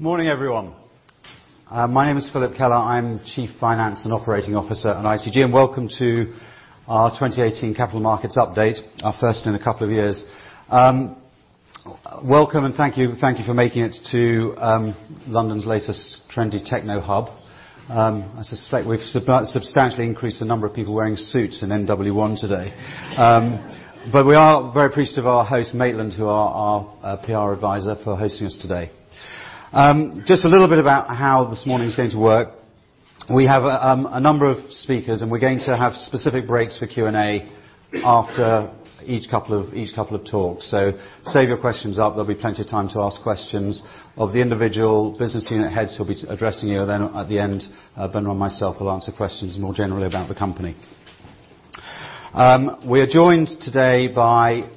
Morning, everyone. My name is Philip Keller. I'm Chief Finance and Operating Officer at ICG. Welcome to our 2018 capital markets update, our first in a couple of years. Welcome and thank you for making it to London's latest trendy techno hub. I suspect we've substantially increased the number of people wearing suits in NW1 today. We are very appreciative of our host, Maitland, who are our PR advisor, for hosting us today. A little bit about how this morning's going to work. We have a number of speakers, and we're going to have specific breaks for Q&A after each couple of talks. Save your questions up. There'll be plenty of time to ask questions of the individual business unit heads who'll be addressing you. At the end, Benoît and myself will answer questions more generally about the company. We are joined today by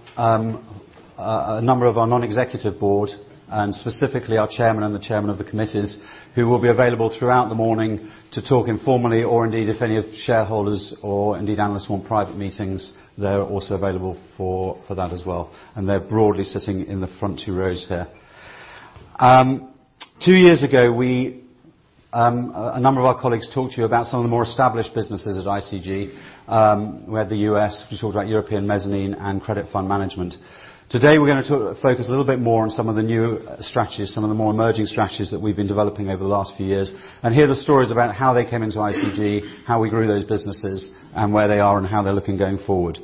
a number of our non-executive board, and specifically our chairman and the chairman of the committees, who will be available throughout the morning to talk informally or indeed if any of the shareholders or indeed analysts want private meetings, they're also available for that as well, and they're broadly sitting in the front two rows here. Two years ago, a number of our colleagues talked to you about some of the more established businesses at ICG, where the U.S., we talked about European mezzanine and credit fund management. Today, we're going to focus a little bit more on some of the new strategies, some of the more emerging strategies that we've been developing over the last few years. Hear the stories about how they came into ICG, how we grew those businesses, and where they are and how they're looking going forward.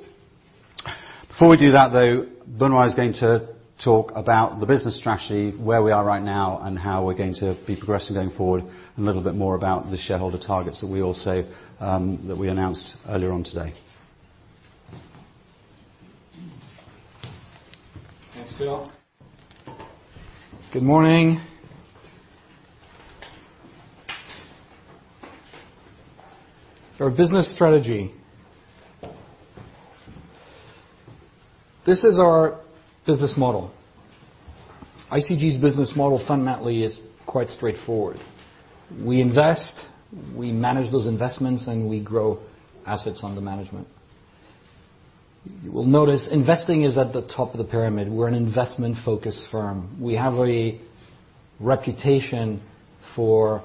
Before we do that, though, Benoît is going to talk about the business strategy, where we are right now, and how we're going to be progressing going forward, a little bit more about the shareholder targets that we also announced earlier on today. Thanks, Phil. Good morning. Our business strategy. This is our business model. ICG's business model fundamentally is quite straightforward. We invest, we manage those investments, and we grow assets under management. You will notice investing is at the top of the pyramid. We're an investment-focused firm. We have a reputation for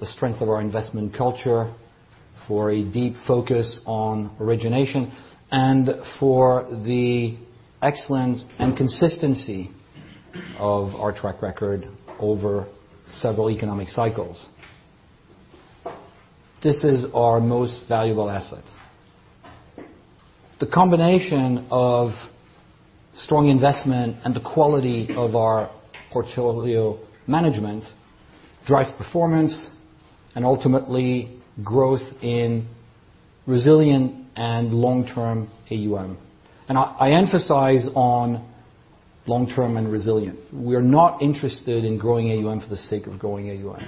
the strength of our investment culture, for a deep focus on origination, and for the excellence and consistency of our track record over several economic cycles. This is our most valuable asset. The combination of strong investment and the quality of our portfolio management drives performance and ultimately growth in resilient and long-term AUM. I emphasize on long-term and resilient. We are not interested in growing AUM for the sake of growing AUM.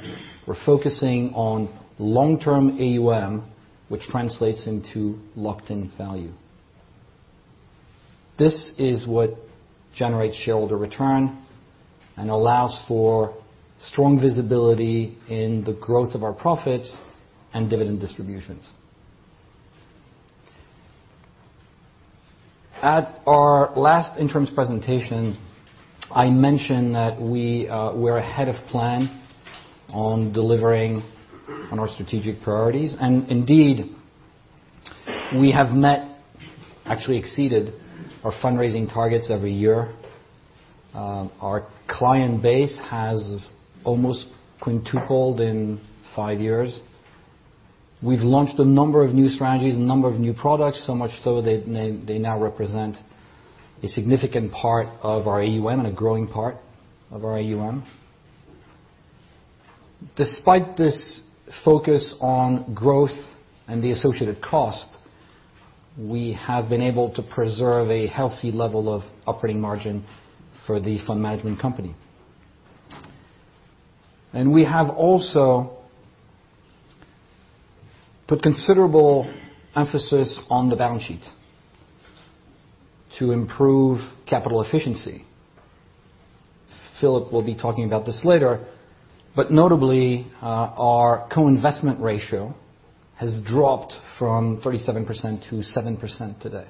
We're focusing on long-term AUM, which translates into locked-in value. This is what generates shareholder return and allows for strong visibility in the growth of our profits and dividend distributions. At our last interims presentation, I mentioned that we were ahead of plan on delivering on our strategic priorities. Indeed, we have met, actually exceeded, our fundraising targets every year. Our client base has almost quintupled in 5 years. We've launched a number of new strategies, a number of new products, so much so they now represent a significant part of our AUM and a growing part of our AUM. Despite this focus on growth and the associated cost, we have been able to preserve a healthy level of operating margin for the fund management company. We have also put considerable emphasis on the balance sheet to improve capital efficiency. Philip will be talking about this later. Notably, our co-investment ratio has dropped from 37% to 7% today.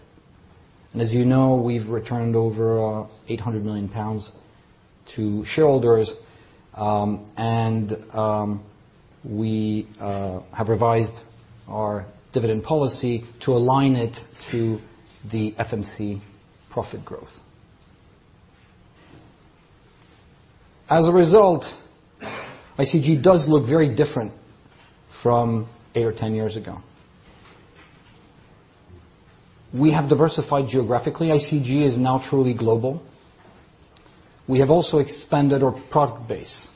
As you know, we've returned over 800 million pounds to shareholders. We have revised our dividend policy to align it to the FMC profit growth. As a result, ICG does look very different from 8 or 10 years ago. We have diversified geographically. ICG is now truly global. We have also expanded our product base.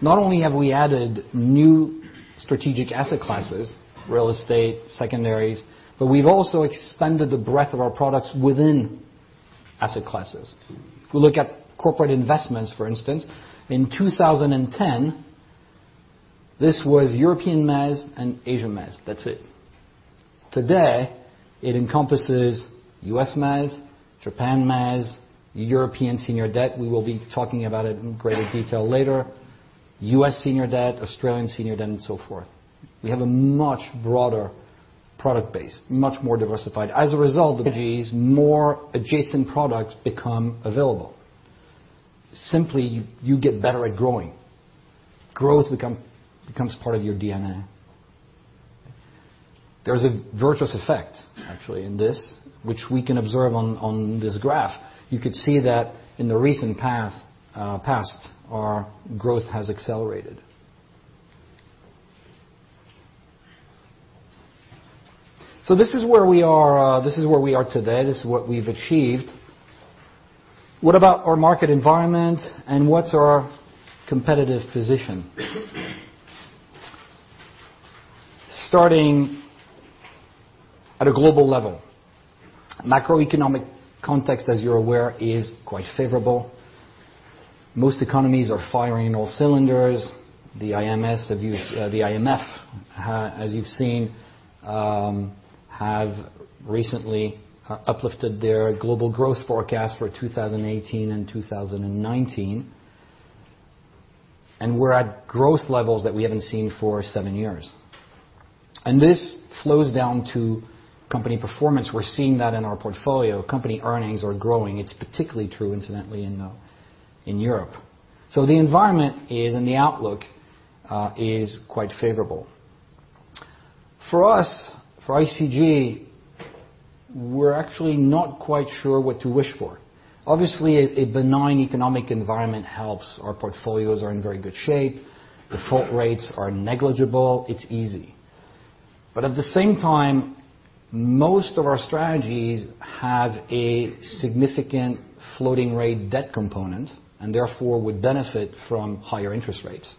Not only have we added new strategic asset classes, real estate, secondaries, but we've also expanded the breadth of our products within asset classes. If we look at corporate investments, for instance, in 2010, this was European Mezz and Asia Mezz. That's it. Today, it encompasses US Mezz, Japan Mezz, European Senior Debt, we will be talking about it in greater detail later, US Senior Debt, Australian Senior Debt, and so forth. We have a much broader product base, much more diversified. As a result of these, more adjacent products become available. Simply, you get better at growing. Growth becomes part of your DNA. There's a virtuous effect actually in this, which we can observe on this graph. You could see that in the recent past, our growth has accelerated. This is where we are today. This is what we've achieved. What about our market environment and what's our competitive position? Starting at a global level. Macroeconomic context, as you're aware, is quite favorable. Most economies are firing on all cylinders. The IMF, as you've seen, have recently uplifted their global growth forecast for 2018 and 2019. We're at growth levels that we haven't seen for 7 years. This flows down to company performance. We're seeing that in our portfolio. Company earnings are growing. It's particularly true, incidentally, in Europe. The environment and the outlook is quite favorable. For us, for ICG, we're actually not quite sure what to wish for. Obviously, a benign economic environment helps. Our portfolios are in very good shape. Default rates are negligible. It's easy. At the same time, most of our strategies have a significant floating rate debt component, and therefore would benefit from higher interest rates.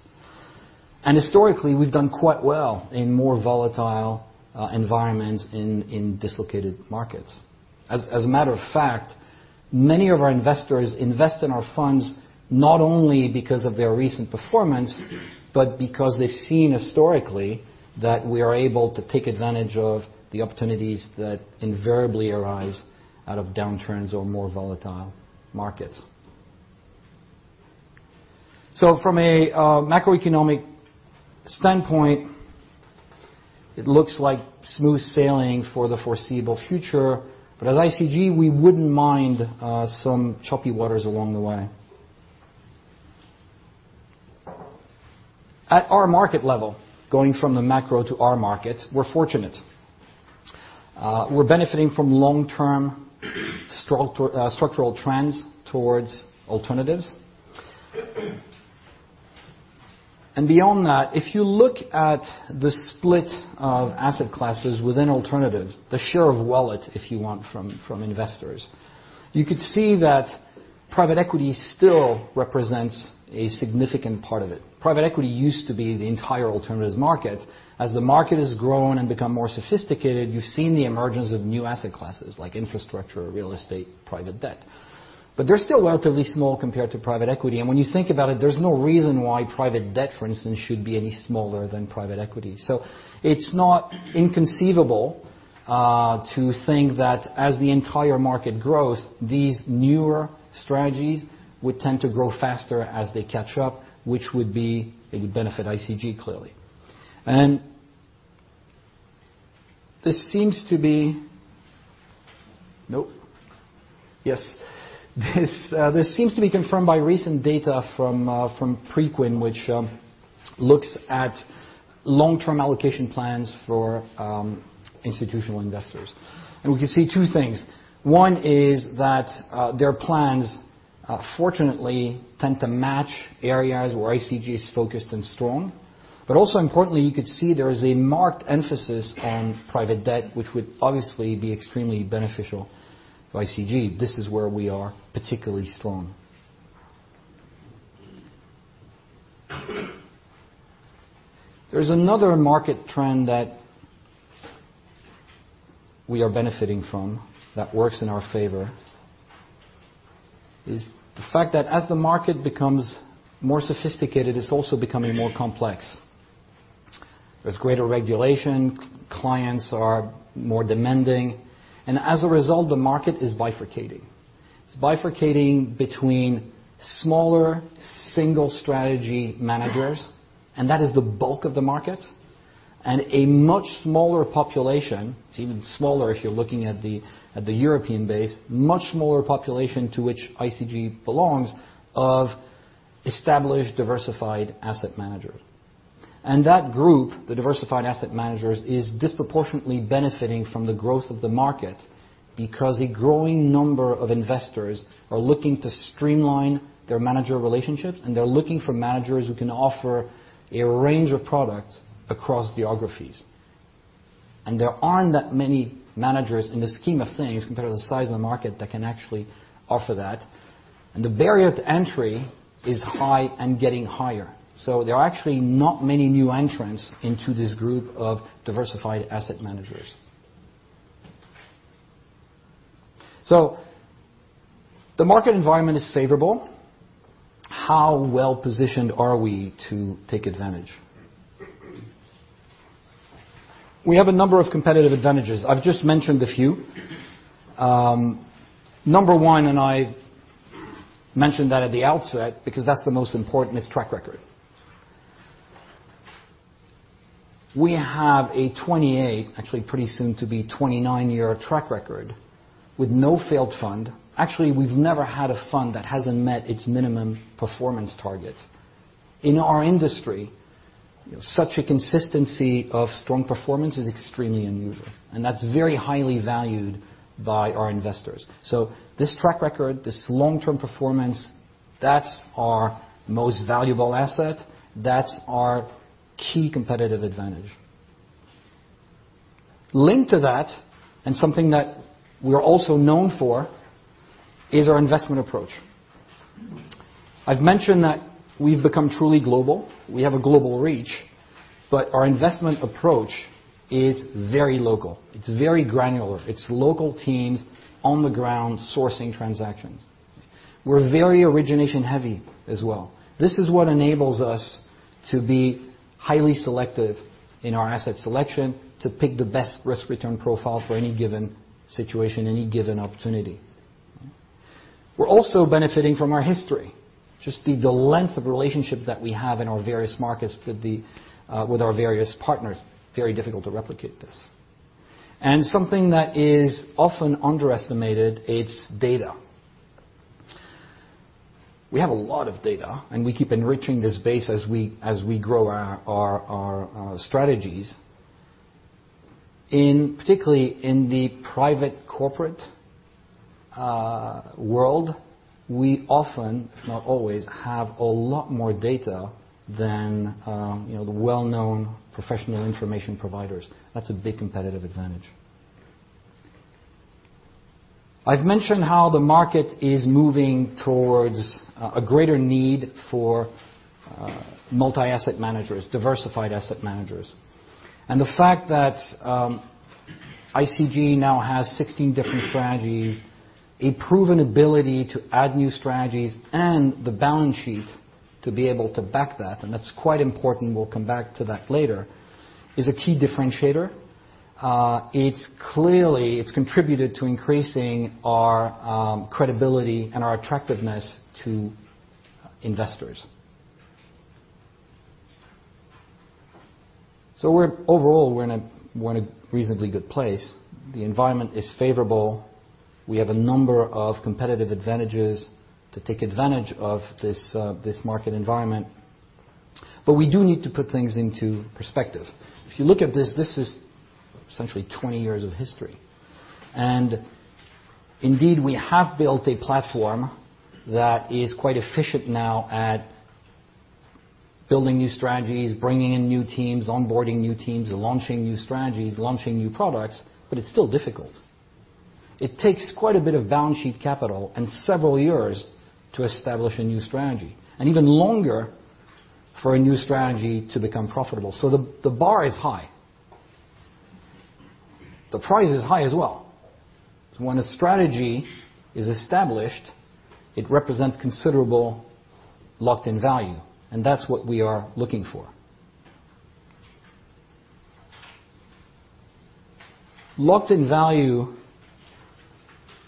Historically, we've done quite well in more volatile environments in dislocated markets. As a matter of fact, many of our investors invest in our funds, not only because of their recent performance, but because they've seen historically that we are able to take advantage of the opportunities that invariably arise out of downturns or more volatile markets. From a macroeconomic standpoint, it looks like smooth sailing for the foreseeable future. At ICG, we wouldn't mind some choppy waters along the way. At our market level, going from the macro to our market, we're fortunate. We're benefiting from long-term structural trends towards alternatives. Beyond that, if you look at the split of asset classes within alternative, the share of wallet, if you want, from investors, you could see that private equity still represents a significant part of it. Private equity used to be the entire alternatives market. As the market has grown and become more sophisticated, you've seen the emergence of new asset classes like infrastructure, real estate, private debt. They're still relatively small compared to private equity. When you think about it, there's no reason why private debt, for instance, should be any smaller than private equity. It's not inconceivable to think that as the entire market grows, these newer strategies would tend to grow faster as they catch up, which would benefit ICG, clearly. This seems to be confirmed by recent data from Preqin, which looks at long-term allocation plans for institutional investors. We can see two things. One is that their plans, fortunately, tend to match areas where ICG is focused and strong. Also importantly, you could see there is a marked emphasis on private debt, which would obviously be extremely beneficial for ICG. This is where we are particularly strong. There's another market trend that we are benefiting from that works in our favor. Is the fact that as the market becomes more sophisticated, it's also becoming more complex. There's greater regulation, clients are more demanding, and as a result, the market is bifurcating. It's bifurcating between smaller single-strategy managers, and that is the bulk of the market. A much smaller population, it's even smaller if you're looking at the European base, much smaller population to which ICG belongs, of established diversified asset managers. That group, the diversified asset managers, is disproportionately benefiting from the growth of the market because a growing number of investors are looking to streamline their manager relationships, and they're looking for managers who can offer a range of products across geographies. There aren't that many managers in the scheme of things compared to the size of the market that can actually offer that. The barrier to entry is high and getting higher. There are actually not many new entrants into this group of diversified asset managers. The market environment is favorable. How well-positioned are we to take advantage? We have a number of competitive advantages. I've just mentioned a few. Number one, I mentioned that at the outset because that's the most important, is track record. We have a 28, actually pretty soon to be 29-year track record with no failed fund. Actually, we've never had a fund that hasn't met its minimum performance targets. In our industry, such a consistency of strong performance is extremely unusual, and that's very highly valued by our investors. This track record, this long-term performance, that's our most valuable asset. That's our key competitive advantage. Linked to that, something that we're also known for, is our investment approach. I've mentioned that we've become truly global. We have a global reach, but our investment approach is very local. It's very granular. It's local teams on the ground sourcing transactions. We're very origination heavy as well. This is what enables us to be highly selective in our asset selection, to pick the best risk-return profile for any given situation, any given opportunity. We're also benefiting from our history. Just the length of relationship that we have in our various markets with our various partners, very difficult to replicate this. Something that is often underestimated, it's data. We have a lot of data, and we keep enriching this base as we grow our strategies. In particularly in the private corporate world, we often, if not always, have a lot more data than the well-known professional information providers. That's a big competitive advantage. I've mentioned how the market is moving towards a greater need for multi-asset managers, diversified asset managers. The fact that ICG now has 16 different strategies, a proven ability to add new strategies and the balance sheet to be able to back that, and that's quite important, we'll come back to that later, is a key differentiator. It's clearly contributed to increasing our credibility and our attractiveness to investors. Overall, we're in a reasonably good place. The environment is favorable. We have a number of competitive advantages to take advantage of this market environment. We do need to put things into perspective. If you look at this is essentially 20 years of history. Indeed, we have built a platform that is quite efficient now at building new strategies, bringing in new teams, onboarding new teams, launching new strategies, launching new products, but it's still difficult. It takes quite a bit of balance sheet capital and several years to establish a new strategy, and even longer for a new strategy to become profitable. The bar is high. The price is high as well. When a strategy is established, it represents considerable locked-in value, and that's what we are looking for. Locked-in value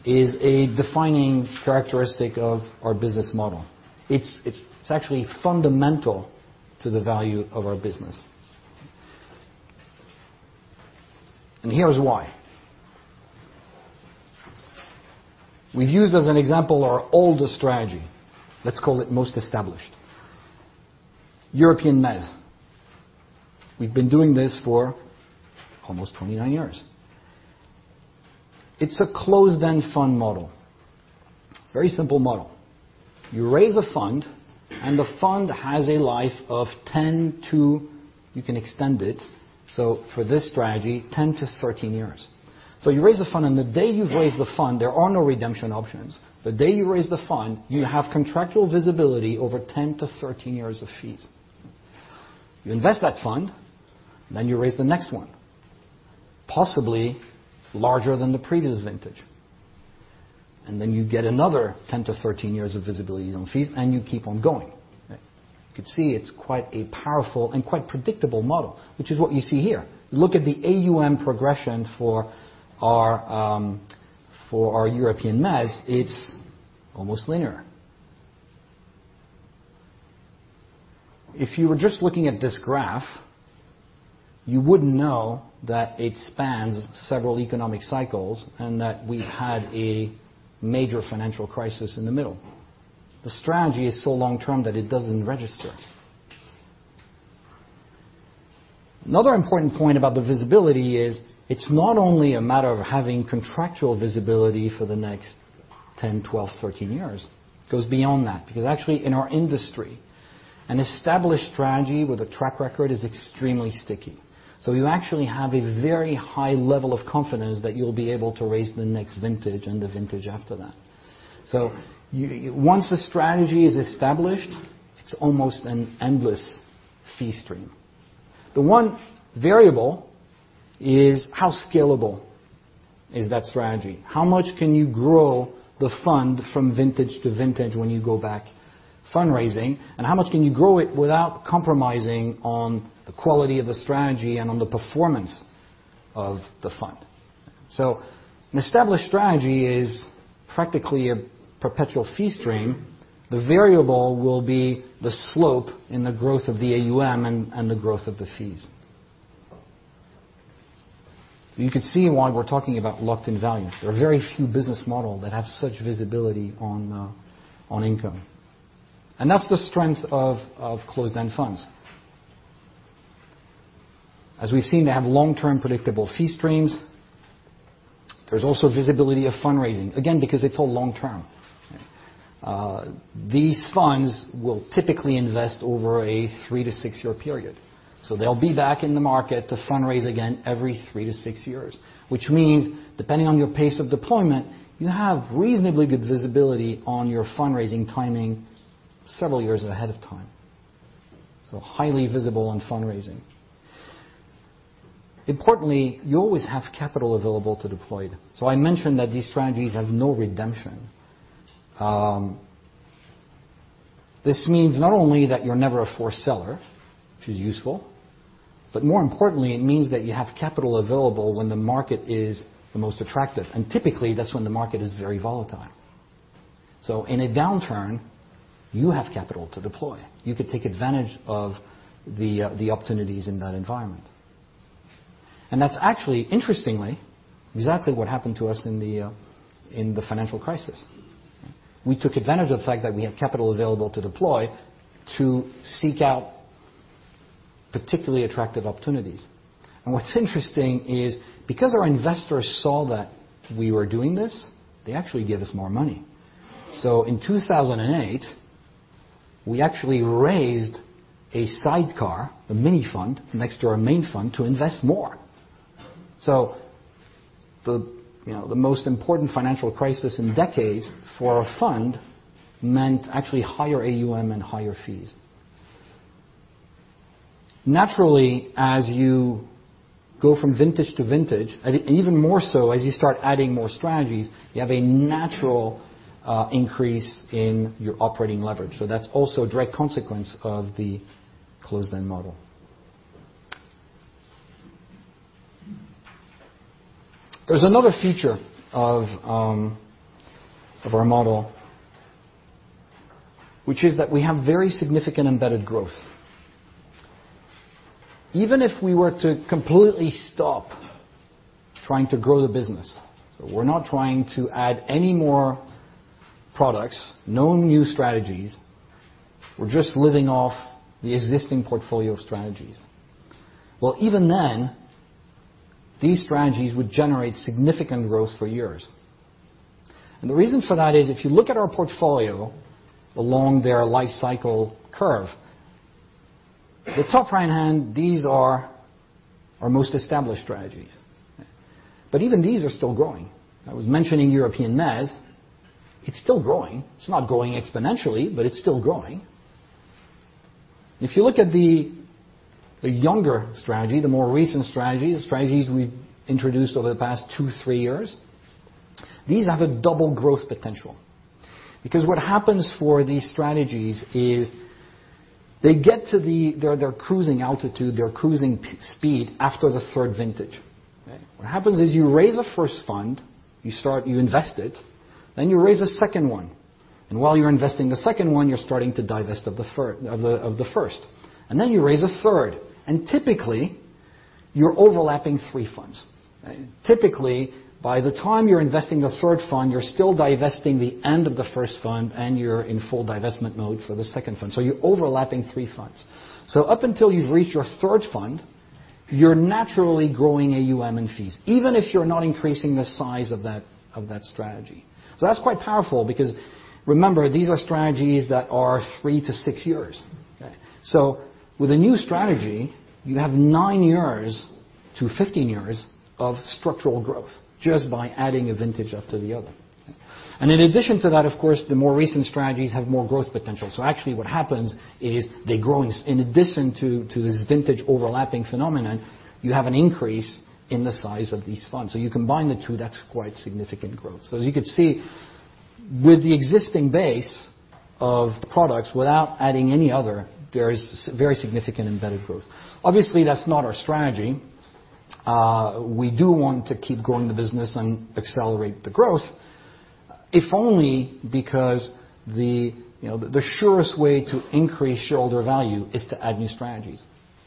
is a defining characteristic of our business model. It's actually fundamental to the value of our business. Here's why. We've used as an example our oldest strategy, let's call it most established. European Mezz. We've been doing this for almost 29 years. It's a closed-end fund model. It's a very simple model. You raise a fund, and the fund has a life of 10 to You can extend it. So for this strategy, 10 to 13 years. You raise a fund, and the day you've raised the fund, there are no redemption options. The day you raise the fund, you have contractual visibility over 10 to 13 years of fees. You invest that fund, then you raise the next one, possibly larger than the previous vintage. Then you get another 10 to 13 years of visibility on fees, and you keep on going. You could see it's quite a powerful and quite predictable model, which is what you see here. Look at the AUM progression for our European Mezz. It's almost linear. If you were just looking at this graph, you wouldn't know that it spans several economic cycles and that we had a major financial crisis in the middle. The strategy is so long-term that it doesn't register. Another important point about the visibility is it's not only a matter of having contractual visibility for the next 10, 12, 13 years. It goes beyond that because actually in our industry, an established strategy with a track record is extremely sticky. You actually have a very high level of confidence that you'll be able to raise the next vintage and the vintage after that. Once a strategy is established, it's almost an endless fee stream. The one variable is how scalable is that strategy? How much can you grow the fund from vintage to vintage when you go back fundraising, and how much can you grow it without compromising on the quality of the strategy and on the performance of the fund. An established strategy is practically a perpetual fee stream. The variable will be the slope in the growth of the AUM and the growth of the fees. You could see why we're talking about locked-in value. There are very few business model that have such visibility on income. That's the strength of closed-end funds. As we've seen, they have long-term predictable fee streams. There's also visibility of fundraising, again, because it's all long term. These funds will typically invest over a three to six-year period. They'll be back in the market to fundraise again every three to six years, which means depending on your pace of deployment, you have reasonably good visibility on your fundraising timing several years ahead of time. Highly visible on fundraising. Importantly, you always have capital available to deploy. I mentioned that these strategies have no redemption. This means not only that you're never a forced seller, which is useful, but more importantly, it means that you have capital available when the market is the most attractive. Typically, that's when the market is very volatile. In a downturn, you have capital to deploy. You could take advantage of the opportunities in that environment. That's actually, interestingly, exactly what happened to us in the financial crisis. We took advantage of the fact that we had capital available to deploy to seek out particularly attractive opportunities. What's interesting is because our investors saw that we were doing this, they actually gave us more money. In 2008, we actually raised a sidecar, a mini fund next to our main fund to invest more. The most important financial crisis in decades for a fund meant actually higher AUM and higher fees. Naturally, as you go from vintage to vintage, and even more so as you start adding more strategies, you have a natural increase in your operating leverage. That's also a direct consequence of the closed-end model. There's another feature of our model, which is that we have very significant embedded growth. Even if we were to completely stop trying to grow the business, so we're not trying to add any more products, no new strategies, we're just living off the existing portfolio of strategies. Well, even then, these strategies would generate significant growth for years. The reason for that is if you look at our portfolio along their life cycle curve. The top right-hand, these are our most established strategies. Even these are still growing. I was mentioning European Mezz, it's still growing. It's not growing exponentially, but it's still growing. If you look at the younger strategy, the more recent strategies, the strategies we've introduced over the past two, three years, these have a double growth potential. What happens for these strategies is they get to their cruising altitude, their cruising speed after the third vintage. What happens is you raise a first fund, you invest it, then you raise a second one. While you're investing the second one, you're starting to divest of the first. Then you raise a third, and typically, you're overlapping three funds. Typically, by the time you're investing the third fund, you're still divesting the end of the first fund, and you're in full divestment mode for the second fund. You're overlapping three funds. Up until you've reached your third fund, you're naturally growing AUM and fees, even if you're not increasing the size of that strategy. That's quite powerful because remember, these are strategies that are three to six years. With a new strategy, you have nine years to 15 years of structural growth just by adding a vintage after the other. In addition to that, of course, the more recent strategies have more growth potential. Actually what happens is they're growing. In addition to this vintage overlapping phenomenon, you have an increase in the size of these funds. You combine the two, that's quite significant growth. As you could see, with the existing base of the products without adding any other, there is very significant embedded growth. Obviously, that's not our strategy. We do want to keep growing the business and accelerate the growth, if only because the surest way to increase shareholder value is to add new strategies.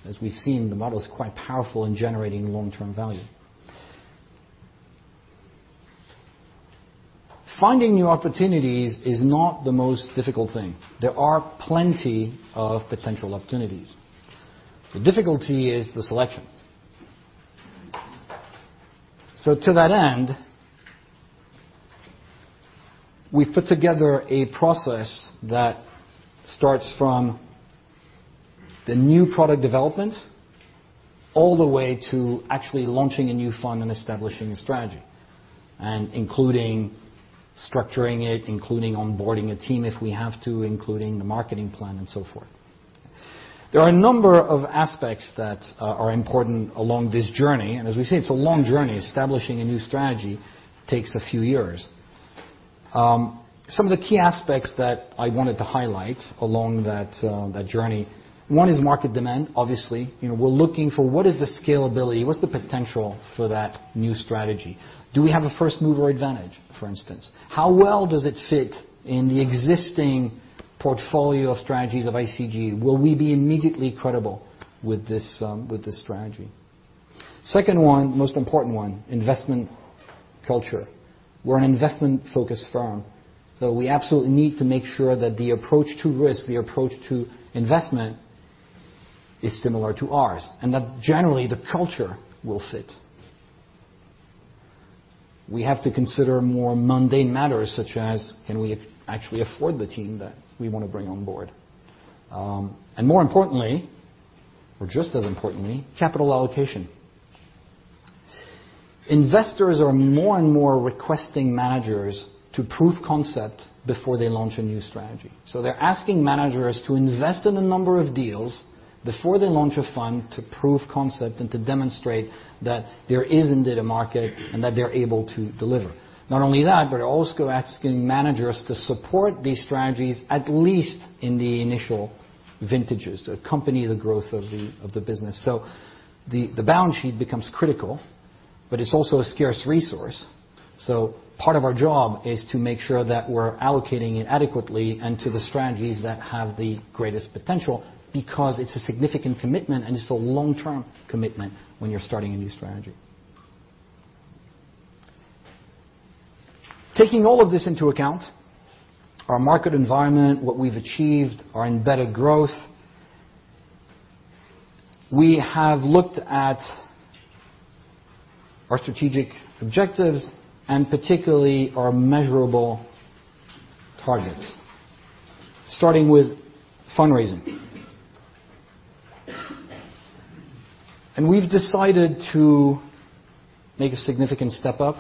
As we've seen, the model is quite powerful in generating long-term value. Finding new opportunities is not the most difficult thing. There are plenty of potential opportunities. The difficulty is the selection. To that end, we've put together a process that starts from the new product development all the way to actually launching a new fund and establishing a strategy, and including structuring it, including onboarding a team if we have to, including the marketing plan and so forth. There are a number of aspects that are important along this journey. As we say, it's a long journey. Establishing a new strategy takes a few years. Some of the key aspects that I wanted to highlight along that journey. One is market demand, obviously. We're looking for what is the scalability, what's the potential for that new strategy? Do we have a first mover advantage, for instance? How well does it fit in the existing portfolio of strategies of ICG? Will we be immediately credible with this strategy? Second one, most important one, investment culture. We're an investment-focused firm, we absolutely need to make sure that the approach to risk, the approach to investment, is similar to ours, and that generally the culture will fit. We have to consider more mundane matters, such as can we actually afford the team that we want to bring on board? More importantly, or just as importantly, capital allocation. Investors are more and more requesting managers to prove concept before they launch a new strategy. They're asking managers to invest in a number of deals before they launch a fund to prove concept and to demonstrate that there is indeed a market and that they're able to deliver. Not only that, they're also asking managers to support these strategies, at least in the initial vintages, to accompany the growth of the business. The balance sheet becomes critical, but it's also a scarce resource. Part of our job is to make sure that we're allocating it adequately and to the strategies that have the greatest potential, because it's a significant commitment and it's a long-term commitment when you're starting a new strategy. Taking all of this into account, our market environment, what we've achieved, our embedded growth, we have looked at our strategic objectives and particularly our measurable targets, starting with fundraising. We've decided to make a significant step up.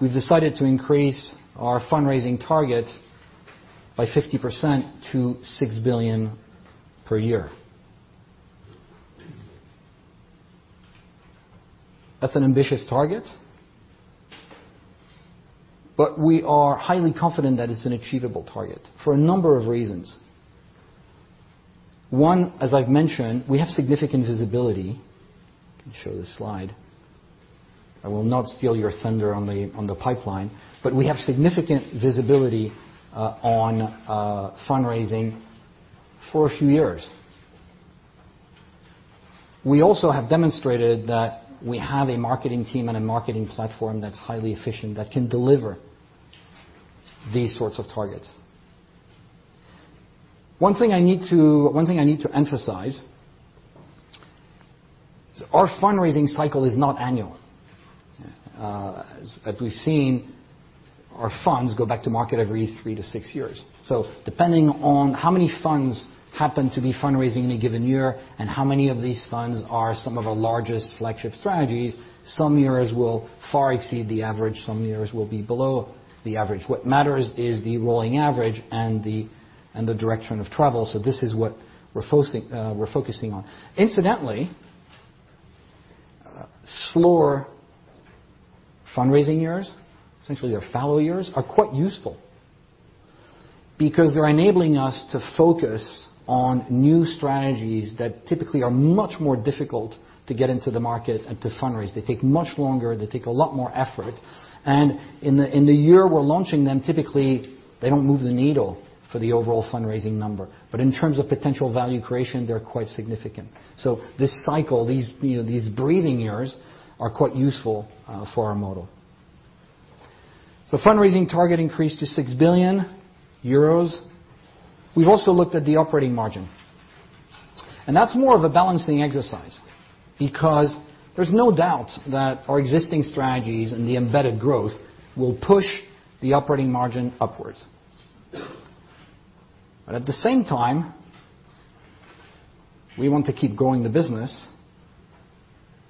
We've decided to increase our fundraising target by 50% to 6 billion per year. That's an ambitious target, we are highly confident that it's an achievable target for a number of reasons. One, as I've mentioned, we have significant visibility. I can show this slide. I will not steal your thunder on the pipeline, we have significant visibility on fundraising for a few years. We also have demonstrated that we have a marketing team and a marketing platform that's highly efficient, that can deliver these sorts of targets. One thing I need to emphasize is our fundraising cycle is not annual. As we've seen, our funds go back to market every three to six years. Depending on how many funds happen to be fundraising in a given year and how many of these funds are some of our largest flagship strategies, some years will far exceed the average, some years will be below the average. What matters is the rolling average and the direction of travel. This is what we're focusing on. Incidentally, slower fundraising years, essentially your fallow years, are quite useful because they're enabling us to focus on new strategies that typically are much more difficult to get into the market and to fundraise. They take much longer. They take a lot more effort. In the year we're launching them, typically, they don't move the needle for the overall fundraising number. In terms of potential value creation, they're quite significant. This cycle, these breathing years, are quite useful for our model. Fundraising target increased to 6 billion euros. We've also looked at the operating margin, that's more of a balancing exercise because there's no doubt that our existing strategies and the embedded growth will push the operating margin upwards. At the same time, we want to keep growing the business,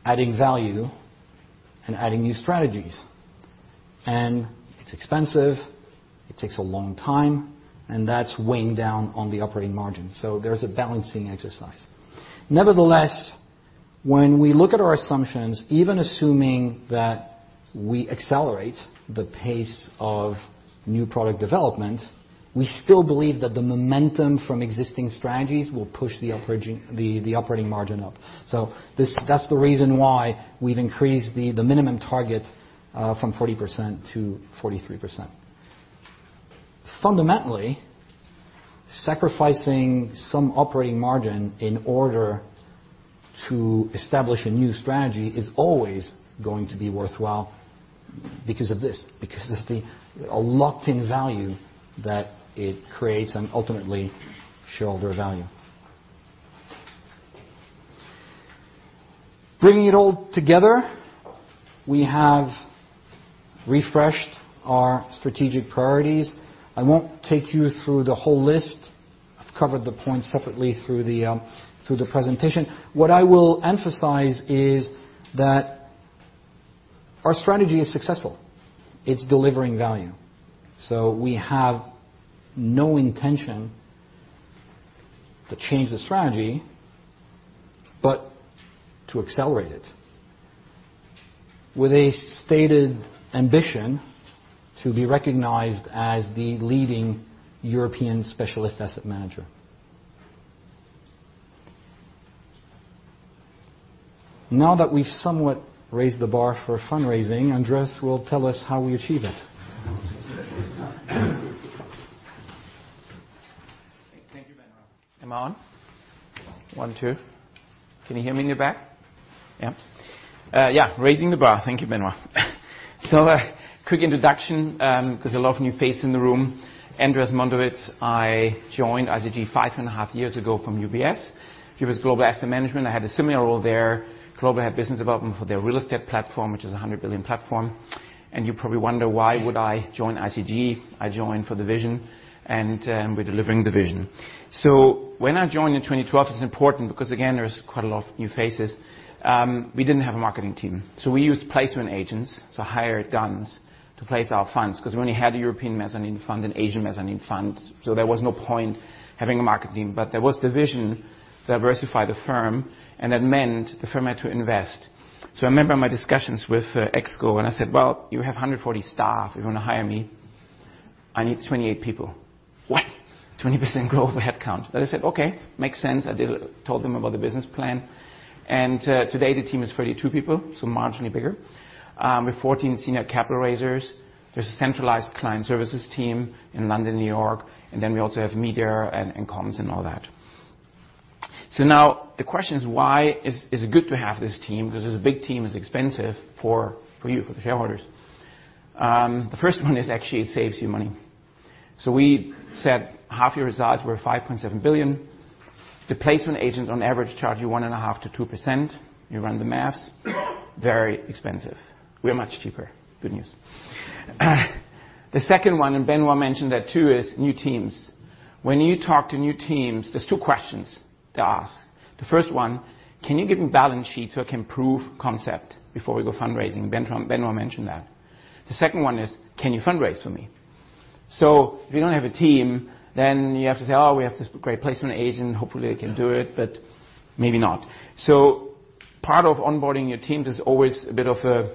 adding value, and adding new strategies. It's expensive, it takes a long time, and that's weighing down on the operating margin. There's a balancing exercise. Nevertheless, when we look at our assumptions, even assuming that we accelerate the pace of new product development, we still believe that the momentum from existing strategies will push the operating margin up. That's the reason why we've increased the minimum target from 40% to 43%. Fundamentally, sacrificing some operating margin in order to establish a new strategy is always going to be worthwhile because of this, because of the locked-in value that it creates and ultimately shareholder value. Bringing it all together, we have refreshed our strategic priorities. I won't take you through the whole list. I've covered the points separately through the presentation. What I will emphasize is that our strategy is successful. It's delivering value. We have no intention to change the strategy, but to accelerate it with a stated ambition to be recognized as the leading European specialist asset manager. Now that we've somewhat raised the bar for fundraising, Andreas will tell us how we achieve it. Thank you, Benoît. Am I on? One, two. Can you hear me in the back? Yeah. Yeah, raising the bar. Thank you, Benoît. Quick introduction, because there's a lot of new faces in the room. Andreas Mondovits. I joined ICG five and a half years ago from UBS. It was Global Asset Management. I had a similar role there, global head business development for their real estate platform, which is a 100 billion platform. You probably wonder why would I join ICG? I joined for the vision, and we're delivering the vision. When I joined in 2012, it's important because again, there's quite a lot of new faces. We didn't have a marketing team. We used placement agents to hire guns to place our funds because we only had a European Mezzanine fund and Asian Mezzanine fund. There was no point having a marketing, there was the vision, diversify the firm, that meant the firm had to invest. I remember my discussions with ExCo, I said, "Well, you have 140 staff. If you want to hire me, I need 28 people." "What? 20% growth headcount." I said, "Okay, makes sense." I told them about the business plan. Today the team is 32 people, so marginally bigger. We have 14 senior capital raisers. There's a centralized client services team in London, New York, then we also have media and comms and all that. Now the question is why is it good to have this team? Because it's a big team, it's expensive for you, for the shareholders. The first one is actually it saves you money. We said half your results were 5.7 billion. The placement agent on average charge you 1.5%-2%. You run the maths, very expensive. We are much cheaper. Good news. The second one, Benoît mentioned that too, is new teams. When you talk to new teams, there's two questions they ask. The first one, can you give me a balance sheet so I can prove concept before we go fundraising? Benoît mentioned that. The second one is, can you fundraise for me? If you don't have a team, you have to say, "Oh, we have this great placement agent. Hopefully they can do it," maybe not. Part of onboarding your team, there's always a bit of a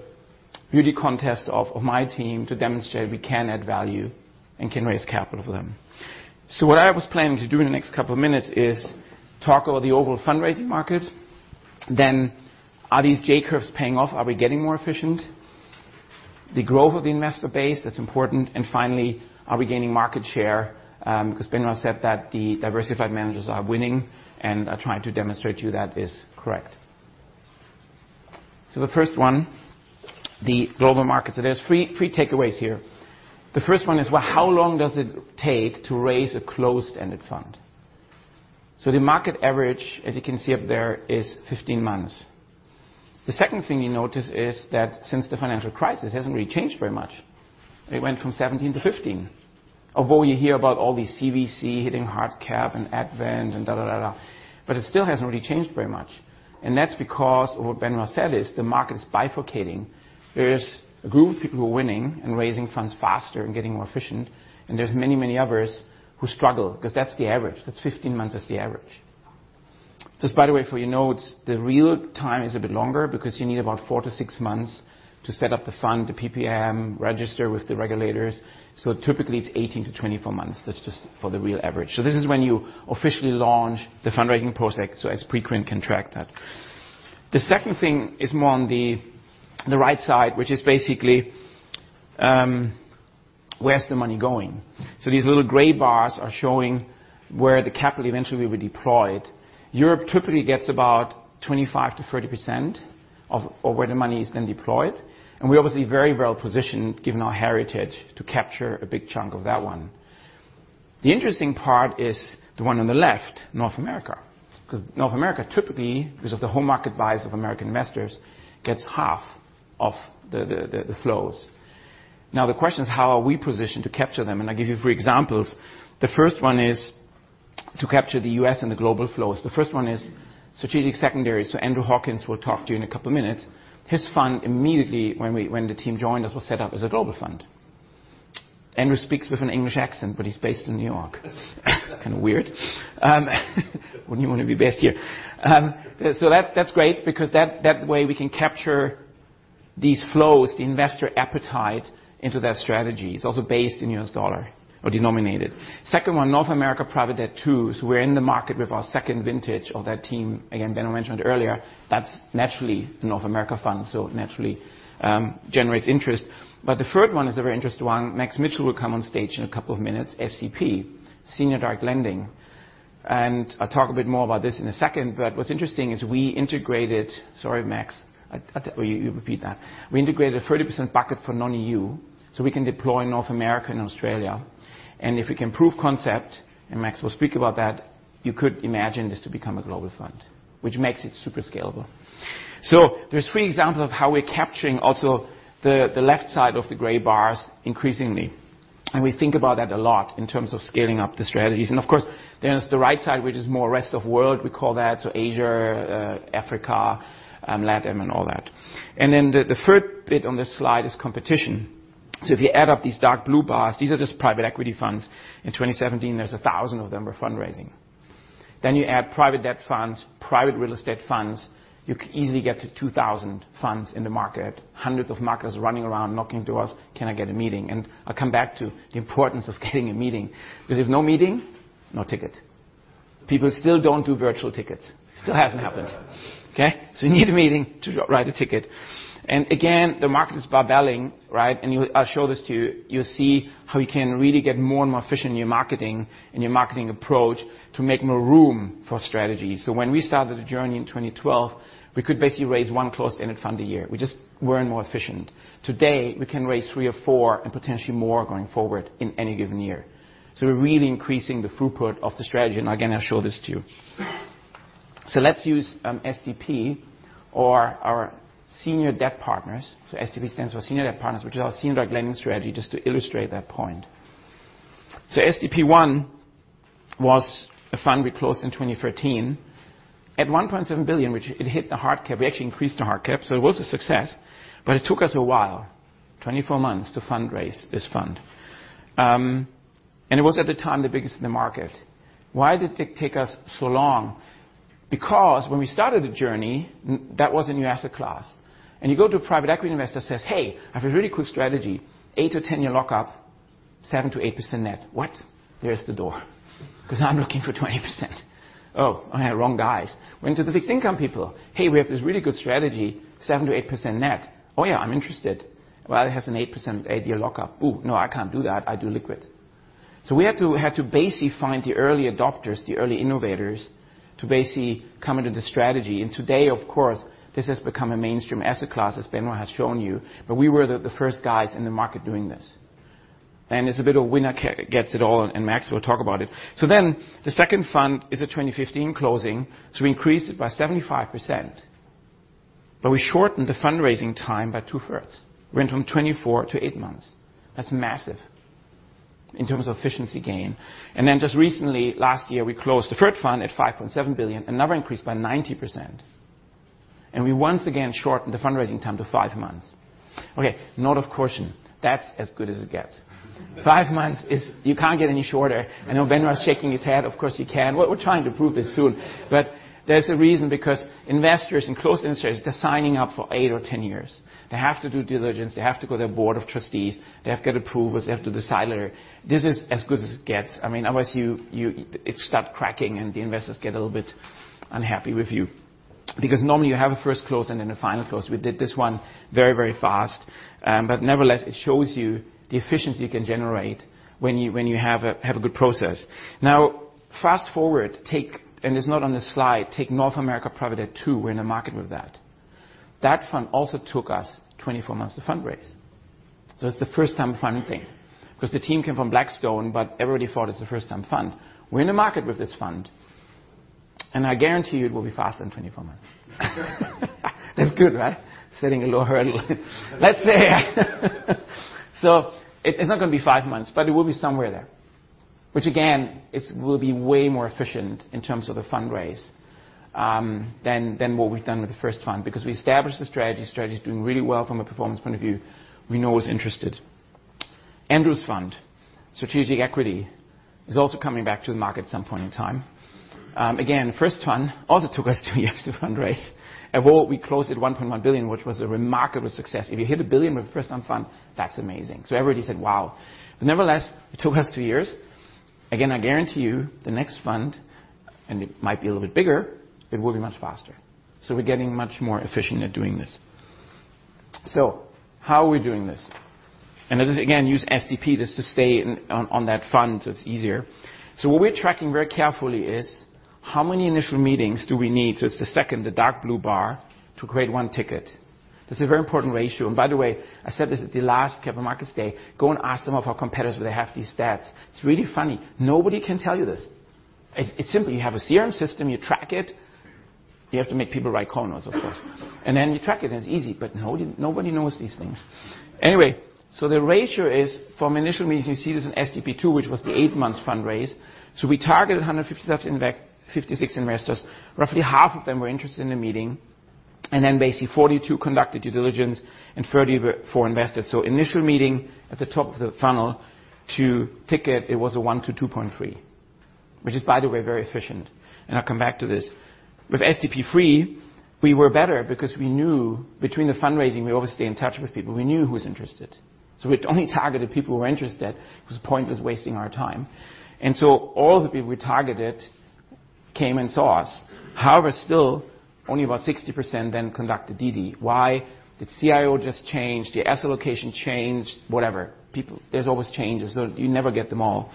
beauty contest of my team to demonstrate we can add value and can raise capital for them. What I was planning to do in the next couple of minutes is talk about the overall fundraising market, then are these J-curves paying off? Are we getting more efficient? The growth of the investor base, that's important. Finally, are we gaining market share? Because Benoît said that the diversified managers are winning, and I try to demonstrate to you that is correct. The first one, the global market. There's three takeaways here. The first one is, how long does it take to raise a closed-ended fund? The market average, as you can see up there, is 15 months. The second thing you notice is that since the financial crisis, it hasn't really changed very much. It went from 17-15. You hear about all these CVC hitting hard cap and Advent and da da da da, it still hasn't really changed very much. That's because of what Benoît said is, the market is bifurcating. There is a group of people who are winning and raising funds faster and getting more efficient, and there's many others who struggle because that's the average. That 15 months is the average. Just by the way, for your notes, the real time is a bit longer because you need about 4-6 months to set up the fund, the PPM, register with the regulators. Typically it's 18-24 months. That's just for the real average. This is when you officially launch the fundraising process as. The second thing is more on the right side, which is, where's the money going? These little gray bars are showing where the capital eventually will be deployed. Europe typically gets about 25%-30% of where the money is then deployed. We're obviously very well-positioned, given our heritage, to capture a big chunk of that one. The interesting part is the one on the left, North America, because North America typically, because of the home market bias of American investors, gets half of the flows. The question is, how are we positioned to capture them? I'll give you three examples. The first one is to capture the U.S. and the global flows. The first one is strategic secondary. Andrew Hawkins will talk to you in a couple of minutes. His fund immediately, when the team joined us, was set up as a global fund. Andrew speaks with an English accent, but he's based in New York. It's kind of weird. Wouldn't you want to be based here? That's great because that way we can capture these flows, the investor appetite into that strategy. It's also based in U.S. dollar or denominated. Second one, North America Private Debt 2. We're in the market with our second vintage of that team. Again, Benoît mentioned earlier, that's naturally a North America fund, it naturally generates interest. The third one is a very interesting one. Max Mitchell will come on stage in a couple of minutes, SDP, Senior Debt Partners. I'll talk a bit more about this in a second, what's interesting is we integrated. Sorry, Max. I thought you would repeat that. We integrated a 30% bucket for non-EU, we can deploy North America and Australia. If we can prove concept, Max will speak about that, you could imagine this to become a global fund, which makes it super scalable. There's three examples of how we are capturing also the left side of the gray bars increasingly. We think about that a lot in terms of scaling up the strategies. Of course, there's the right side, which is more rest of world, we call that. Asia, Africa, LATAM, and all that. Then the third bit on this slide is competition. If you add up these dark blue bars, these are just private equity funds. In 2017, there's 1,000 of them were fundraising. You add private debt funds, private real estate funds, you could easily get to 2,000 funds in the market, hundreds of marketers running around knocking doors. Can I get a meeting? I'll come back to the importance of getting a meeting, because if no meeting, no ticket. People still don't do virtual tickets. Still hasn't happened. Okay. You need a meeting to write a ticket. Again, the market is barbelling, right? I'll show this to you. You'll see how we can really get more and more efficient in your marketing and your marketing approach to make more room for strategy. When we started the journey in 2012, we could basically raise one closed-ended fund a year. We just weren't more efficient. Today, we can raise three or four and potentially more going forward in any given year. We're really increasing the throughput of the strategy. Again, I'll show this to you. Let's use SDP or our Senior Debt Partners. SDP stands for Senior Debt Partners, which is our senior debt lending strategy, just to illustrate that point. SDP 1 was a fund we closed in 2013 at $1.7 billion, which it hit the hard cap. We actually increased the hard cap, so it was a success. It took us a while, 24 months, to fundraise this fund. It was, at the time, the biggest in the market. Why did it take us so long? Because when we started the journey, that was a new asset class, and you go to a private equity investor says, "Hey, I have a really cool strategy. 8 to 10-year lockup, 7%-8% net." "What? There's the door, because I'm looking for 20%." "Oh, wrong guys." Went to the fixed income people. Hey, we have this really good strategy, 7%-8% net." "Oh yeah, I'm interested." "Well, it has an 8% 8-year lockup." "Ooh, no, I can't do that. I do liquid." We had to basically find the early adopters, the early innovators, to basically come into the strategy. Today, of course, this has become a mainstream asset class, as Benoît has shown you. We were the first guys in the market doing this. It's a bit of winner gets it all, and Max will talk about it. The second fund is a 2015 closing. We increased it by 75%, we shortened the fundraising time by two-thirds. Went from 24 to 8 months. That's massive in terms of efficiency gain. Then just recently, last year, we closed the third fund at $5.7 billion, another increase by 90%. We once again shortened the fundraising time to five months. Note of caution. That's as good as it gets. Five months is. You can't get any shorter. I know Benoît is shaking his head. Of course, you can. We're trying to prove this soon. There's a reason, because investors in closed-end strategies, they're signing up for eight or 10 years. They have to do due diligence. They have to go to their board of trustees. They have to get approvals. They have to decide later. This is as good as it gets. Otherwise, it starts cracking and the investors get a little bit unhappy with you, because normally you have a first close and then a final close. We did this one very fast. Nevertheless, it shows you the efficiency you can generate when you have a good process. Fast-forward, take. It's not on this slide. Take North American Private Debt Fund II. We're in the market with that. That fund also took us 24 months to fundraise. It's the first time funding because the team came from Blackstone, but everybody thought it's a first-time fund. We're in the market with this fund, and I guarantee you it will be faster than 24 months. That's good, right? Setting a low hurdle. Let's say. It's not going to be five months, but it will be somewhere there, which again, will be way more efficient in terms of the fundraise, than what we've done with the first fund because we established the strategy. Strategy is doing really well from a performance point of view. We know who's interested. Andrew's fund, Strategic Equity, is also coming back to the market at some point in time. First fund also took us two years to fundraise, and we closed at 1.1 billion, which was a remarkable success. If you hit a billion with a first-time fund, that's amazing. Everybody said, "Wow." Nevertheless, it took us two years. I guarantee you the next fund, and it might be a little bit bigger, it will be much faster. We're getting much more efficient at doing this. How are we doing this? This again, use SDP just to stay on that fund so it's easier. What we're tracking very carefully is how many initial meetings do we need, so it's the second, the dark blue bar, to create one ticket. This is a very important ratio. By the way, I said this at the last Capital Markets Day. Go and ask some of our competitors where they have these stats. It's really funny. Nobody can tell you this. It's simple. You have a CRM system, you track it. You have to make people write corners, of course. Then you track it and it's easy. Nobody knows these things. Anyway, the ratio is from initial meetings, you see this in SDP II, which was the eight months fundraise. We targeted 156 investors. Roughly half of them were interested in the meeting, and then basically 42 conducted due diligence and 34 invested. Initial meeting at the top of the funnel to ticket, it was a one to 2.3, which is, by the way, very efficient. I'll come back to this. With SDP III, we were better because we knew between the fundraising, we always stay in touch with people. We knew who was interested. We only targeted people who were interested. It was pointless wasting our time. All the people we targeted came and saw us. However, still, only about 60% then conducted DD. Why? The CIO just changed, the asset location changed, whatever. There's always changes. You never get them all.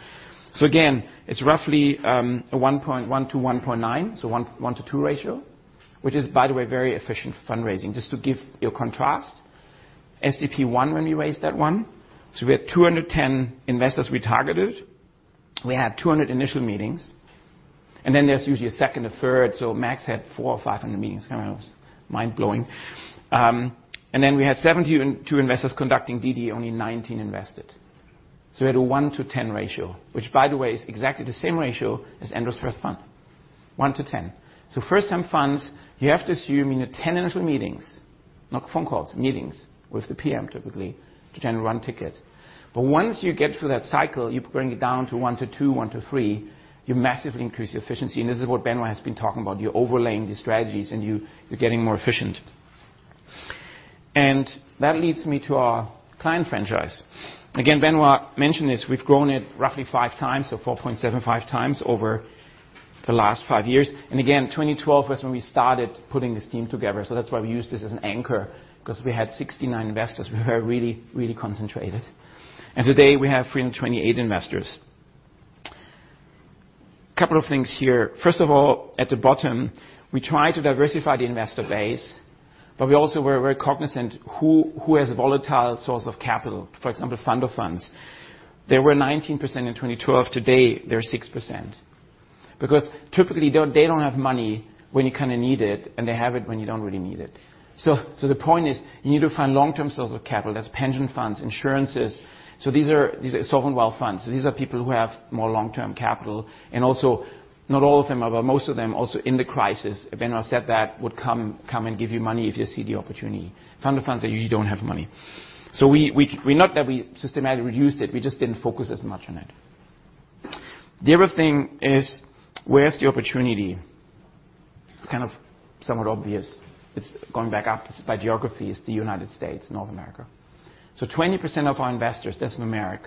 Again, it's roughly a 1.1 to 1.9, so a one to two ratio, which is, by the way, very efficient fundraising. Just to give your contrast, SDP I, when we raised that one, we had 210 investors we targeted. We had 200 initial meetings, and then there's usually a second or third. Max had 400 or 500 meetings. It was mind-blowing. Then we had 72 investors conducting DD, only 19 invested. We had a one to 10 ratio, which by the way, is exactly the same ratio as Andrew's first fund. One to 10. First time funds, you have to assume you need 10 initial meetings, not phone calls, meetings with the PM, typically, to generate one ticket. Once you get through that cycle, you bring it down to one to two, one to three. You massively increase your efficiency, and this is what Benoît has been talking about. You're overlaying the strategies and you're getting more efficient. That leads me to our client franchise. Again, Benoît mentioned this, we've grown it roughly five times or 4.75 times over the last five years. Again, 2012 was when we started putting this team together. That's why we use this as an anchor, because we had 69 investors. We were really, really concentrated. Today we have 328 investors. Couple of things here. First of all, at the bottom, we try to diversify the investor base, we also were very cognizant who has a volatile source of capital. For example, fund of funds. They were 19% in 2012. Today, they're 6%. Typically, they don't have money when you need it, and they have it when you don't really need it. The point is, you need to find long-term sources of capital. That's pension funds, insurances. These are sovereign wealth funds. These are people who have more long-term capital, and also not all of them, but most of them also in the crisis, Benoît said that, would come and give you money if they see the opportunity. Fund of funds usually don't have money. Not that we systematically reduced it, we just didn't focus as much on it. The other thing is, where's the opportunity? It's somewhat obvious. It's going back up. By geography, it's the U.S., North America. 20% of our investors, that's numeric,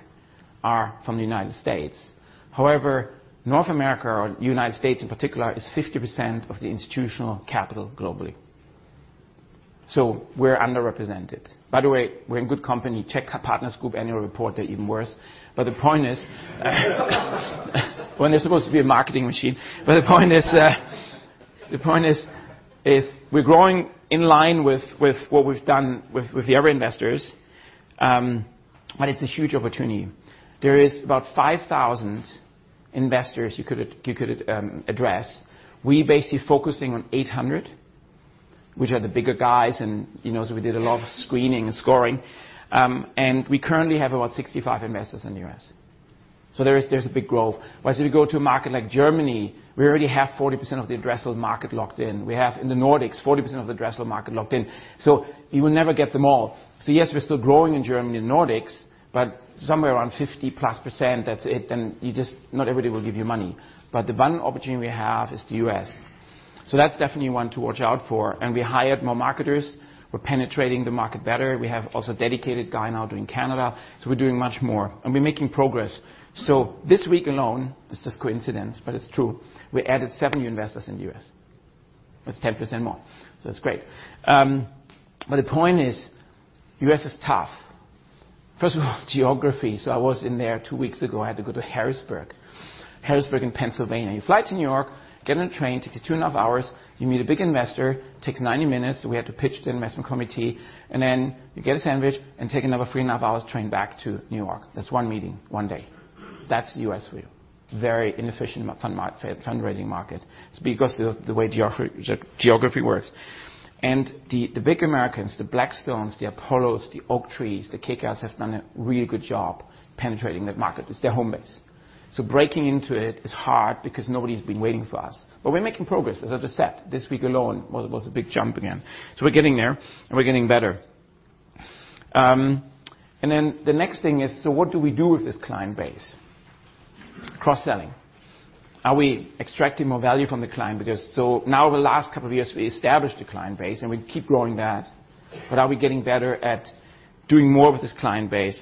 are from the U.S. However, North America or U.S. in particular, is 50% of the institutional capital globally. We're underrepresented. By the way, we're in good company. Check our Partners Group annual report, they're even worse. The point is- When they're supposed to be a marketing machine. The point is we're growing in line with what we've done with the other investors, but it's a huge opportunity. There is about 5,000 investors you could address. We basically focusing on 800, which are the bigger guys, we did a lot of screening and scoring. We currently have about 65 investors in the U.S. There's a big growth. As we go to a market like Germany, we already have 40% of the addressable market locked in. We have in the Nordics, 40% of the addressable market locked in. You will never get them all. Yes, we're still growing in Germany and Nordics, but somewhere around 50%+, that's it. Not everybody will give you money. The one opportunity we have is the U.S. That's definitely one to watch out for, and we hired more marketers. We're penetrating the market better. We have also a dedicated guy now doing Canada. We're doing much more, and we're making progress. This week alone, this is coincidence, but it's true. We added seven new investors in the U.S. That's 10% more. It's great. The point is, U.S. is tough. First of all, geography. I was in there two weeks ago. I had to go to Harrisburg. Harrisburg in Pennsylvania. You fly to New York, get on a train, takes you two and a half hours. You meet a big investor, takes 90 minutes. We had to pitch to the investment committee, and then you get a sandwich and take another three and a half hours train back to New York. That's one meeting, one day. That's the U.S. for you. Very inefficient fundraising market. It's because the way geography works. And the big Americans, the Blackstones, the Apollos, the Oaktrees, the KKRs, have done a really good job penetrating that market. It's their home base. Breaking into it is hard because nobody's been waiting for us. We're making progress, as I just said. This week alone was a big jump again. We're getting there and we're getting better. And then the next thing is, what do we do with this client base? Cross-selling. Are we extracting more value from the client? Because so now the last couple of years, we established the client base and we keep growing that. But are we getting better at doing more with this client base?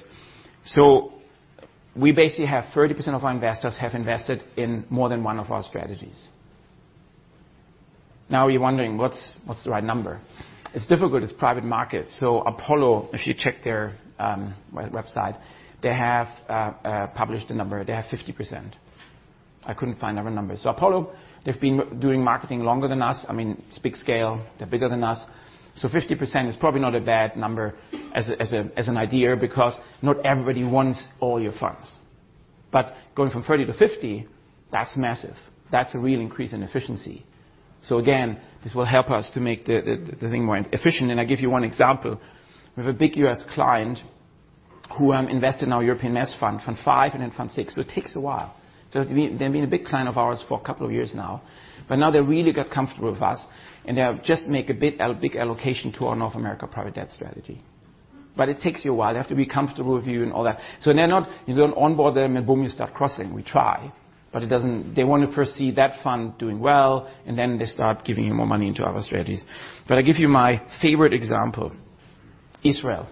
We basically have 30% of our investors have invested in more than one of our strategies. Now you're wondering what's the right number? It's difficult. It's private market. Apollo, if you check their website, they have published a number. They have 50%. I couldn't find other numbers. Apollo, they've been doing marketing longer than us. It's big scale. They're bigger than us. 50% is probably not a bad number as an idea because not everybody wants all your funds. But going from 30 to 50, that's massive. Again, this will help us to make the thing more efficient, and I give you one example. We have a big U.S. client who invested in our European S fund five and then fund six. It takes a while. They've been a big client of ours for a couple of years now. But now they really got comfortable with us, and they have just make a big allocation to our North American Private Debt strategy. But it takes you a while. They have to be comfortable with you and all that. You don't onboard them and boom, you start crossing. We try, but they want to first see that fund doing well, and then they start giving you more money into our strategies. But I give you my favorite example. Israel.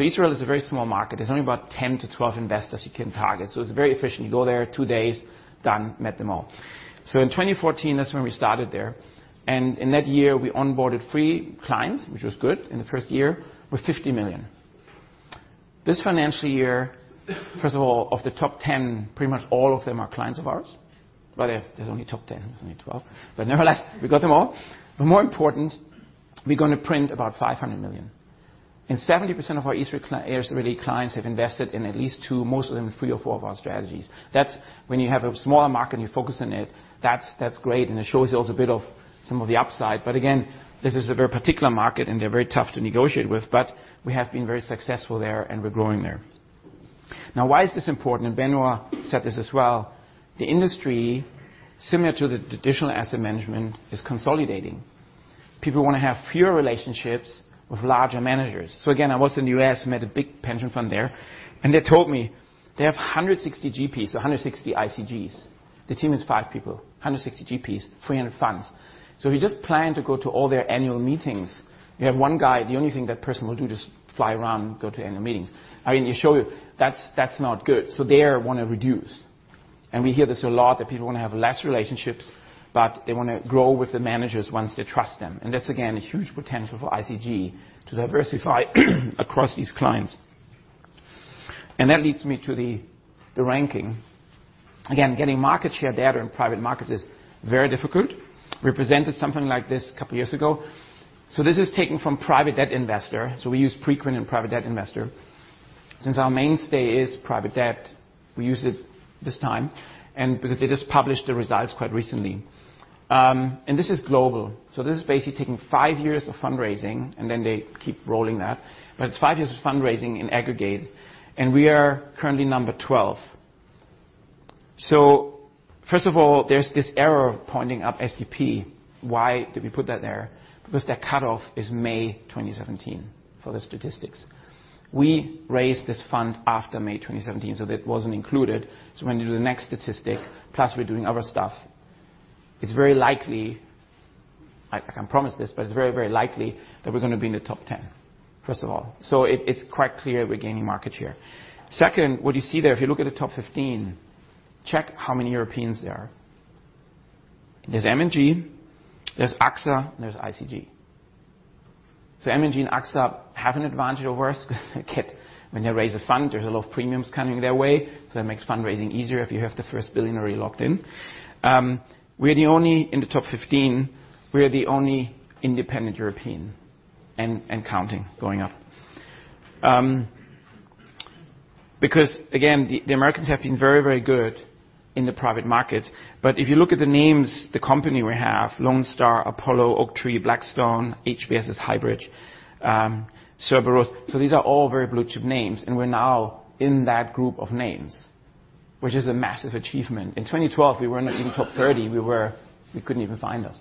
Israel is a very small market. There's only about 10 to 12 investors you can target. It's very efficient. You go there two days, done, met them all. In 2014, that's when we started there. In that year, we onboarded three clients, which was good in the first year, with 50 million. This financial year, first of all, of the top 10, pretty much all of them are clients of ours. Well, there's only top 10, there's only 12. Nevertheless, we got them all. More important, we're going to print about 500 million. 70% of our Israeli clients have invested in at least two, most of them three or four of our strategies. When you have a smaller market and you focus on it, that's great, and it shows you also a bit of some of the upside. Again, this is a very particular market and they're very tough to negotiate with, we have been very successful there and we're growing there. Why is this important? Benoît said this as well. The industry, similar to the traditional asset management, is consolidating. People want to have fewer relationships with larger managers. Again, I was in the U.S., met a big pension fund there, and they told me they have 160 GPs, 160 ICGs. The team has five people, 160 GPs, 300 funds. If you just plan to go to all their annual meetings, you have one guy, the only thing that person will do, just fly around and go to annual meetings. They show you that's not good. They want to reduce. We hear this a lot that people want to have less relationships, they want to grow with the managers once they trust them. That's again, a huge potential for ICG to diversify across these clients. That leads me to the ranking. Again, getting market share data in private markets is very difficult. We presented something like this a couple years ago. This is taken from Private Debt Investor. We use Preqin and Private Debt Investor. Since our mainstay is private debt, we use it this time, and because they just published the results quite recently. This is global. This is basically taking five years of fundraising, and then they keep rolling that. It's five years of fundraising in aggregate, and we are currently number 12. First of all, there's this error pointing up SDP. Why did we put that there? Because their cutoff is May 2017 for the statistics. We raised this fund after May 2017, so that wasn't included. When we do the next statistic, plus we're doing other stuff, it's very likely, I can't promise this, it's very, very likely that we're going to be in the top 10, first of all. It's quite clear we're gaining market share. Second, what you see there, if you look at the top 15, check how many Europeans there are. There's M&G, there's AXA, there's ICG. M&G and AXA have an advantage over us because they get-- when they raise a fund, there's a lot of premiums coming their way. That makes fundraising easier if you have the first GBP 1 billion already locked in. In the top 15, we're the only independent European and counting, going up. Again, the Americans have been very, very good in the private market. If you look at the names, the company we have, Lone Star, Apollo, Oaktree, Blackstone, HPS Hybrid, Cerberus. These are all very blue chip names, and we're now in that group of names, which is a massive achievement. In 2012, we were not even top 30. You couldn't even find us.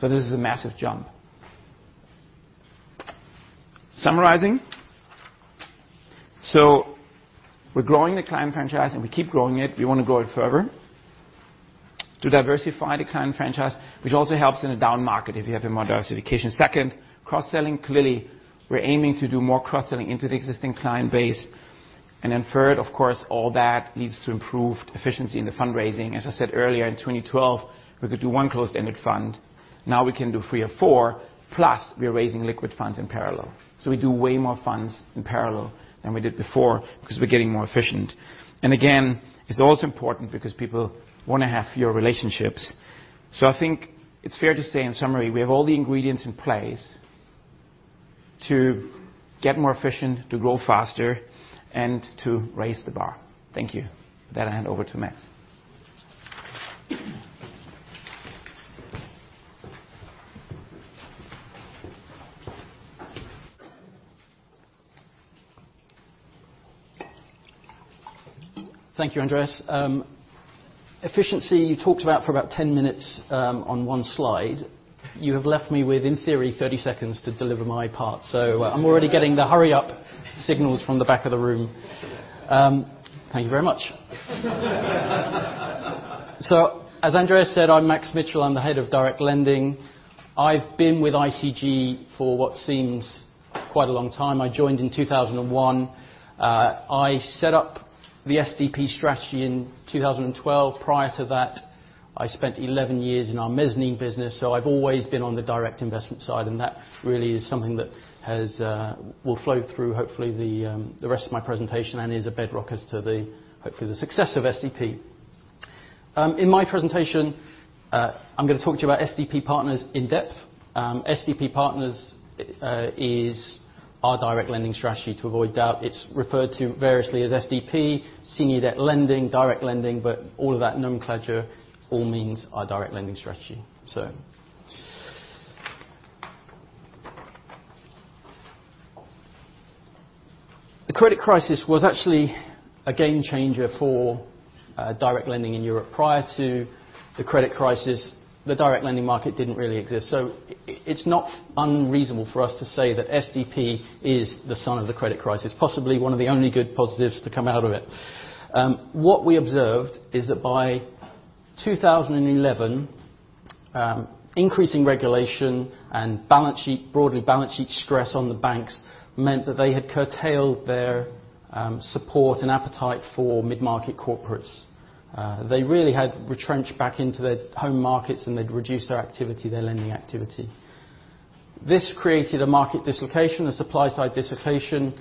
This is a massive jump. Summarizing, we're growing the client franchise and we keep growing it. We want to grow it further to diversify the client franchise, which also helps in a down market if you have more diversification. Second, cross-selling. Clearly, we're aiming to do more cross-selling into the existing client base. Third, of course, all that leads to improved efficiency in the fundraising. As I said earlier, in 2012, we could do one closed-ended fund. Now we can do three or four, plus we are raising liquid funds in parallel. We do way more funds in parallel than we did before because we're getting more efficient. Again, it's also important because people want to have fewer relationships. I think it's fair to say, in summary, we have all the ingredients in place to get more efficient, to grow faster, and to raise the bar. Thank you. With that, I hand over to Max. Thank you, Andreas. Efficiency, you talked about for about 10 minutes, on one slide. You have left me with, in theory, 30 seconds to deliver my part. I'm already getting the hurry up signals from the back of the room. Thank you very much. As Andreas said, I'm Max Mitchell. I'm the Head of Direct Lending. I've been with ICG for what seems quite a long time. I joined in 2001. I set up the SDP strategy in 2012. Prior to that, I spent 11 years in our mezzanine business, so I've always been on the direct investment side, and that really is something that will flow through, hopefully, the rest of my presentation and is a bedrock as to the, hopefully, the success of SDP. In my presentation, I'm going to talk to you about SDP Partners in depth. SDP Partners is our direct lending strategy. To avoid doubt, it's referred to variously as SDP, senior debt lending, direct lending. All of that nomenclature all means our direct lending strategy. The credit crisis was actually a game changer for direct lending in Europe. Prior to the credit crisis, the direct lending market didn't really exist. It's not unreasonable for us to say that SDP is the son of the credit crisis, possibly one of the only good positives to come out of it. What we observed is that by 2011, increasing regulation and broadly balance sheet stress on the banks meant that they had curtailed their support and appetite for mid-market corporates. They really had retrenched back into their home markets, and they'd reduced their activity, their lending activity. This created a market dislocation, a supply side dislocation,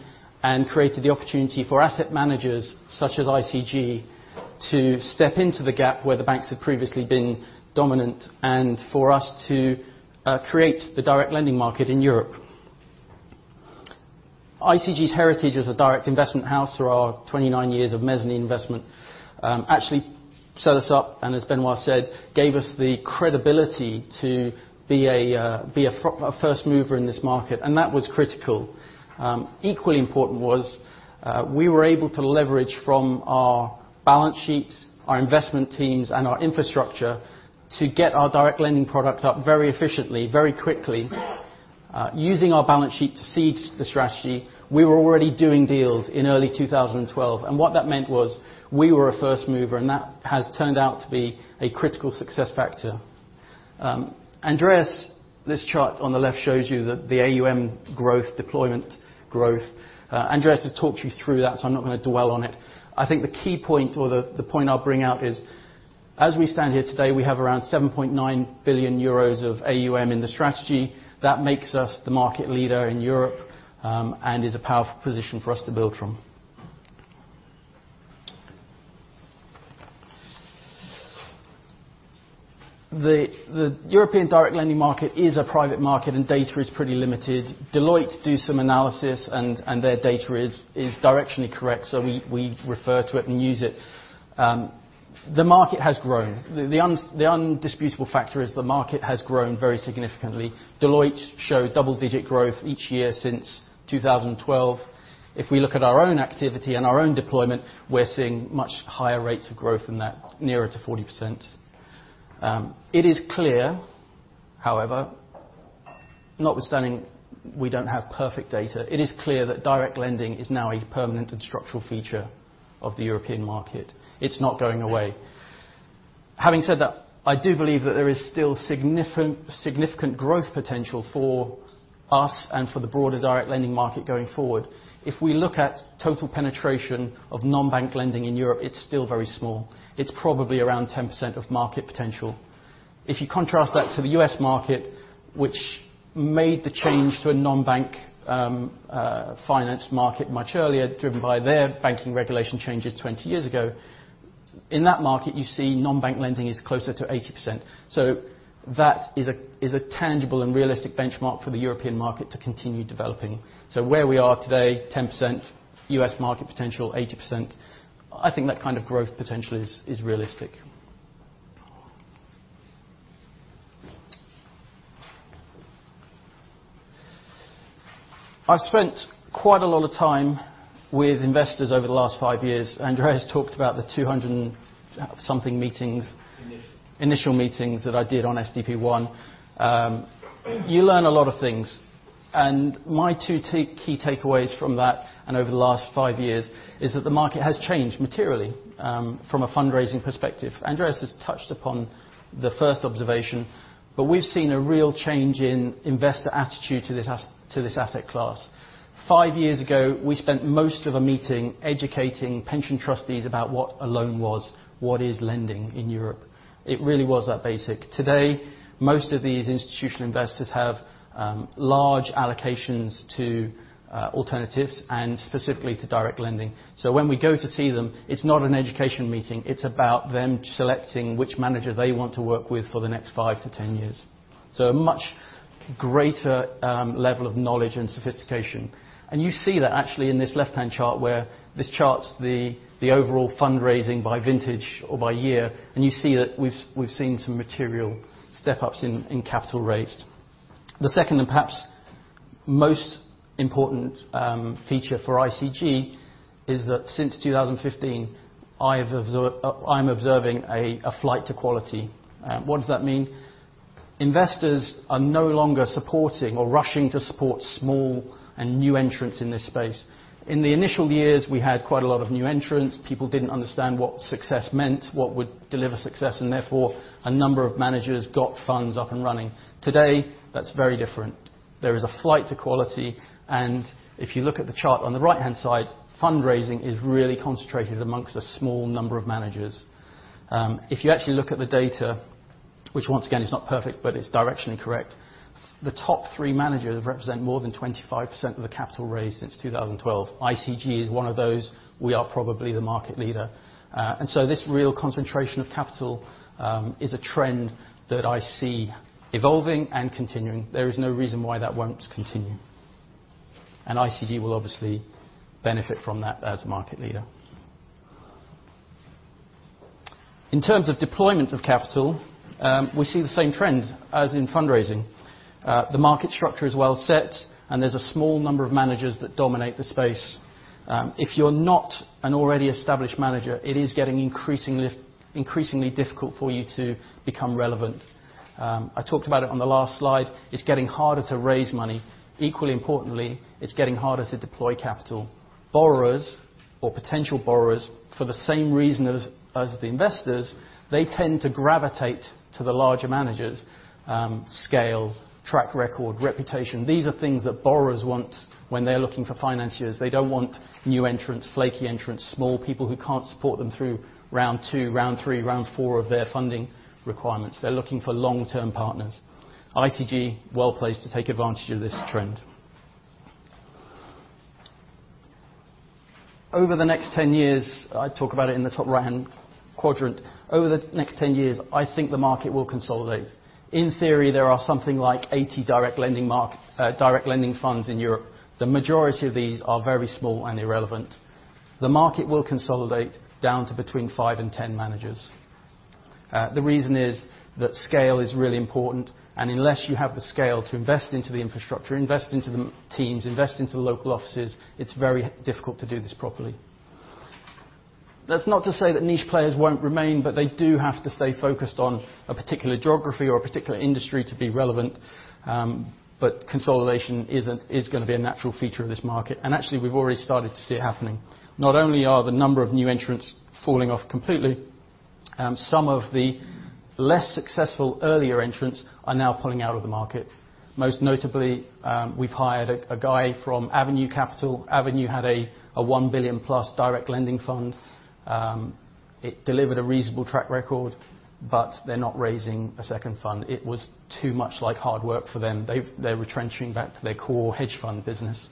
and created the opportunity for asset managers such as ICG to step into the gap where the banks had previously been dominant, and for us to create the direct lending market in Europe. ICG's heritage as a direct investment house for our 29 years of mezzanine investment actually set us up, and as Benoît said, gave us the credibility to be a first mover in this market, and that was critical. Equally important was we were able to leverage from our balance sheets, our investment teams, and our infrastructure to get our direct lending product up very efficiently, very quickly. Using our balance sheet to seed the strategy, we were already doing deals in early 2012, and what that meant was we were a first mover, and that has turned out to be a critical success factor. Andreas, this chart on the left shows you that the AUM growth, deployment growth. Andreas has talked you through that, so I'm not going to dwell on it. I think the key point or the point I'll bring out is, as we stand here today, we have around 7.9 billion euros of AUM in the strategy. That makes us the market leader in Europe, and is a powerful position for us to build from. The European direct lending market is a private market, and data is pretty limited. Deloitte do some analysis, and their data is directionally correct, so we refer to it and use it. The market has grown. The indisputable factor is the market has grown very significantly. Deloitte show double-digit growth each year since 2012. If we look at our own activity and our own deployment, we're seeing much higher rates of growth than that, nearer to 40%. It is clear, however, notwithstanding we don't have perfect data, it is clear that direct lending is now a permanent and structural feature of the European market. It's not going away. Having said that, I do believe that there is still significant growth potential for us and for the broader direct lending market going forward. If we look at total penetration of non-bank lending in Europe, it's still very small. It's probably around 10% of market potential. If you contrast that to the U.S. market, which made the change to a non-bank financed market much earlier, driven by their banking regulation changes 20 years ago, in that market, you see non-bank lending is closer to 80%. That is a tangible and realistic benchmark for the European market to continue developing. Where we are today, 10%, U.S. market potential, 80%, I think that kind of growth potential is realistic. I've spent quite a lot of time with investors over the last five years. Andreas talked about the 200 and something meetings. Initial initial meetings that I did on SDP I. You learn a lot of things. My two key takeaways from that, and over the last five years, is that the market has changed materially from a fundraising perspective. Andreas has touched upon the first observation. We've seen a real change in investor attitude to this asset class. Five years ago, we spent most of a meeting educating pension trustees about what a loan was, what is lending in Europe. It really was that basic. Today, most of these institutional investors have large allocations to alternatives and specifically to direct lending. When we go to see them, it's not an education meeting, it's about them selecting which manager they want to work with for the next 5 to 10 years. A much greater level of knowledge and sophistication. You see that actually in this left-hand chart where this chart's the overall fundraising by vintage or by year, you see that we've seen some material step-ups in capital raised. The second and perhaps most important feature for ICG is that since 2015, I'm observing a flight to quality. What does that mean? Investors are no longer supporting or rushing to support small and new entrants in this space. In the initial years, we had quite a lot of new entrants. People didn't understand what success meant, what would deliver success, therefore, a number of managers got funds up and running. Today, that's very different. There is a flight to quality, if you look at the chart on the right-hand side, fundraising is really concentrated amongst a small number of managers. If you actually look at the data, which once again is not perfect, but it's directionally correct, the top 3 managers represent more than 25% of the capital raised since 2012. ICG is one of those. We are probably the market leader. This real concentration of capital is a trend that I see evolving and continuing. There is no reason why that won't continue. ICG will obviously benefit from that as market leader. In terms of deployment of capital, we see the same trend as in fundraising. The market structure is well set, and there's a small number of managers that dominate the space. If you're not an already established manager, it is getting increasingly difficult for you to become relevant. I talked about it on the last slide. It's getting harder to raise money. Equally importantly, it's getting harder to deploy capital. Borrowers or potential borrowers, for the same reason as the investors, they tend to gravitate to the larger managers. Scale, track record, reputation. These are things that borrowers want when they're looking for financiers. They don't want new entrants, flaky entrants, small people who can't support them through round 2, round 3, round 4 of their funding requirements. They're looking for long-term partners. ICG, well-placed to take advantage of this trend. Over the next 10 years, I talk about it in the top right-hand quadrant. Over the next 10 years, I think the market will consolidate. In theory, there are something like 80 direct lending funds in Europe. The majority of these are very small and irrelevant. The market will consolidate down to between 5 and 10 managers. The reason is that scale is really important. Unless you have the scale to invest into the infrastructure, invest into the teams, invest into the local offices, it's very difficult to do this properly. That's not to say that niche players won't remain, but they do have to stay focused on a particular geography or a particular industry to be relevant. Consolidation is going to be a natural feature of this market, and actually, we've already started to see it happening. Not only are the number of new entrants falling off completely, some of the less successful earlier entrants are now pulling out of the market. Most notably, we've hired a guy from Avenue Capital. Avenue had a 1 billion-plus direct lending fund. It delivered a reasonable track record, but they're not raising a second fund. It was too much like hard work for them. They're retrenching back to their core hedge fund business.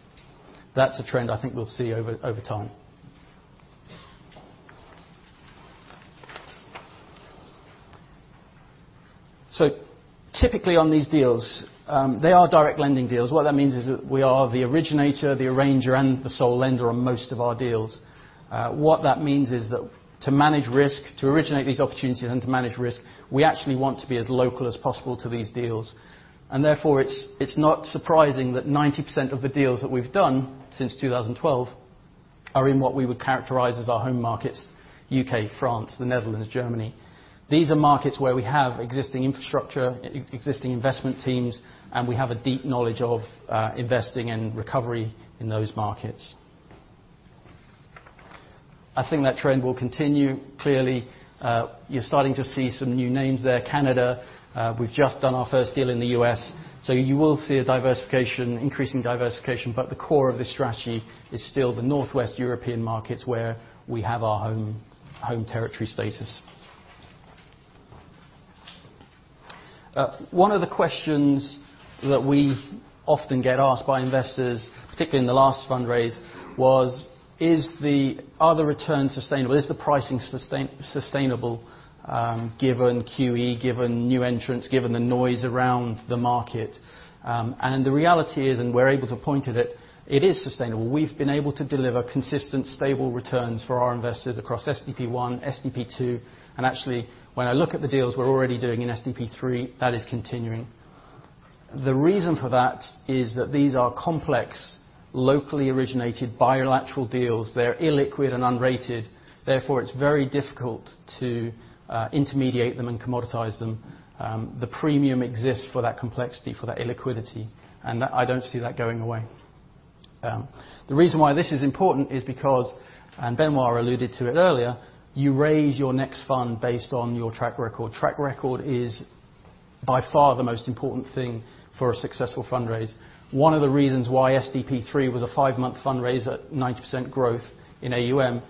That's a trend I think we'll see over time. Typically on these deals, they are direct lending deals. What that means is that we are the originator, the arranger, and the sole lender on most of our deals. What that means is that to manage risk, to originate these opportunities and to manage risk, we actually want to be as local as possible to these deals. Therefore, it's not surprising that 90% of the deals that we've done since 2012 are in what we would characterize as our home markets, U.K., France, the Netherlands, Germany. These are markets where we have existing infrastructure, existing investment teams, and we have a deep knowledge of investing and recovery in those markets. I think that trend will continue. Clearly, you're starting to see some new names there. Canada. We've just done our first deal in the U.S. You will see increasing diversification, but the core of this strategy is still the Northwest European markets where we have our home territory status. One of the questions that we often get asked by investors, particularly in the last fundraise, was, are the returns sustainable? Is the pricing sustainable given QE, given new entrants, given the noise around the market? The reality is, and we're able to point to that, it is sustainable. We've been able to deliver consistent, stable returns for our investors across SDP I, SDP II, and actually, when I look at the deals we're already doing in SDP III, that is continuing. The reason for that is that these are complex, locally originated, bilateral deals. They're illiquid and unrated. Therefore, it's very difficult to intermediate them and commoditize them. The premium exists for that complexity, for that illiquidity, and I don't see that going away. The reason why this is important is because, and Benoît alluded to it earlier, you raise your next fund based on your track record. Track record is by far the most important thing for a successful fundraise. One of the reasons why SDP III was a five-month fundraise at 90% growth in AUM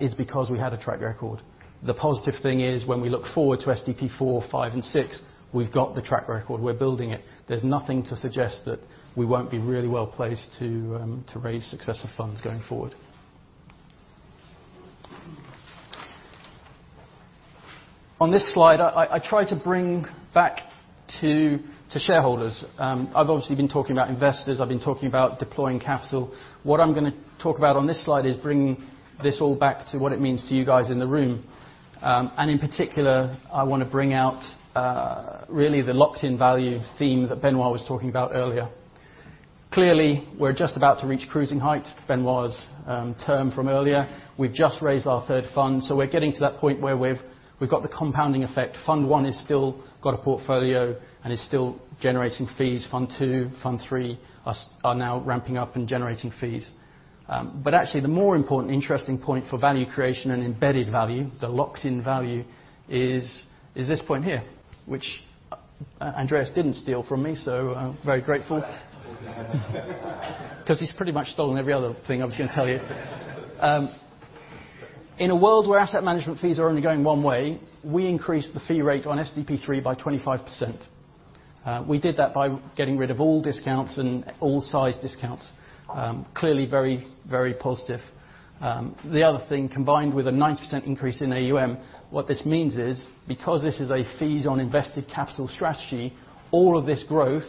is because we had a track record. The positive thing is when we look forward to SDP IV, V, and VI, we've got the track record. We're building it. There's nothing to suggest that we won't be really well-placed to raise successive funds going forward. On this slide, I try to bring back to shareholders. I've obviously been talking about investors, I've been talking about deploying capital. What I'm going to talk about on this slide is bringing this all back to what it means to you guys in the room. In particular, I want to bring out really the locked-in value theme that Benoît was talking about earlier. Clearly, we're just about to reach cruising height, Benoît's term from earlier. We've just raised our third fund, so we're getting to that point where we've got the compounding effect. Fund I has still got a portfolio and is still generating fees. Fund II, Fund III are now ramping up and generating fees. Actually, the more important interesting point for value creation and embedded value, the locked-in value, is this point here, which Andreas didn't steal from me, so I'm very grateful. He's pretty much stolen every other thing I was going to tell you. In a world where asset management fees are only going one way, we increased the fee rate on SDP III by 25%. We did that by getting rid of all discounts and all size discounts. Clearly very positive. The other thing, combined with a 90% increase in AUM, what this means is, because this is a fees on invested capital strategy, all of this growth,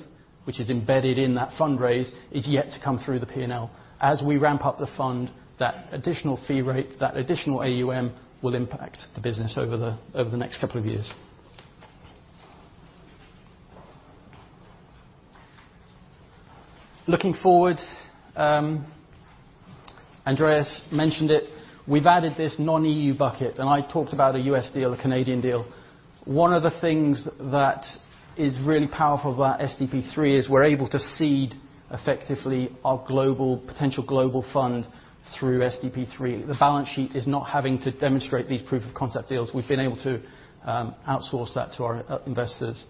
which is embedded in that fundraise, is yet to come through the P&L. As we ramp up the fund, that additional fee rate, that additional AUM will impact the business over the next couple of years. Looking forward, Andreas mentioned it, we've added this non-EU bucket, I talked about a U.S. deal, a Canadian deal. One of the things that is really powerful about SDP III is we're able to seed effectively our potential global fund through SDP III. The balance sheet is not having to demonstrate these proof of concept deals. We've been able to outsource that to our investors.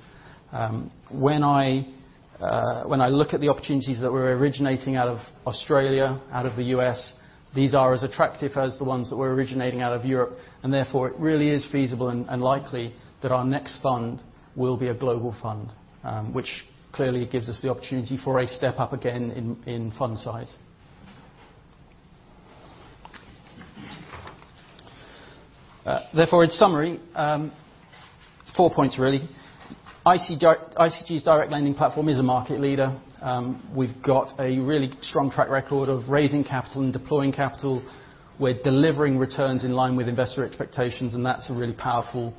When I look at the opportunities that we're originating out of Australia, out of the U.S., these are as attractive as the ones that we're originating out of Europe. Therefore, it really is feasible and likely that our next fund will be a global fund, which clearly gives us the opportunity for a step up again in fund size. Therefore, in summary, Four points really. ICG's direct lending platform is a market leader. We've got a really strong track record of raising capital and deploying capital. We're delivering returns in line with investor expectations, and that's a really powerful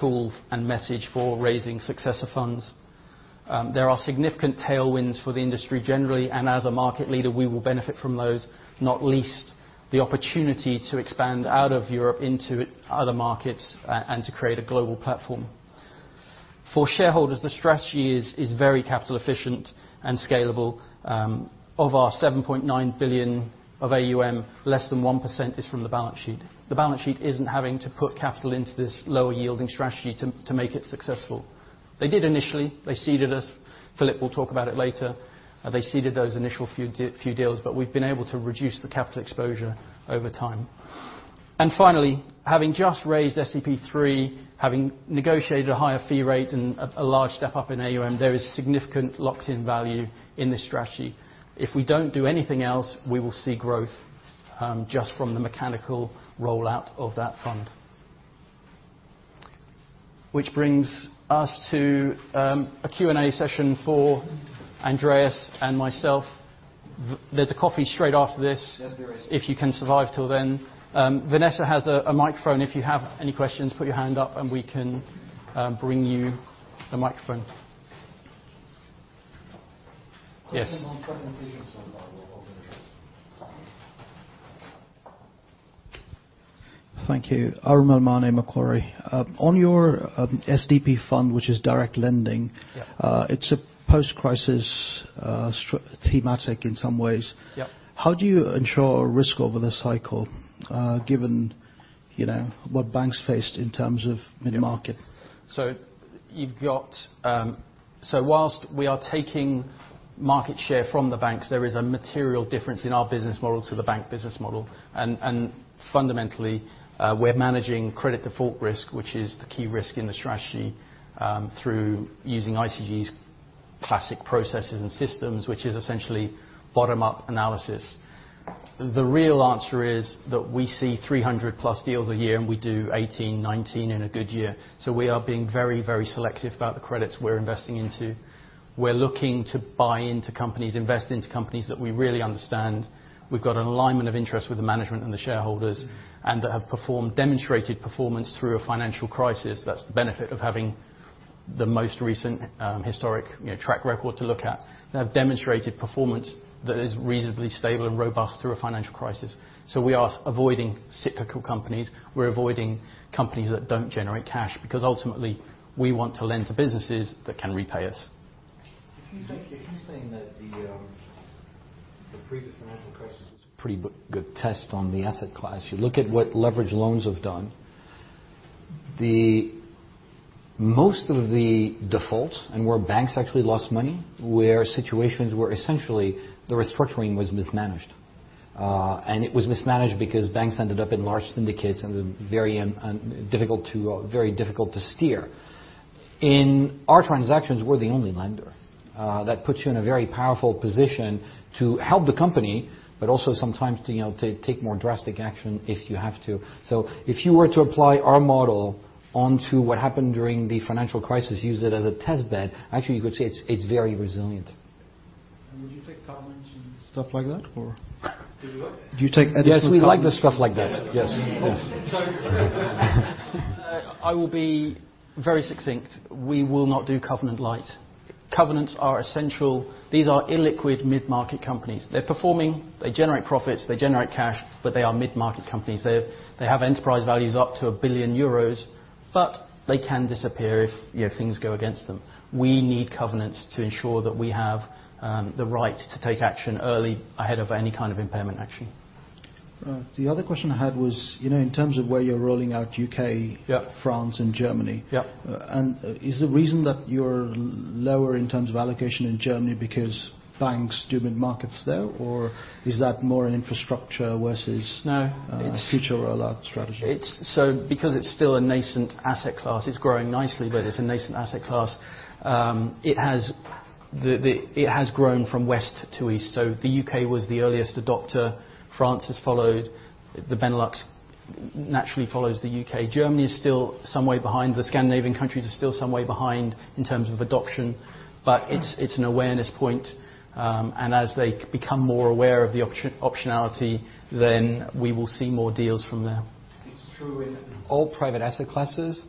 tool and message for raising successor funds. There are significant tailwinds for the industry generally. As a market leader, we will benefit from those, not least the opportunity to expand out of Europe into other markets, and to create a global platform. For shareholders, the strategy is very capital efficient and scalable. Of our 7.9 billion of AUM, less than 1% is from the balance sheet. The balance sheet isn't having to put capital into this lower yielding strategy to make it successful. They did initially. They seeded us. Philip will talk about it later. They seeded those initial few deals, but we've been able to reduce the capital exposure over time. Finally, having just raised SDP III, having negotiated a higher fee rate and a large step up in AUM, there is significant locked-in value in this strategy. If we don't do anything else, we will see growth just from the mechanical rollout of that fund. Which brings us to a Q&A session for Andreas and myself. There's a coffee straight after this- Yes, there is if you can survive till then. Vanessa has a microphone. If you have any questions, put your hand up and we can bring you the microphone. Yes. Questions on presentation so far. We'll open the floor. Thank you. Arun Melmane, Macquarie. On your SDP fund, which is direct lending- Yeah it's a post-crisis thematic in some ways. Yeah. How do you ensure risk over the cycle, given what banks faced in terms of mid-market? Whilst we are taking market share from the banks, there is a material difference in our business model to the bank business model. Fundamentally, we're managing credit default risk, which is the key risk in the strategy, through using ICG's classic processes and systems, which is essentially bottom-up analysis. The real answer is that we see 300 plus deals a year, and we do 18, 19 in a good year. We are being very selective about the credits we're investing into. We're looking to buy into companies, invest into companies that we really understand. We've got an alignment of interest with the management and the shareholders, and that have performed, demonstrated performance through a financial crisis. That's the benefit of having the most recent historic track record to look at. They have demonstrated performance that is reasonably stable and robust through a financial crisis. We are avoiding cyclical companies. We're avoiding companies that don't generate cash, because ultimately, we want to lend to businesses that can repay us. If you're saying that the previous financial crisis was a pretty good test on the asset class. You look at what leverage loans have done, most of the defaults and where banks actually lost money, were situations where essentially the restructuring was mismanaged. It was mismanaged because banks ended up in large syndicates and very difficult to steer. In our transactions, we're the only lender. That puts you in a very powerful position to help the company, but also sometimes to take more drastic action if you have to. If you were to apply our model onto what happened during the financial crisis, use it as a test bed, actually, you could say it's very resilient. Would you take covenants and stuff like that, or? Did you what? Do you take additional covenants? Yes, we like the stuff like that. Yes, of course. I will be very succinct. We will not do covenant light. Covenants are essential. These are illiquid mid-market companies. They're performing, they generate profits, they generate cash, but they are mid-market companies. They have enterprise values up to 1 billion euros, but they can disappear if things go against them. We need covenants to ensure that we have the right to take action early ahead of any kind of impairment action. The other question I had was, in terms of where you're rolling out U.K. Yeah France, and Germany. Yeah. Is the reason that you're lower in terms of allocation in Germany because banks do mid-markets there, or is that more an infrastructure versus No future rollout strategy? Because it's still a nascent asset class, it's growing nicely, but it's a nascent asset class. It has grown from West to East. The U.K. was the earliest adopter. France has followed. The Benelux naturally follows the U.K. Germany is still some way behind. The Scandinavian countries are still some way behind in terms of adoption. It's an awareness point. As they become more aware of the optionality, we will see more deals from there. It's true in all private asset classes.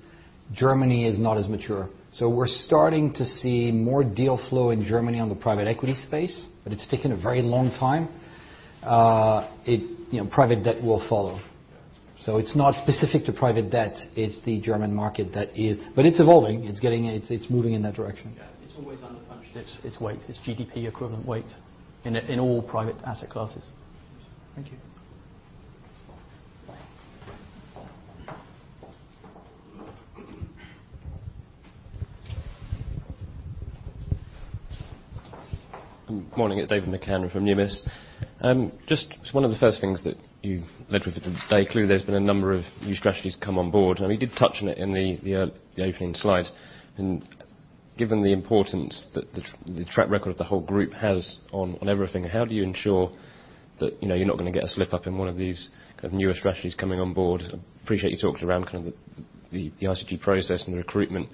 Germany is not as mature. We're starting to see more deal flow in Germany on the private equity space. It's taken a very long time. Private debt will follow. It's not specific to private debt, it's the German market that is It's evolving. It's moving in that direction. Yeah. It's always underpunched its weight, its GDP equivalent weight in all private asset classes. Thank you. Morning. It's David McCann from Numis. Just one of the first things that you led with today, clearly there's been a number of new strategies come on board. I mean, you did touch on it in the opening slides. Given the importance that the track record of the whole group has on everything, how do you ensure that you're not going to get a slip up in one of these newer strategies coming on board? I appreciate you talked around the ICG process and the recruitment,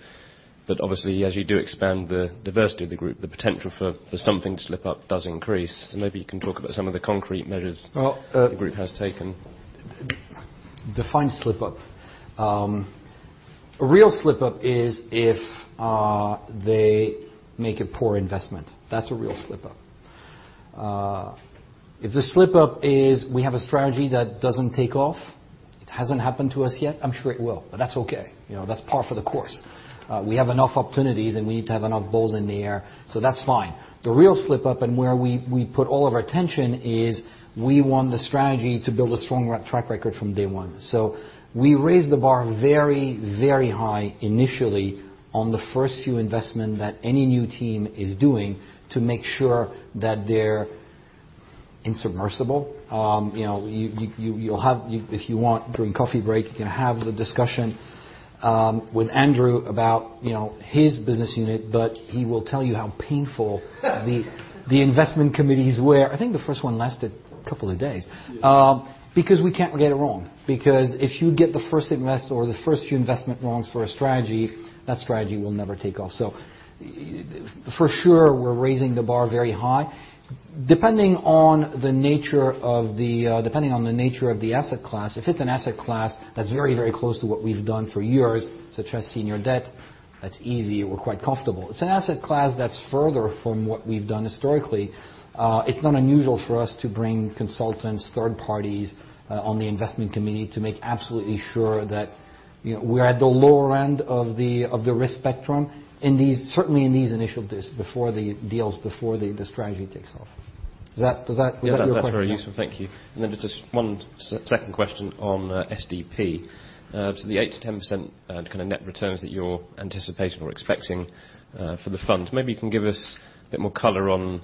but obviously, as you do expand the diversity of the group, the potential for something to slip up does increase. Maybe you can talk about some of the concrete measures the group has taken. Define slip up. A real slip up is if they make a poor investment. That's a real slip up. If the slip up is we have a strategy that doesn't take off, it hasn't happened to us yet, I'm sure it will, but that's okay. That's par for the course. We have enough opportunities. We need to have enough balls in the air. That's fine. The real slip up and where we put all of our attention is we want the strategy to build a strong track record from day one. We raise the bar very, very high initially on the first few investment that any new team is doing to make sure that they're insubmersible. If you want, during coffee break, you can have the discussion with Andrew about his business unit, but he will tell you how painful the investment committees were. I think the first one lasted a couple of days. We can't get it wrong. If you get the first invest or the first few investment wrongs for a strategy, that strategy will never take off. For sure, we're raising the bar very high. Depending on the nature of the asset class, if it's an asset class that's very, very close to what we've done for years, such as senior debt, that's easy. We're quite comfortable. It's an asset class that's further from what we've done historically. It's not unusual for us to bring consultants, third parties on the investment committee to make absolutely sure that we're at the lower end of the risk spectrum, certainly in these initial days before the deals, before the strategy takes off. Does that answer your question? Yeah, that's very useful. Thank you. Just one second question on SDP. The 8%-10% net returns that you're anticipating or expecting for the fund, maybe you can give us a bit more color on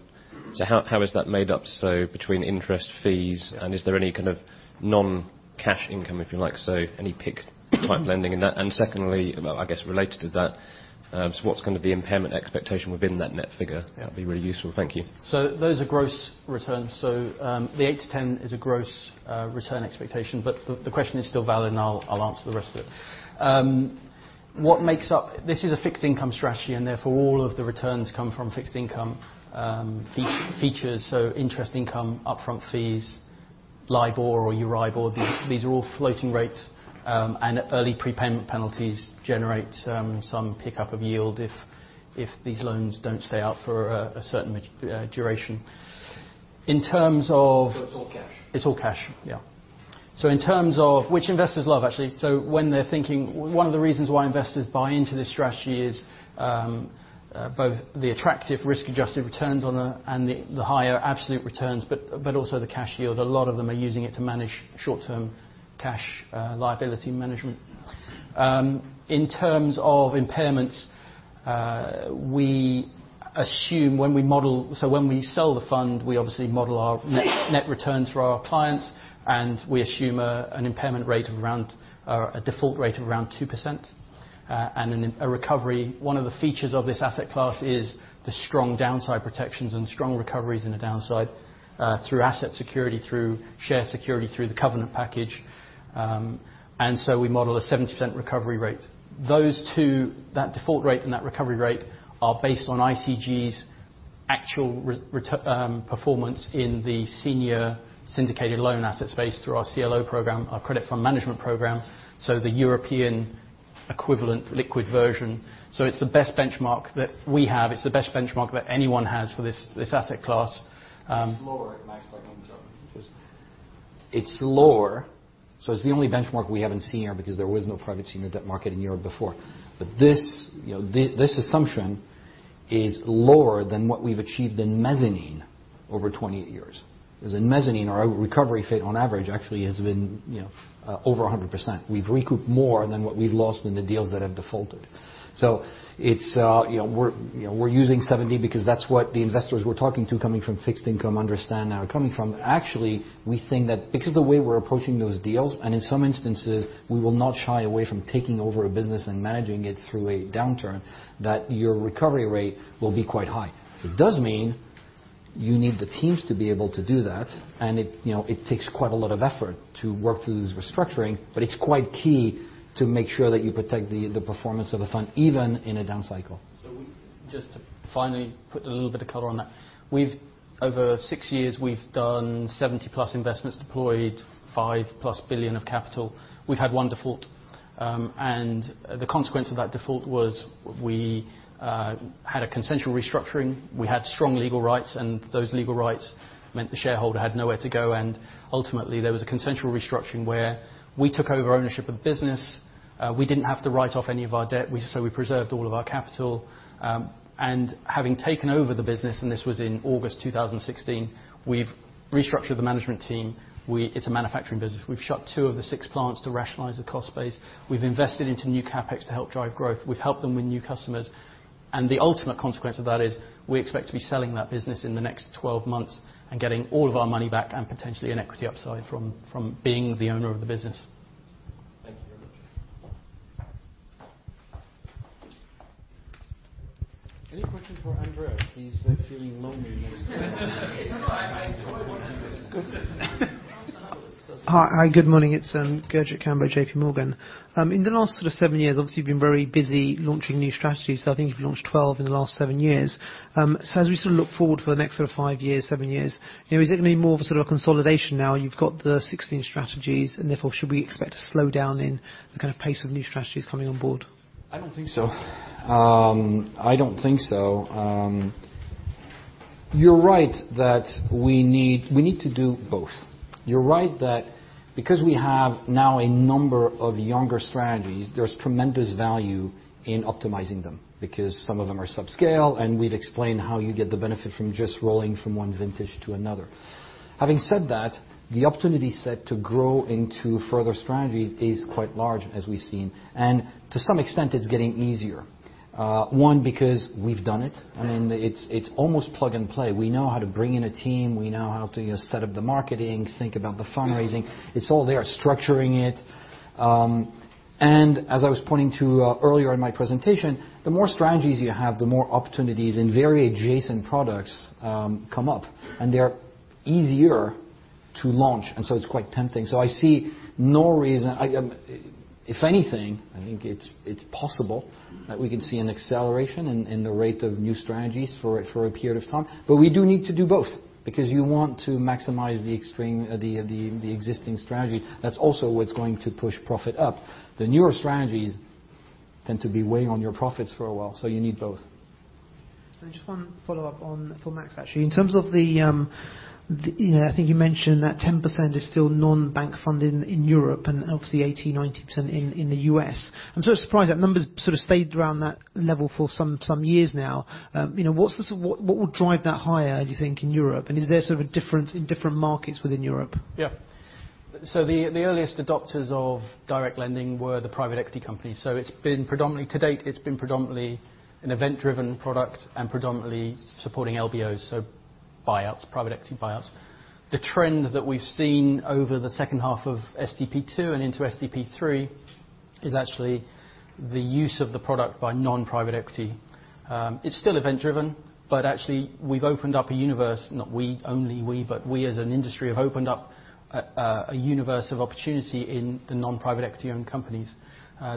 how is that made up? Between interest fees, and is there any kind of non-cash income, if you like? Any PIK type lending in that? Secondly, I guess related to that, so what's going to be the impairment expectation within that net figure? That'd be really useful. Thank you. Those are gross returns. The 8 to 10 is a gross return expectation, but the question is still valid, and I'll answer the rest of it. This is a fixed income strategy, and therefore, all of the returns come from fixed income features, so interest income, upfront fees, LIBOR or EURIBOR. These are all floating rates, and early prepayment penalties generate some pickup of yield if these loans don't stay out for a certain duration. It's all cash. It's all cash, yeah. Investors love, actually. One of the reasons why investors buy into this strategy is both the attractive risk-adjusted returns and the higher absolute returns, but also the cash yield. A lot of them are using it to manage short-term cash liability management. In terms of impairments, when we sell the fund, we obviously model our net returns for our clients, and we assume a default rate of around 2%. One of the features of this asset class is the strong downside protections and strong recoveries in the downside through asset security, through share security, through the covenant package. We model a 70% recovery rate. That default rate and that recovery rate are based on ICG's actual performance in the senior syndicated loan asset space through our CLO program, our credit fund management program, the European equivalent liquid version. It's the best benchmark that we have. It's the best benchmark that anyone has for this asset class. It's lower at. It's lower, it's the only benchmark we have in senior because there was no private senior debt market in Europe before. This assumption is lower than what we've achieved in mezzanine over 20 years. In mezzanine, our recovery rate on average actually has been over 100%. We've recouped more than what we've lost in the deals that have defaulted. We're using 70 because that's what the investors we're talking to coming from fixed income understand now. Coming from actually, we think that because the way we're approaching those deals, and in some instances, we will not shy away from taking over a business and managing it through a downturn, that your recovery rate will be quite high. It does mean you need the teams to be able to do that, it takes quite a lot of effort to work through this restructuring, it's quite key to make sure that you protect the performance of a fund, even in a down cycle. Just to finally put a little bit of color on that. Over six years, we've done 70+ investments, deployed 5+ billion of capital. We've had one default, the consequence of that default was we had a consensual restructuring. We had strong legal rights, those legal rights meant the shareholder had nowhere to go, ultimately, there was a consensual restructuring where we took over ownership of the business. We didn't have to write off any of our debt, we preserved all of our capital. Having taken over the business, this was in August 2016, we've restructured the management team. It's a manufacturing business. We've shut two of the six plants to rationalize the cost base. We've invested into new CapEx to help drive growth. We've helped them with new customers. The ultimate consequence of that is we expect to be selling that business in the next 12 months getting all of our money back potentially an equity upside from being the owner of the business. Thank you very much. Any questions for Andreas? He's feeling lonely here. I enjoy this. Good. Hi. Good morning. It's Gurjit Kambo, J.P. Morgan. In the last sort of seven years, obviously, you've been very busy launching new strategies. I think you've launched 12 in the last seven years. As we sort of look forward for the next sort of five years, seven years, is it going to be more of a sort of consolidation now you've got the 16 strategies, and therefore should we expect a slowdown in the kind of pace of new strategies coming on board? I don't think so. You're right that we need to do both. You're right that because we have now a number of younger strategies, there's tremendous value in optimizing them because some of them are subscale, and we've explained how you get the benefit from just rolling from one vintage to another. Having said that, the opportunity set to grow into further strategies is quite large as we've seen, and to some extent it's getting easier. One, because we've done it. I mean, it's almost plug and play. We know how to bring in a team, we know how to set up the marketing, think about the fundraising. It's all there. Structuring it. As I was pointing to earlier in my presentation, the more strategies you have, the more opportunities and very adjacent products come up, and they are easier to launch, it's quite tempting. I see no reason. If anything, I think it's possible that we could see an acceleration in the rate of new strategies for a period of time. We do need to do both because you want to maximize the existing strategy. That's also what's going to push profit up. The newer strategies tend to be weighing on your profits for a while, you need both. Just one follow-up for Max, actually. In terms of, I think you mentioned that 10% is still non-bank funding in Europe, and obviously 80%, 90% in the U.S. I'm sort of surprised that number's sort of stayed around that level for some years now. What will drive that higher, do you think, in Europe, and is there sort of a difference in different markets within Europe? The earliest adopters of direct lending were the private equity companies. To date, it's been predominantly an event-driven product and predominantly supporting LBOs, so buyouts, private equity buyouts. The trend that we've seen over the second half of SDP II and into SDP III is actually the use of the product by non-private equity. It's still event driven, but actually we've opened up a universe, not only we, but we as an industry have opened up a universe of opportunity in the non-private equity-owned companies.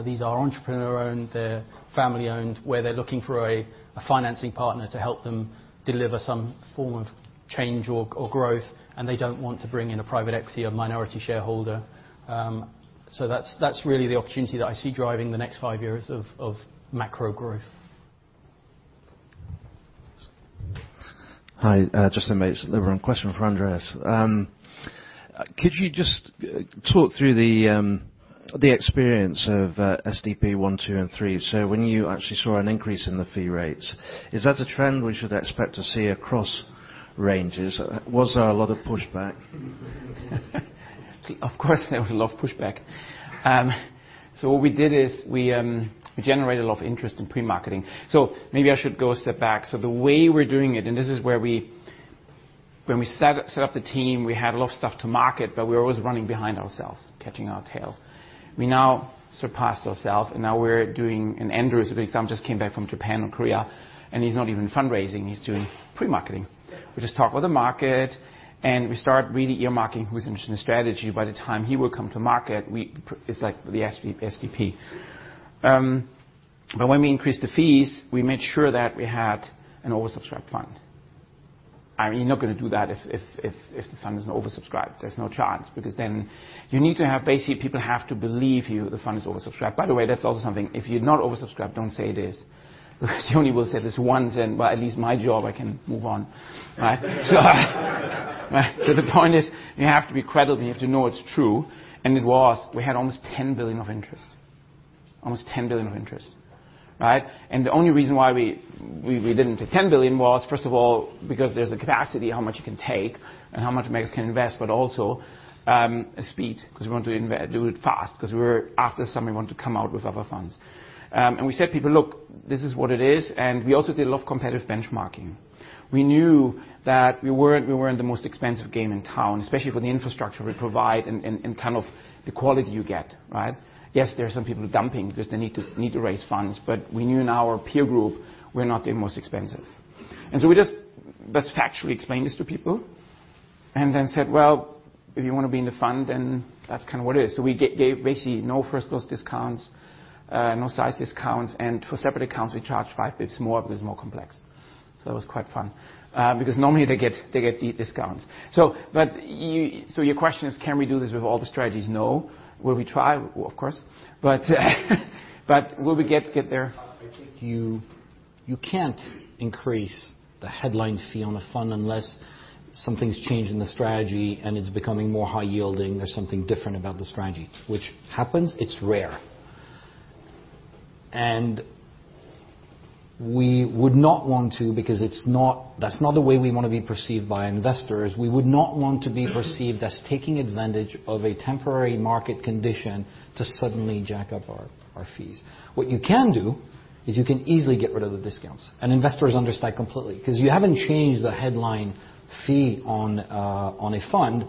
These are entrepreneur-owned, they're family owned, where they're looking for a financing partner to help them deliver some form of change or growth, and they don't want to bring in a private equity or minority shareholder. That's really the opportunity that I see driving the next five years of macro growth. Hi, Justin Bates, Liberum. Question for Andreas. Could you just talk through the experience of SDP I, II, and III? So when you actually saw an increase in the fee rates, is that a trend we should expect to see across ranges? Was there a lot of pushback? Of course, there was a lot of pushback. What we did is we generated a lot of interest in pre-marketing. Maybe I should go a step back. The way we're doing it, and this is where we When we set up the team, we had a lot of stuff to market, but we were always running behind ourselves, catching our tail. We now surpassed ourselves and now we're doing And Andrew, as an example, just came back from Japan and Korea, and he's not even fundraising, he's doing pre-marketing. We just talk with the market and we start really earmarking who's interested in strategy. By the time he will come to market, it's like the SDP. When we increased the fees, we made sure that we had an oversubscribed fund. You're not going to do that if the fund isn't oversubscribed. There's no chance, because then you need to have basically, people have to believe you the fund is oversubscribed. By the way, that's also something. If you're not oversubscribed, don't say it is, because you only will say this once but at least my job, I can move on, right? The point is, you have to be credible. You have to know it's true. It was. We had almost 10 billion of interest. Almost 10 billion of interest, right? The only reason why we didn't take 10 billion was, first of all, because there's a capacity, how much you can take and how much Max can invest, but also, speed, because we want to do it fast, because we were after summer, we want to come out with other funds. We said, people, "Look, this is what it is." We also did a lot of competitive benchmarking. We knew that we weren't the most expensive game in town, especially for the infrastructure we provide and kind of the quality you get, right? Yes, there are some people dumping because they need to raise funds. We knew in our peer group, we're not the most expensive. We just factually explained this to people, then said, "Well, if you want to be in the fund, then that's kind of what it is." We gave basically no first close discounts, no size discounts, and for separate accounts, we charged five basis points more if it's more complex. It was quite fun. Normally they get deep discounts. Your question is, can we do this with all the strategies? No. Will we try? Of course. Will we get there? I think you can't increase the headline fee on a fund unless something's changed in the strategy and it's becoming more high yielding or something different about the strategy, which happens. It's rare. We would not want to because that's not the way we want to be perceived by investors. We would not want to be perceived as taking advantage of a temporary market condition to suddenly jack up our fees. What you can do is you can easily get rid of the discounts, and investors understand completely, because you haven't changed the headline fee on a fund,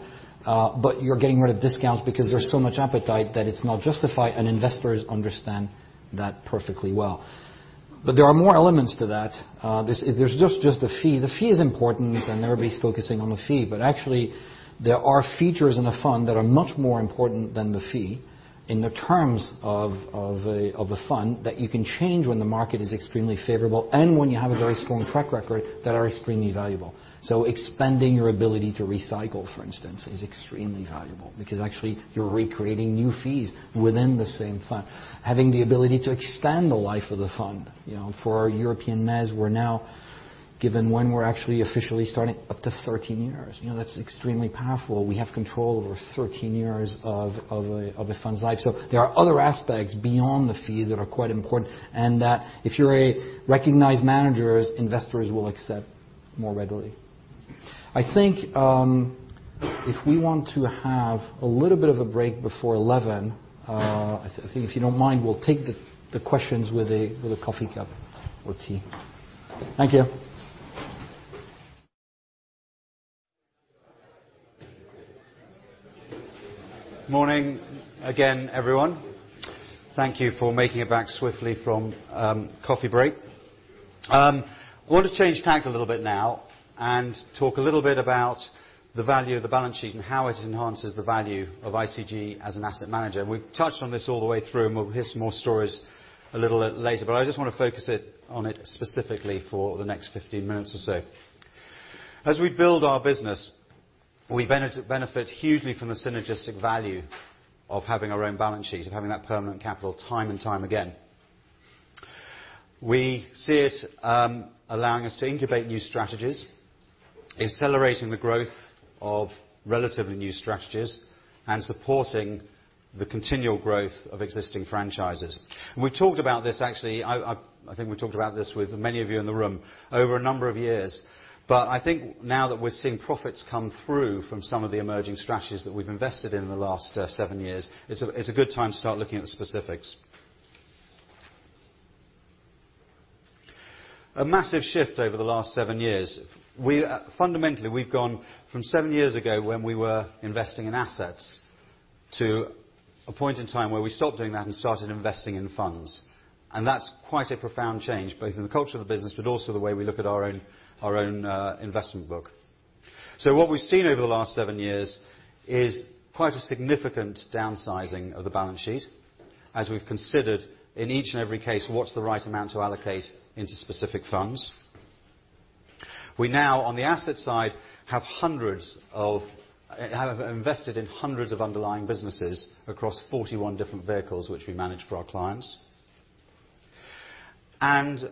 but you're getting rid of discounts because there's so much appetite that it's not justified, and investors understand that perfectly well. There are more elements to that. There's just the fee. The fee is important and everybody's focusing on the fee, but actually, there are features in a fund that are much more important than the fee in the terms of a fund that you can change when the market is extremely favorable and when you have a very strong track record that are extremely valuable. Expanding your ability to recycle, for instance, is extremely valuable because actually you're recreating new fees within the same fund. Having the ability to extend the life of the fund. For our European Mezz, we're now given when we're actually officially starting up to 13 years. That's extremely powerful. We have control over 13 years of a fund's life. There are other aspects beyond the fees that are quite important, and that if you're a recognized manager, investors will accept more readily. I think if we want to have a little bit of a break before 11:00 A.M., I think if you don't mind, we'll take the questions with a coffee cup or tea. Thank you. Morning again, everyone. Thank you for making it back swiftly from coffee break. I want to change tacks a little bit now and talk a little bit about the value of the balance sheet and how it enhances the value of ICG as an asset manager. We've touched on this all the way through, and we'll hear some more stories a little later, but I just want to focus on it specifically for the next 15 minutes or so. As we build our business, we benefit hugely from the synergistic value of having our own balance sheet, of having that permanent capital time and time again. We see it allowing us to incubate new strategies, accelerating the growth of relatively new strategies, and supporting the continual growth of existing franchises. We've talked about this, actually, I think we talked about this with many of you in the room over a number of years, but I think now that we're seeing profits come through from some of the emerging strategies that we've invested in the last seven years, it's a good time to start looking at the specifics. A massive shift over the last seven years. Fundamentally, we've gone from seven years ago when we were investing in assets to a point in time where we stopped doing that and started investing in funds. That's quite a profound change, both in the culture of the business, but also the way we look at our own investment book. What we've seen over the last seven years is quite a significant downsizing of the balance sheet as we've considered in each and every case, what's the right amount to allocate into specific funds. We now, on the asset side, have invested in hundreds of underlying businesses across 41 different vehicles which we manage for our clients.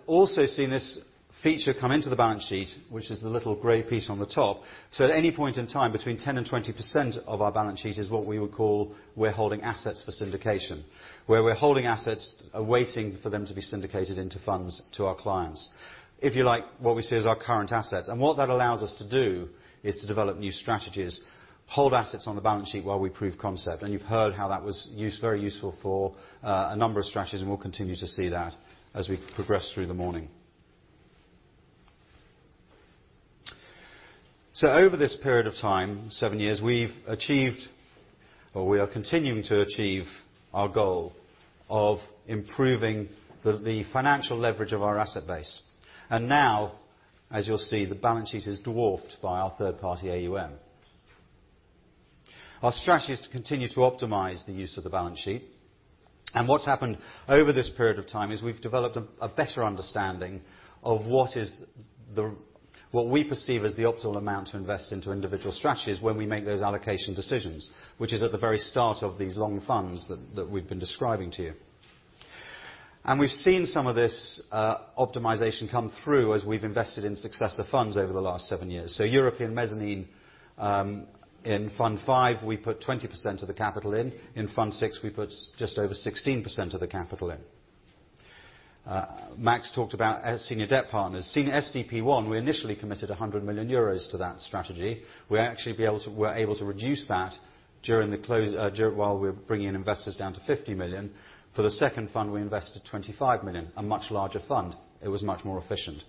Also seen this feature come into the balance sheet, which is the little gray piece on the top. At any point in time, between 10% and 20% of our balance sheet is what we would call we're holding assets for syndication. Where we're holding assets waiting for them to be syndicated into funds to our clients. If you like, what we see as our current assets. What that allows us to do is to develop new strategies, hold assets on the balance sheet while we prove concept. You've heard how that was very useful for a number of strategies, and we'll continue to see that as we progress through the morning. Over this period of time, seven years, we've achieved or we are continuing to achieve our goal of improving the financial leverage of our asset base. Now, as you'll see, the balance sheet is dwarfed by our third-party AUM. Our strategy is to continue to optimize the use of the balance sheet. What's happened over this period of time is we've developed a better understanding of what we perceive as the optimal amount to invest into individual strategies when we make those allocation decisions, which is at the very start of these long funds that we've been describing to you. We've seen some of this optimization come through as we've invested in successive funds over the last seven years. European Mezzanine in Fund V, we put 20% of the capital in. In Fund VI, we put just over 16% of the capital in. Max talked about Senior Debt Partners. SDP I, we initially committed €100 million to that strategy. We actually were able to reduce that while we were bringing investors down to 50 million. For the second fund, we invested 25 million, a much larger fund. It was much more efficient.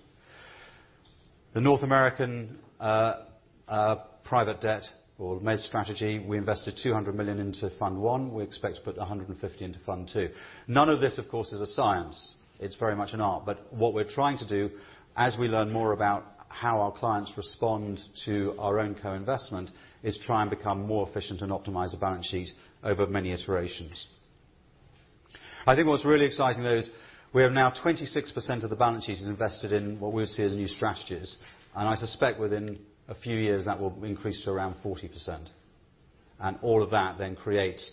The North American Private Debt or Mezz strategy, we invested 200 million into Fund I. We expect to put 150 into Fund II. None of this, of course, is a science. It's very much an art. What we're trying to do as we learn more about how our clients respond to our own co-investment is try and become more efficient and optimize the balance sheet over many iterations. I think what's really exciting, though, is we have now 26% of the balance sheet is invested in what we would see as new strategies, and I suspect within a few years that will increase to around 40%. All of that creates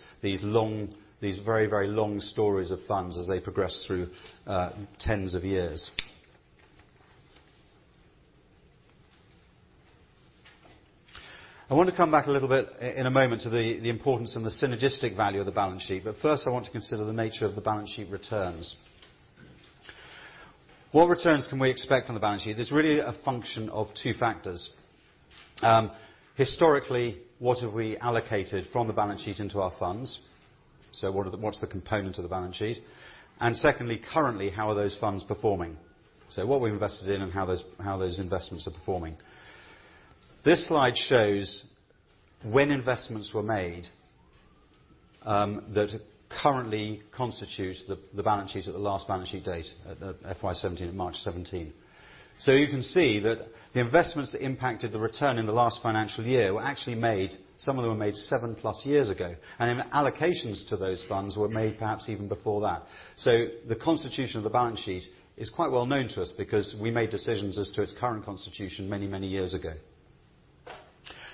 these very, very long stories of funds as they progress through tens of years. I want to come back a little bit in a moment to the importance and the synergistic value of the balance sheet. First, I want to consider the nature of the balance sheet returns. What returns can we expect from the balance sheet? There's really a function of two factors. Historically, what have we allocated from the balance sheet into our funds? What's the component of the balance sheet? Secondly, currently, how are those funds performing? What we've invested in and how those investments are performing. This slide shows when investments were made that currently constitutes the balance sheets at the last balance sheet date at FY 2017, March 2017. You can see that the investments that impacted the return in the last financial year were actually made, some of them were made 7+ years ago, and allocations to those funds were made perhaps even before that. The constitution of the balance sheet is quite well known to us because we made decisions as to its current constitution many, many years ago.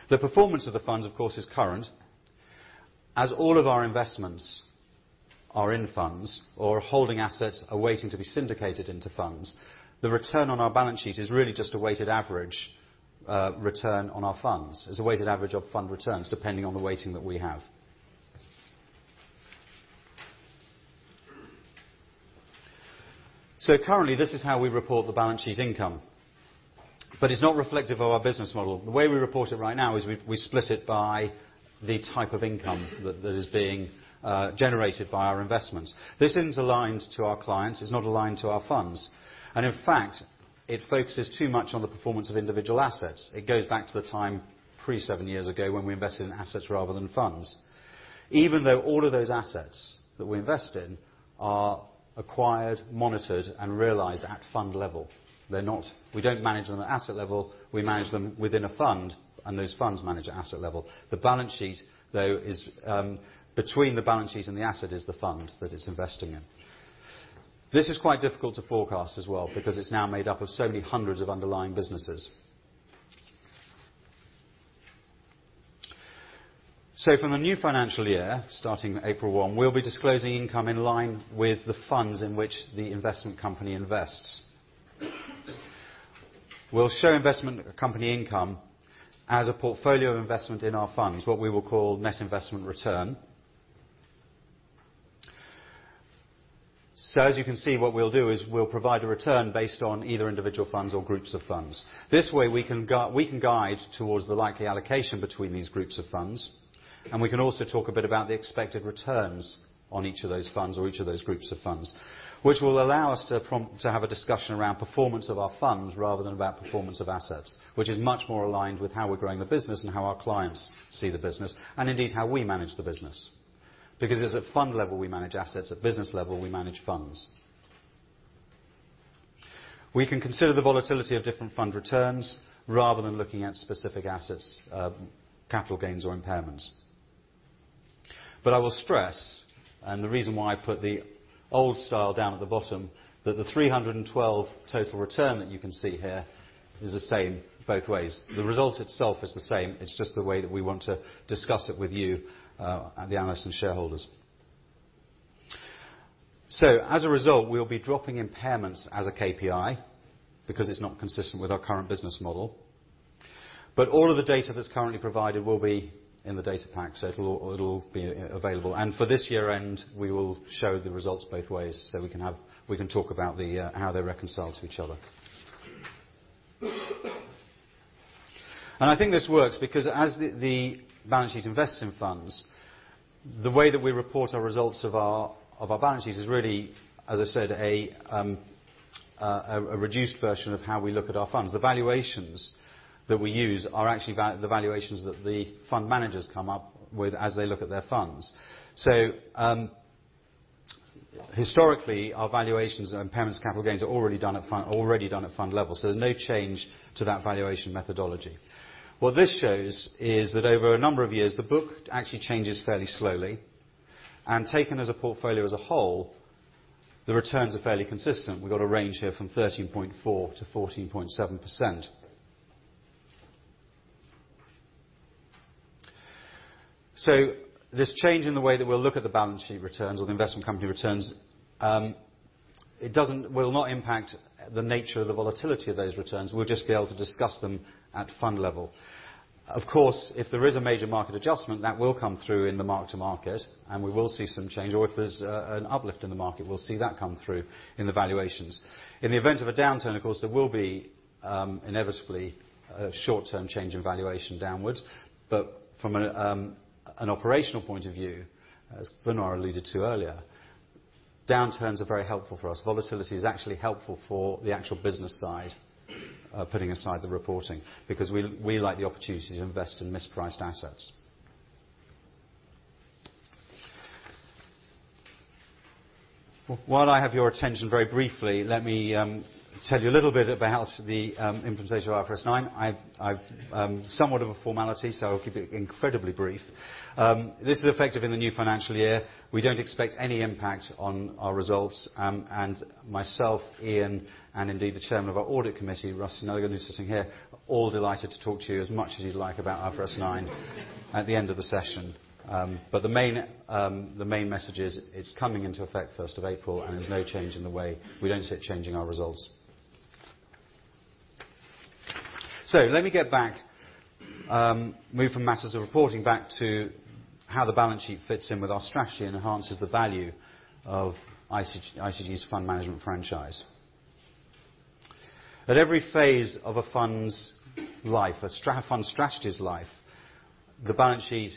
The performance of the funds, of course, is current. As all of our investments are in funds or holding assets are waiting to be syndicated into funds, the return on our balance sheet is really just a weighted average return on our funds. It's a weighted average of fund returns depending on the weighting that we have. Currently, this is how we report the balance sheet income. It's not reflective of our business model. The way we report it right now is we split it by the type of income that is being generated by our investments. This isn't aligned to our clients, it's not aligned to our funds. In fact, it focuses too much on the performance of individual assets. It goes back to the time pre-7 years ago, when we invested in assets rather than funds. Even though all of those assets that we invest in are acquired, monitored, and realized at fund level. We don't manage them at asset level, we manage them within a fund, and those funds manage at asset level. Between the balance sheet and the asset is the fund that it's investing in. This is quite difficult to forecast as well because it's now made up of so many hundreds of underlying businesses. From the new financial year, starting April 1, we'll be disclosing income in line with the funds in which the investment company invests. We'll show investment company income as a portfolio of investment in our funds, what we will call net investment return. As you can see, what we'll do is we'll provide a return based on either individual funds or groups of funds. This way, we can guide towards the likely allocation between these groups of funds, and we can also talk a bit about the expected returns on each of those funds or each of those groups of funds. Which will allow us to have a discussion around performance of our funds rather than about performance of assets, which is much more aligned with how we're growing the business and how our clients see the business, and indeed, how we manage the business. It's at fund level, we manage assets. At business level, we manage funds. We can consider the volatility of different fund returns rather than looking at specific assets, capital gains, or impairments. I will stress, and the reason why I put the old style down at the bottom, that the 312 total return that you can see here is the same both ways. The result itself is the same. It's just the way that we want to discuss it with you, the analysts and shareholders. As a result, we'll be dropping impairments as a KPI because it's not consistent with our current business model. All of the data that's currently provided will be in the data pack, so it'll all be available. For this year-end, we will show the results both ways so we can talk about how they reconcile to each other. I think this works because as the balance sheet invests in funds, the way that we report our results of our balance sheets is really, as I said, a reduced version of how we look at our funds. The valuations that we use are actually the valuations that the fund managers come up with as they look at their funds. Historically, our valuations and impairments capital gains are already done at fund level. There's no change to that valuation methodology. What this shows is that over a number of years, the book actually changes fairly slowly, and taken as a portfolio as a whole, the returns are fairly consistent. We've got a range here from 13.4%-14.7%. This change in the way that we'll look at the balance sheet returns or the investment company returns will not impact the nature of the volatility of those returns. We'll just be able to discuss them at fund level. Of course, if there is a major market adjustment, that will come through in the mark-to-market, and we will see some change. If there's an uplift in the market, we'll see that come through in the valuations. In the event of a downturn, of course, there will be inevitably a short-term change in valuation downwards. From an operational point of view, as Benoît alluded to earlier, downturns are very helpful for us. Volatility is actually helpful for the actual business side, putting aside the reporting, because we like the opportunity to invest in mispriced assets. While I have your attention very briefly, let me tell you a little bit about the implementation of IFRS 9. Somewhat of a formality, I'll keep it incredibly brief. This is effective in the new financial year. We don't expect any impact on our results. Myself, Ian, and indeed the chairman of our audit committee, Rusty Nelligan, who's sitting here, all delighted to talk to you as much as you'd like about IFRS 9 at the end of the session. The main message is it's coming into effect April 1, and there's no change in the way we don't see it changing our results. Let me get back, move from matters of reporting back to how the balance sheet fits in with our strategy and enhances the value of ICG's fund management franchise. At every phase of a fund strategy's life, the balance sheet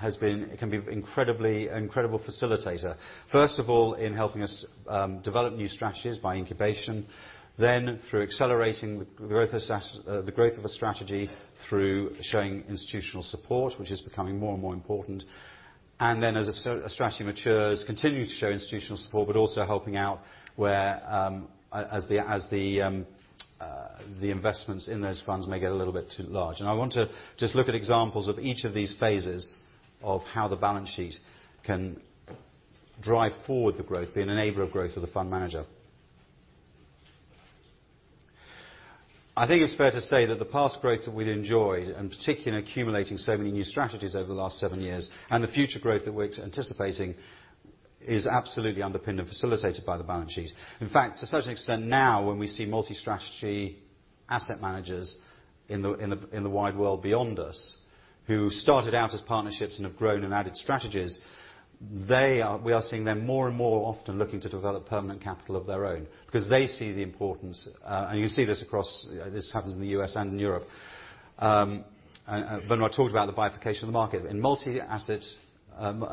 can be an incredible facilitator. In helping us develop new strategies by incubation, then through accelerating the growth of a strategy through showing institutional support, which is becoming more and more important. Then as a strategy matures, continuing to show institutional support, but also helping out whereas the investments in those funds may get a little bit too large. I want to just look at examples of each of these phases of how the balance sheet can drive forward the growth, be an enabler of growth for the fund manager. I think it's fair to say that the past growth that we've enjoyed, and particularly in accumulating so many new strategies over the last seven years, and the future growth that we're anticipating, is absolutely underpinned and facilitated by the balance sheet. To such an extent now when we see multi-strategy asset managers in the wide world beyond us, who started out as partnerships and have grown and added strategies, we are seeing them more and more often looking to develop permanent capital of their own, because they see the importance. You see this across. This happens in the U.S. and in Europe. When I talked about the bifurcation of the market, in multi-asset,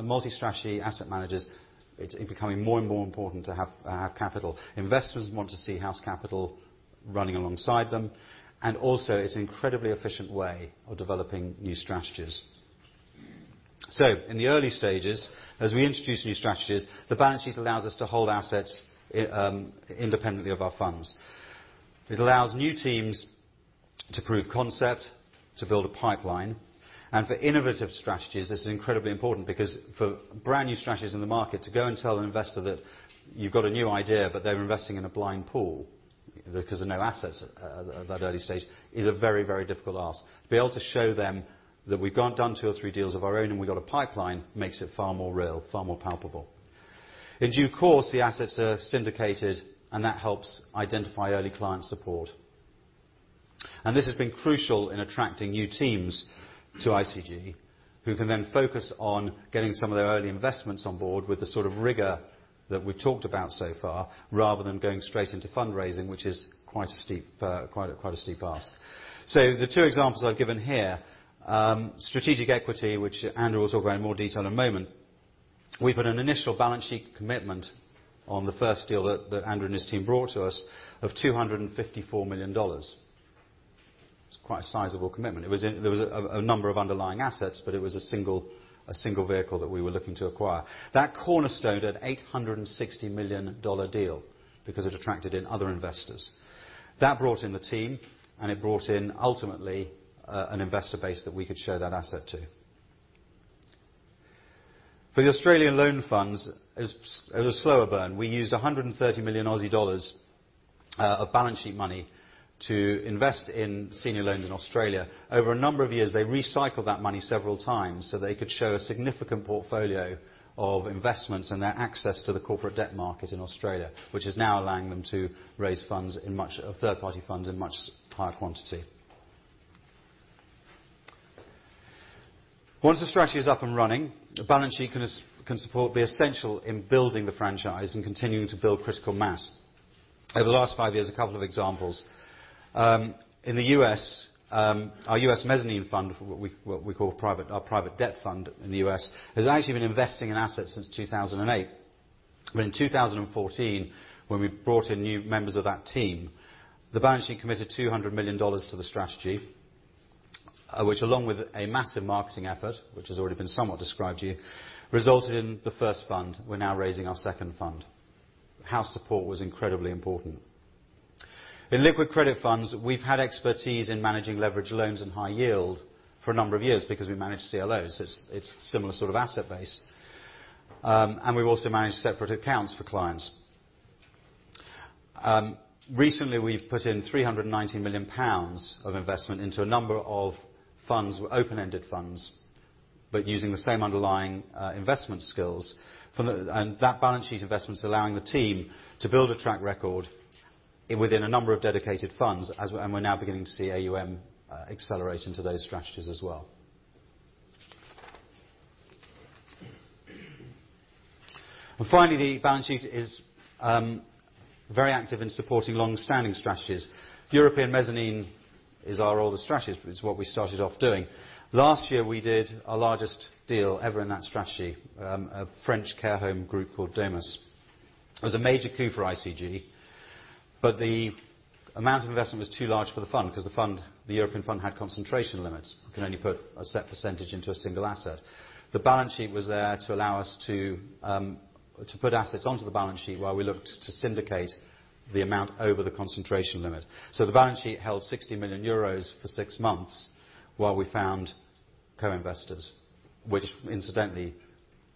multi-strategy asset managers, it's becoming more and more important to have capital. Investors want to see house capital running alongside them, also it's an incredibly efficient way of developing new strategies. In the early stages, as we introduce new strategies, the balance sheet allows us to hold assets independently of our funds. It allows new teams to prove concept, to build a pipeline, and for innovative strategies, this is incredibly important because for brand new strategies in the market to go and tell an investor that you've got a new idea, but they're investing in a blind pool because there are no assets at that early stage, is a very difficult ask. To be able to show them that we've gone and done two or three deals of our own and we've got a pipeline makes it far more real, far more palpable. In due course, the assets are syndicated and that helps identify early client support. This has been crucial in attracting new teams to ICG who can then focus on getting some of their early investments on board with the sort of rigor that we've talked about so far, rather than going straight into fundraising, which is quite a steep ask. The two examples I've given here, Strategic Equity, which Andrew will talk about in more detail in a moment. We put an initial balance sheet commitment on the first deal that Andrew and his team brought to us of GBP 254 million. It's quite a sizable commitment. There was a number of underlying assets, but it was a single vehicle that we were looking to acquire. That cornerstoned at GBP 860 million deal because it attracted in other investors. That brought in the team and it brought in ultimately, an investor base that we could show that asset to. For the Australian loan funds, it was a slower burn. We used 130 million Aussie dollars of balance sheet money to invest in senior loans in Australia. Over a number of years, they recycled that money several times so they could show a significant portfolio of investments and their access to the corporate debt market in Australia, which is now allowing them to raise third-party funds in much higher quantity. Once the strategy is up and running, the balance sheet can be essential in building the franchise and continuing to build critical mass. Over the last five years, a couple of examples. In the U.S., our U.S. Mezzanine Fund, what we call our private debt fund in the U.S., has actually been investing in assets since 2008. In 2014, when we brought in new members of that team, the balance sheet committed GBP 200 million to the strategy, which along with a massive marketing effort, which has already been somewhat described to you, resulted in the first fund. We're now raising our second fund. House support was incredibly important. In liquid credit funds, we've had expertise in managing leverage loans and high yield for a number of years because we manage CLOs. It's similar sort of asset base. We've also managed separate accounts for clients. Recently, we've put in 390 million pounds of investment into a number of open-ended funds, but using the same underlying investment skills. That balance sheet investment is allowing the team to build a track record within a number of dedicated funds and we're now beginning to see AUM accelerate into those strategies as well. Finally, the balance sheet is very active in supporting longstanding strategies. European Mezzanine is our oldest strategy. It's what we started off doing. Last year, we did our largest deal ever in that strategy, a French care home group called DomusVi. It was a major coup for ICG, but the amount of investment was too large for the fund because the European Fund had concentration limits. You can only put a set percentage into a single asset. The balance sheet was there to allow us to put assets onto the balance sheet while we looked to syndicate the amount over the concentration limit. The balance sheet held 60 million euros for 6 months while we found co-investors, which incidentally,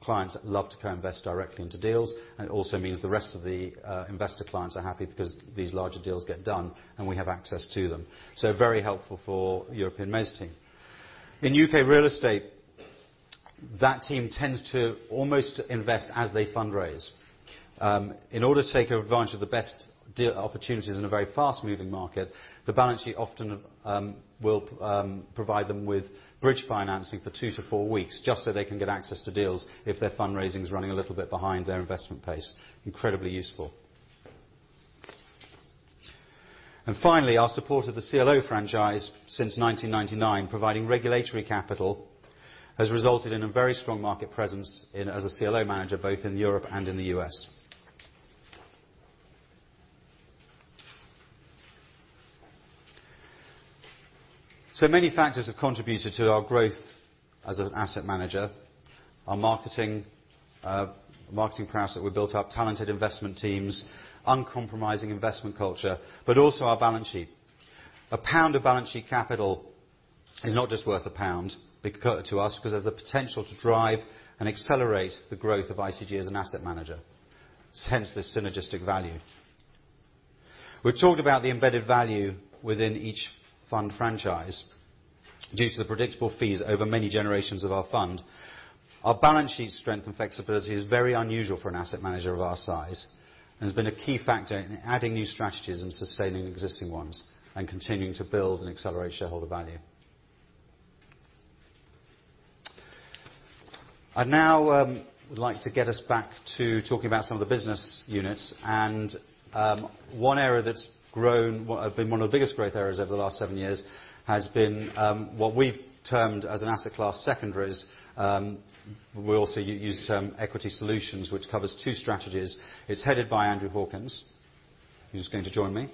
clients love to co-invest directly into deals, and it also means the rest of the investor clients are happy because these larger deals get done and we have access to them. Very helpful for European Mezzanine. In U.K. real estate, that team tends to almost invest as they fundraise. In order to take advantage of the best deal opportunities in a very fast-moving market, the balance sheet often will provide them with bridge financing for 2-4 weeks just so they can get access to deals if their fundraising is running a little bit behind their investment pace. Incredibly useful. Finally, our support of the CLO franchise since 1999, providing regulatory capital, has resulted in a very strong market presence as a CLO manager, both in Europe and in the U.S. Many factors have contributed to our growth as an asset manager. Our marketing prowess that we built up, talented investment teams, uncompromising investment culture, but also our balance sheet. A GBP of balance sheet capital is not just worth a GBP to us because there's the potential to drive and accelerate the growth of ICG as an asset manager. Hence, the synergistic value. We've talked about the embedded value within each fund franchise due to the predictable fees over many generations of our fund. Our balance sheet strength and flexibility is very unusual for an asset manager of our size, and has been a key factor in adding new strategies and sustaining existing ones and continuing to build and accelerate shareholder value. I now would like to get us back to talking about some of the business units. One area that's grown, been one of the biggest growth areas over the last 7 years, has been what we've termed as an asset class Secondaries. We also use the term Equity Solutions, which covers 2 strategies. It's headed by Andrew Hawkins, who's going to join me,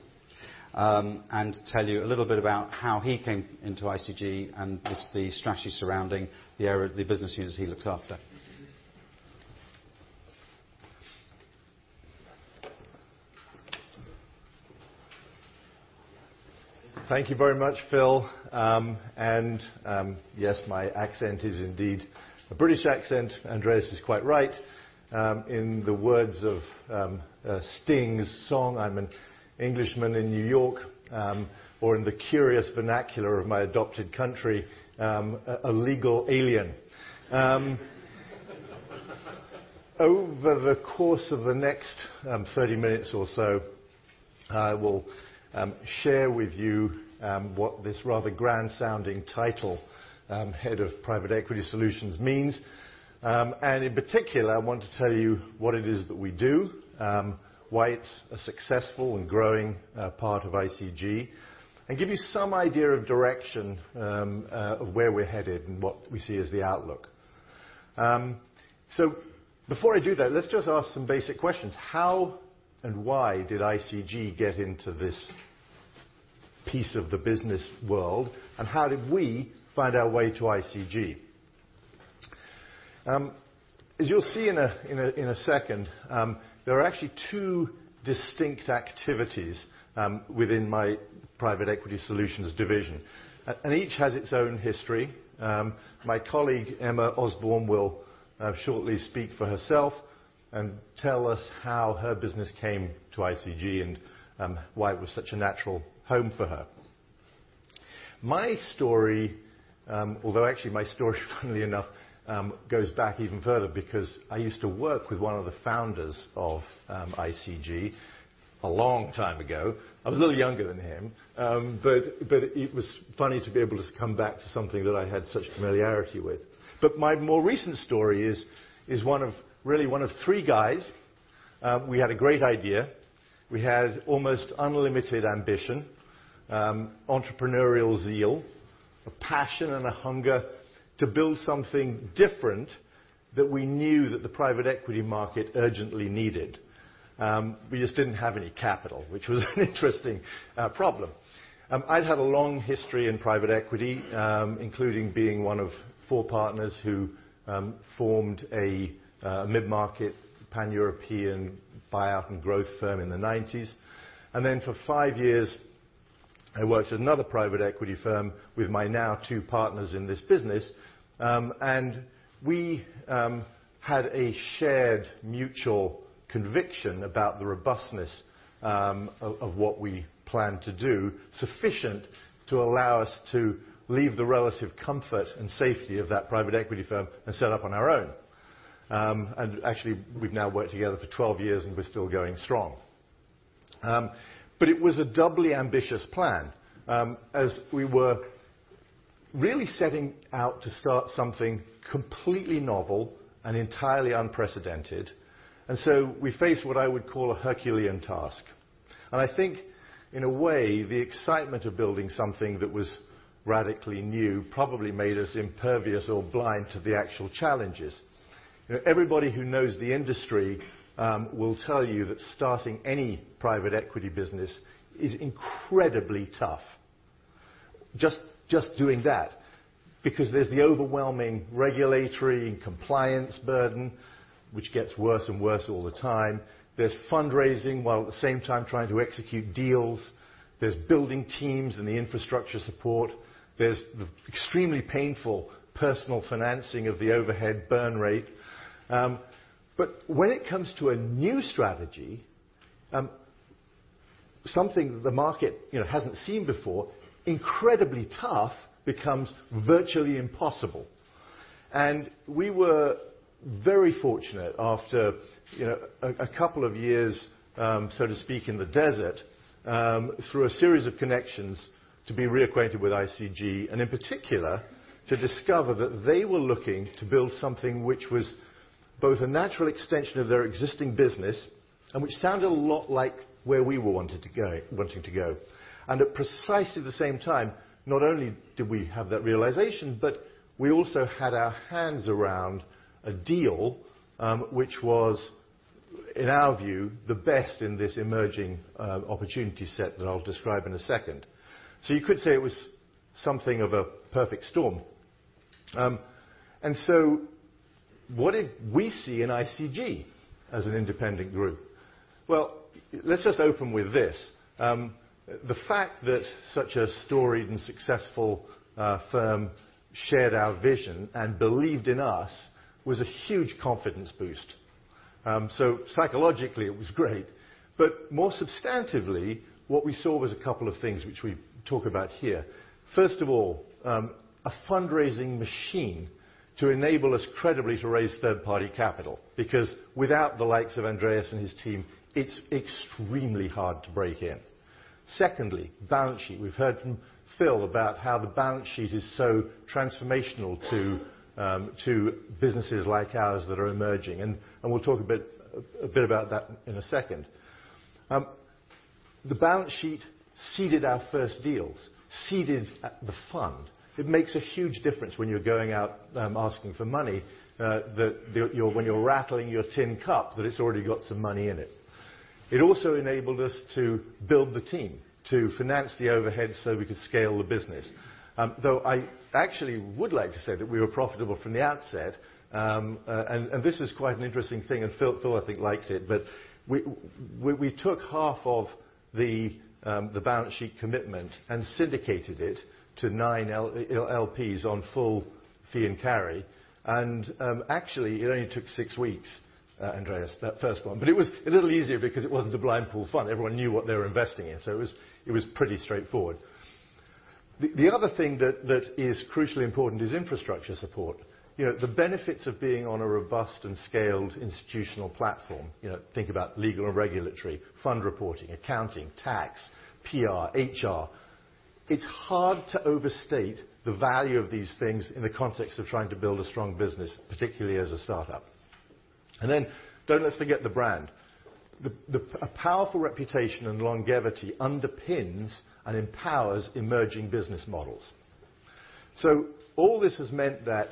and tell you a little bit about how he came into ICG and just the strategy surrounding the business units he looks after. Thank you very much, Phil. Yes, my accent is indeed a British accent. Andreas is quite right. In the words of Sting's song, I'm an Englishman in New York, or in the curious vernacular of my adopted country, a legal alien. Over the course of the next 30 minutes or so, I will share with you what this rather grand-sounding title, Head of Private Equity Solutions means. In particular, I want to tell you what it is that we do, why it's a successful and growing part of ICG. Give you some idea of direction of where we're headed and what we see as the outlook. Before I do that, let's just ask some basic questions. How and why did ICG get into this piece of the business world, and how did we find our way to ICG? As you'll see in a second, there are actually two distinct activities within my Private Equity Solutions division, and each has its own history. My colleague, Emma Osborne, will shortly speak for herself and tell us how her business came to ICG and why it was such a natural home for her. My story, although actually my story funnily enough, goes back even further because I used to work with one of the founders of ICG a long time ago. I was a little younger than him. It was funny to be able to come back to something that I had such familiarity with. My more recent story is really one of three guys. We had a great idea. We had almost unlimited ambition, entrepreneurial zeal, a passion, and a hunger to build something different that we knew that the private equity market urgently needed. We just didn't have any capital, which was an interesting problem. I'd had a long history in private equity, including being one of four partners who formed a mid-market Pan-European buyout and growth firm in the '90s. For five years, I worked at another private equity firm with my now two partners in this business. We had a shared mutual conviction about the robustness of what we planned to do, sufficient to allow us to leave the relative comfort and safety of that private equity firm and set up on our own. Actually, we've now worked together for 12 years, and we're still going strong. It was a doubly ambitious plan, as we were really setting out to start something completely novel and entirely unprecedented. We faced what I would call a Herculean task. I think in a way, the excitement of building something that was radically new probably made us impervious or blind to the actual challenges. Everybody who knows the industry will tell you that starting any private equity business is incredibly tough. Just doing that, because there's the overwhelming regulatory and compliance burden, which gets worse and worse all the time. There's fundraising, while at the same time trying to execute deals. There's building teams and the infrastructure support. There's the extremely painful personal financing of the overhead burn rate. When it comes to a new strategy, something that the market hasn't seen before, incredibly tough becomes virtually impossible. We were very fortunate after a couple of years, so to speak, in the desert, through a series of connections to be reacquainted with ICG, and in particular, to discover that they were looking to build something which was both a natural extension of their existing business and which sounded a lot like where we were wanting to go. At precisely the same time, not only did we have that realization, but we also had our hands around a deal, which was in our view, the best in this emerging opportunity set that I'll describe in a second. You could say it was something of a perfect storm. What did we see in ICG as an independent group? Well, let's just open with this. The fact that such a storied and successful firm shared our vision and believed in us was a huge confidence boost. Psychologically, it was great. More substantively, what we saw was a couple of things which we talk about here. First of all, a fundraising machine to enable us credibly to raise third-party capital, because without the likes of Andreas and his team, it's extremely hard to break in. Secondly, balance sheet. We've heard from Phil about how the balance sheet is so transformational to businesses like ours that are emerging, and we'll talk a bit about that in a second. The balance sheet seeded our first deals, seeded the fund. It makes a huge difference when you're going out asking for money, that when you're rattling your tin cup, that it's already got some money in it. It also enabled us to build the team, to finance the overhead so we could scale the business. I actually would like to say that we were profitable from the outset. This was quite an interesting thing, and Phil I think liked it. We took half of the balance sheet commitment and syndicated it to nine LPs on full fee and carry. Actually, it only took six weeks, Andreas, that first one. It was a little easier because it wasn't a blind pool fund. Everyone knew what they were investing in, so it was pretty straightforward. The other thing that is crucially important is infrastructure support. The benefits of being on a robust and scaled institutional platform. Think about legal and regulatory, fund reporting, accounting, tax, PR, HR. It's hard to overstate the value of these things in the context of trying to build a strong business, particularly as a startup. Don't let's forget the brand. A powerful reputation and longevity underpins and empowers emerging business models. All this has meant that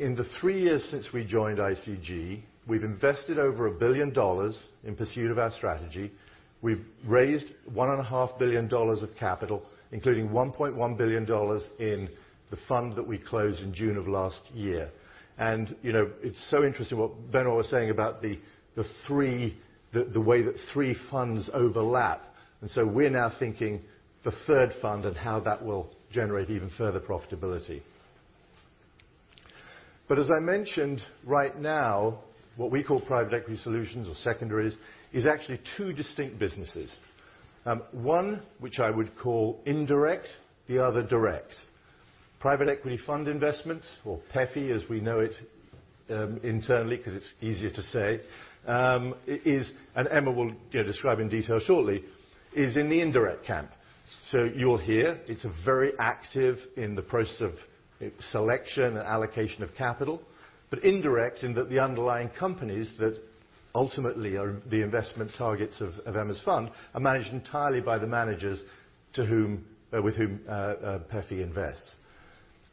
in the three years since we joined ICG, we've invested over $1 billion in pursuit of our strategy. We've raised $1.5 billion of capital, including $1.1 billion in the fund that we closed in June of last year. It's so interesting what Benoît was saying about the way that three funds overlap. We're now thinking the third fund and how that will generate even further profitability. As I mentioned, right now, what we call Private Equity Solutions or secondaries is actually two distinct businesses. One which I would call indirect, the other direct. Private Equity Fund Investments or PEFI as we know it internally, because it's easier to say, is, and Emma will describe in detail shortly, is in the indirect camp. You'll hear it's very active in the process of selection and allocation of capital, indirect in that the underlying companies that ultimately are the investment targets of Emma's fund are managed entirely by the managers with whom PEFI invests.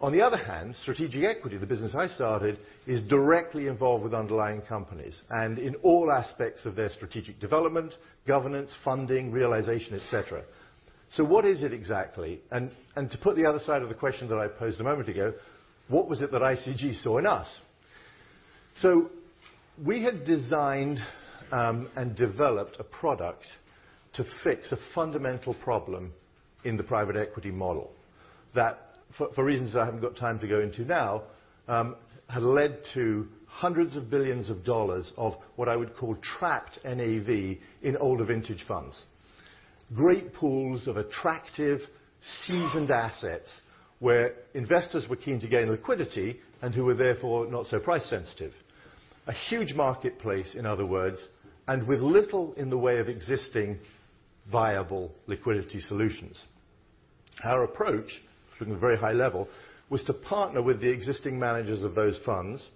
On the other hand, Strategic Equity, the business I started, is directly involved with underlying companies and in all aspects of their strategic development, governance, funding, realization, et cetera. What is it exactly? To put the other side of the question that I posed a moment ago, what was it that ICG saw in us? We had designed and developed a product to fix a fundamental problem in the private equity model that, for reasons I haven't got time to go into now, had led to hundreds of billions of USD of what I would call trapped NAV in older vintage funds. Great pools of attractive seasoned assets where investors were keen to gain liquidity and who were therefore not so price sensitive. A huge marketplace, in other words, with little in the way of existing viable liquidity solutions. Our approach, from the very high level, was to partner with the existing managers of those funds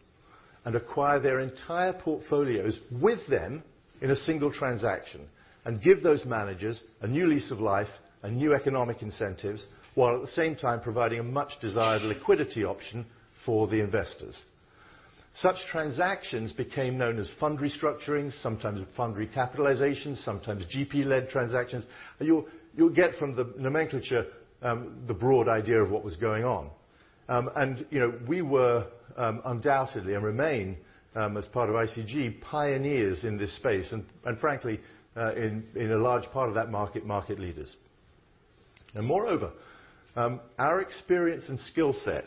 and acquire their entire portfolios with them in a single transaction, and give those managers a new lease of life and new economic incentives, while at the same time providing a much desired liquidity option for the investors. Such transactions became known as fund restructuring, sometimes fund recapitalizations, sometimes GP-led transactions. You'll get from the nomenclature the broad idea of what was going on. We were undoubtedly, and remain as part of ICG, pioneers in this space, and frankly, in a large part of that market leaders. Moreover, our experience and skill set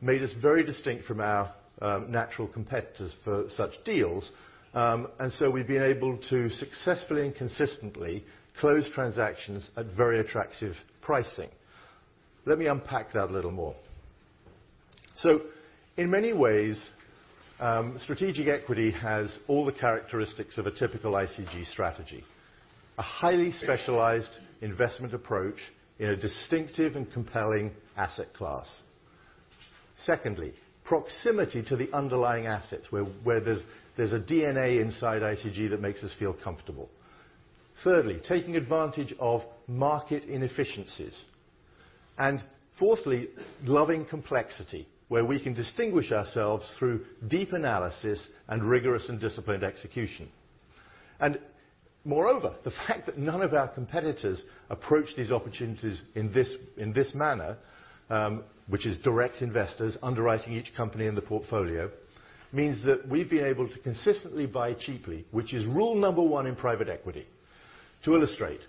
made us very distinct from our natural competitors for such deals. We've been able to successfully and consistently close transactions at very attractive pricing. Let me unpack that a little more. In many ways, Strategic Equity has all the characteristics of a typical ICG strategy. A highly specialized investment approach in a distinctive and compelling asset class. Secondly, proximity to the underlying assets where there's a DNA inside ICG that makes us feel comfortable. Thirdly, taking advantage of market inefficiencies. Fourthly, loving complexity, where we can distinguish ourselves through deep analysis and rigorous and disciplined execution. Moreover, the fact that none of our competitors approach these opportunities in this manner, which is direct investors underwriting each company in the portfolio, means that we've been able to consistently buy cheaply, which is rule number one in private equity. To illustrate,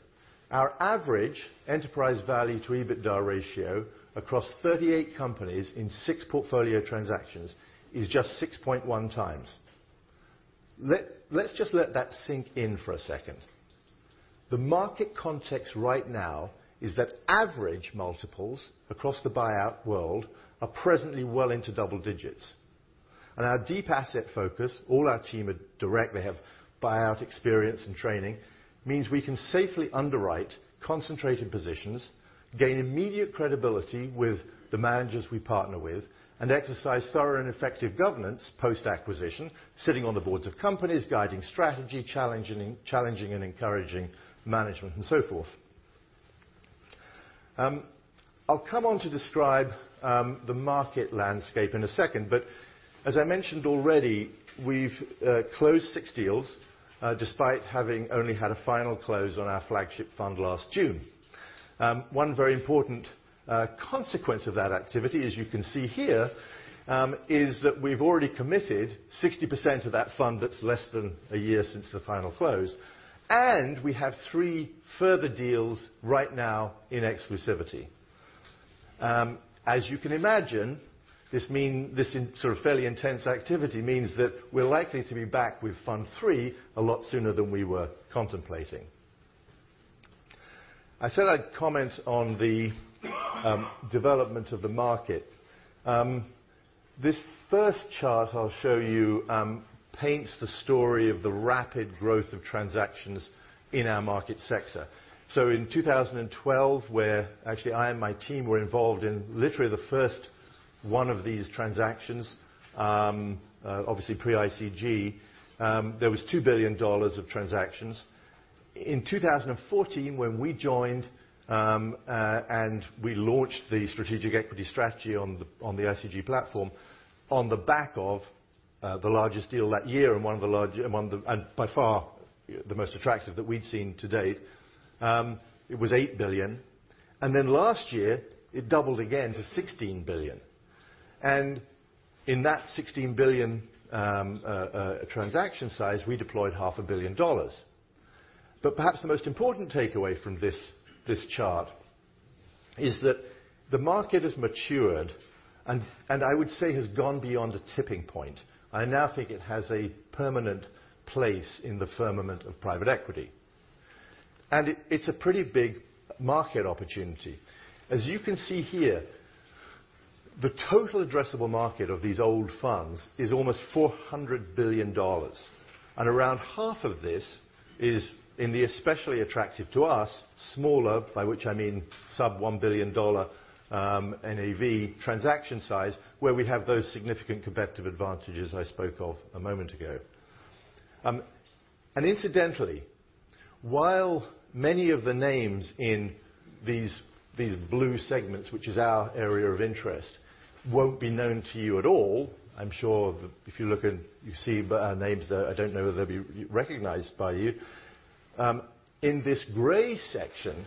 our average enterprise value to EBITDA ratio across 38 companies in six portfolio transactions is just 6.1 times. Let's just let that sink in for a second. The market context right now is that average multiples across the buyout world are presently well into double digits, and our deep asset focus, all our team are direct, they have buyout experience and training, means we can safely underwrite concentrated positions, gain immediate credibility with the managers we partner with, and exercise thorough and effective governance post-acquisition, sitting on the boards of companies, guiding strategy, challenging and encouraging management, and so forth. I'll come on to describe the market landscape in a second, but as I mentioned already, we've closed six deals despite having only had a final close on our flagship fund last June. One very important consequence of that activity, as you can see here, is that we've already committed 60% of that fund that's less than a year since the final close, and we have three further deals right now in exclusivity. As you can imagine, this sort of fairly intense activity means that we're likely to be back with Fund 3 a lot sooner than we were contemplating. I said I'd comment on the development of the market. This first chart I'll show you paints the story of the rapid growth of transactions in our market sector. In 2012, where actually I and my team were involved in literally the 1st one of these transactions, obviously pre-ICG, there was GBP 2 billion of transactions. In 2014, when we joined and we launched the Strategic Equity strategy on the ICG platform on the back of the largest deal that year and by far the most attractive that we'd seen to date, it was $8 billion. Last year, it doubled again to $16 billion. In that $16 billion transaction size, we deployed half a billion dollars. Perhaps the most important takeaway from this chart is that the market has matured, and I would say has gone beyond a tipping point. I now think it has a permanent place in the firmament of private equity. It's a pretty big market opportunity. As you can see here, the total addressable market of these old funds is almost $400 billion. Around half of this is in the especially attractive to us, smaller, by which I mean sub $1 billion NAV transaction size, where we have those significant competitive advantages I spoke of a moment ago. Incidentally, while many of the names in these blue segments, which is our area of interest, won't be known to you at all, I'm sure if you look and you see names there, I don't know whether they'll be recognized by you. In this gray section,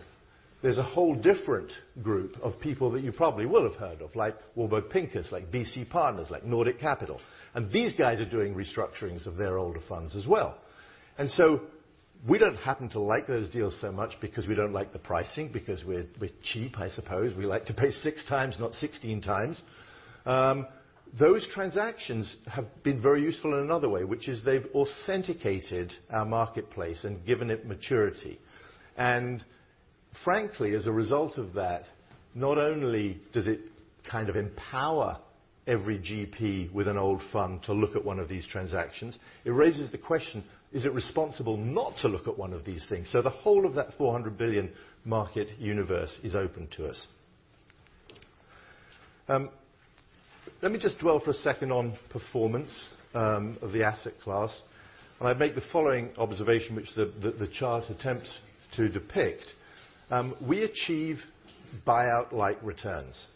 there's a whole different group of people that you probably will have heard of, like Warburg Pincus, like BC Partners, like Nordic Capital. These guys are doing restructurings of their older funds as well. We don't happen to like those deals so much because we don't like the pricing, because we're cheap, I suppose. We like to pay six times, not 16 times. Those transactions have been very useful in another way, which is they've authenticated our marketplace and given it maturity. Frankly, as a result of that, not only does it kind of empower every GP with an old fund to look at one of these transactions, it raises the question, is it responsible not to look at one of these things? The whole of that $400 billion market universe is open to us. Let me just dwell for a second on performance of the asset class, and I make the following observation, which the chart attempts to depict. We achieve buyout-like returns,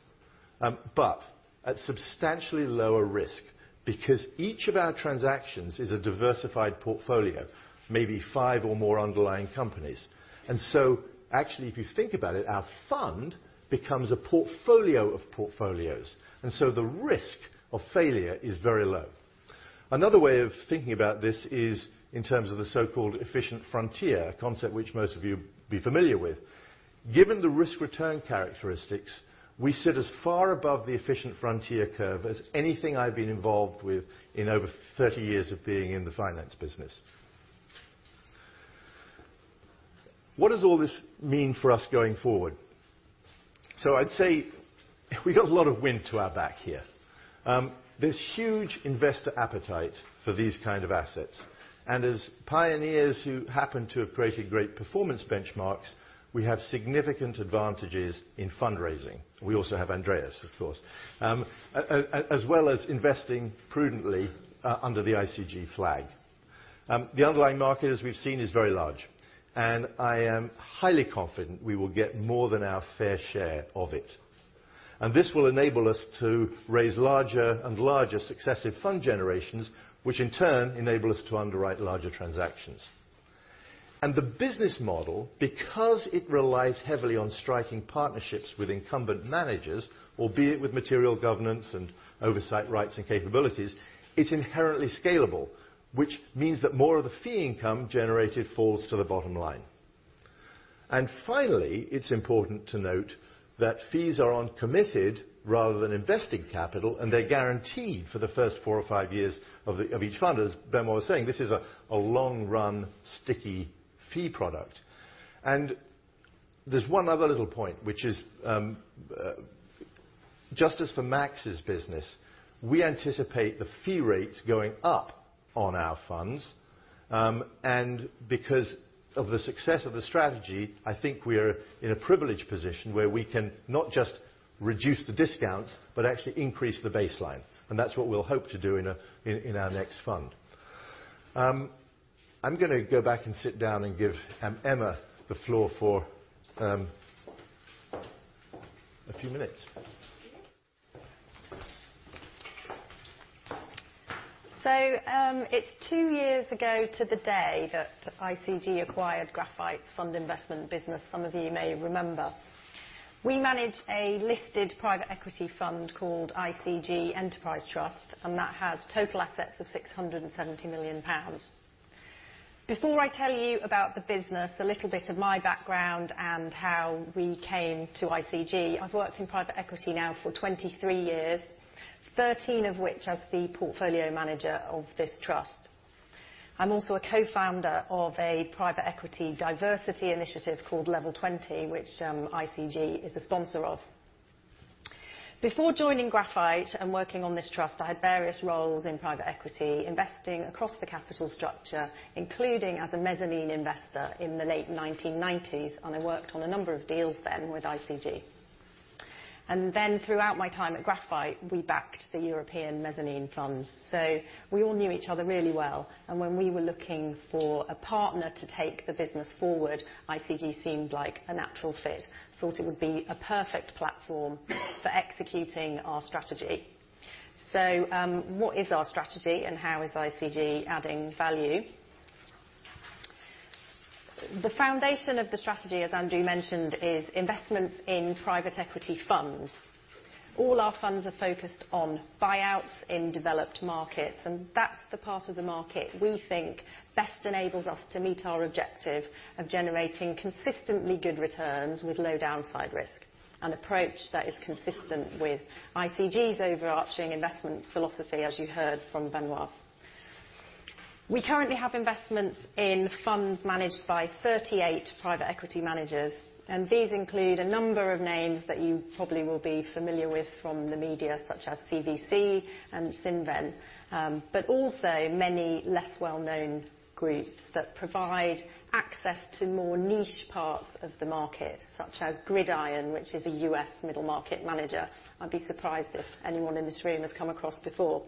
but at substantially lower risk because each of our transactions is a diversified portfolio, maybe five or more underlying companies. Actually, if you think about it, our fund becomes a portfolio of portfolios, the risk of failure is very low. Another way of thinking about this is in terms of the so-called efficient frontier, a concept which most of you will be familiar with. Given the risk-return characteristics, we sit as far above the efficient frontier curve as anything I've been involved with in over 30 years of being in the finance business. What does all this mean for us going forward? I'd say we've got a lot of wind to our back here. There's huge investor appetite for these kind of assets, and as pioneers who happen to have created great performance benchmarks, we have significant advantages in fundraising. We also have Andreas, of course. As well as investing prudently under the ICG flag. The underlying market, as we've seen, is very large, I am highly confident we will get more than our fair share of it. This will enable us to raise larger and larger successive fund generations, which in turn enable us to underwrite larger transactions. The business model, because it relies heavily on striking partnerships with incumbent managers, albeit with material governance and oversight rights and capabilities, it's inherently scalable, which means that more of the fee income generated falls to the bottom line. Finally, it's important to note that fees are on committed rather than invested capital, and they're guaranteed for the first four or five years of each fund. As Benoît was saying, this is a long-run, sticky fee product. There's one other little point, which is, just as for Max's business, we anticipate the fee rates going up on our funds. Because of the success of the strategy, I think we're in a privileged position where we can not just reduce the discounts, but actually increase the baseline. That's what we'll hope to do in our next fund. I'm going to go back and sit down and give Emma the floor for a few minutes. It's two years ago to the day that ICG acquired Graphite's fund investment business, some of you may remember. We manage a listed private equity fund called ICG Enterprise Trust, and that has total assets of 670 million pounds. Before I tell you about the business, a little bit of my background and how we came to ICG. I've worked in private equity now for 23 years, 13 of which as the portfolio manager of this trust. I'm also a co-founder of a private equity diversity initiative called Level 20, which ICG is a sponsor of. Before joining Graphite and working on this trust, I had various roles in private equity, investing across the capital structure, including as a mezzanine investor in the late 1990s, and I worked on a number of deals then with ICG. Throughout my time at Graphite, we backed the European Mezzanine funds. We all knew each other really well, and when we were looking for a partner to take the business forward, ICG seemed like a natural fit. I thought it would be a perfect platform for executing our strategy. What is our strategy and how is ICG adding value? The foundation of the strategy, as Andrew mentioned, is investments in private equity funds. All our funds are focused on buyouts in developed markets, and that's the part of the market we think best enables us to meet our objective of generating consistently good returns with low downside risk, an approach that is consistent with ICG's overarching investment philosophy, as you heard from Benoît. We currently have investments in funds managed by 38 private equity managers. These include a number of names that you probably will be familiar with from the media, such as CVC and Cinven. Also many less well-known groups that provide access to more niche parts of the market, such as Gridiron Capital, which is a U.S. middle market manager. I'd be surprised if anyone in this room has come across before.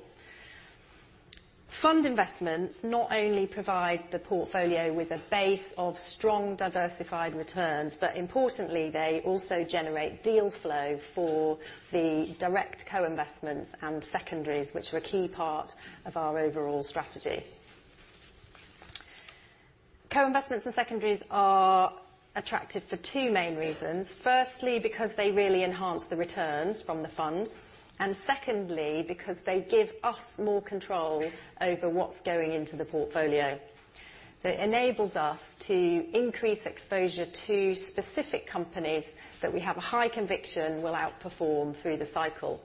Fund investments not only provide the portfolio with a base of strong diversified returns, but importantly, they also generate deal flow for the direct co-investments and secondaries, which are a key part of our overall strategy. Co-investments and secondaries are attractive for two main reasons. Firstly, because they really enhance the returns from the funds, and secondly, because they give us more control over what's going into the portfolio. It enables us to increase exposure to specific companies that we have a high conviction will outperform through the cycle.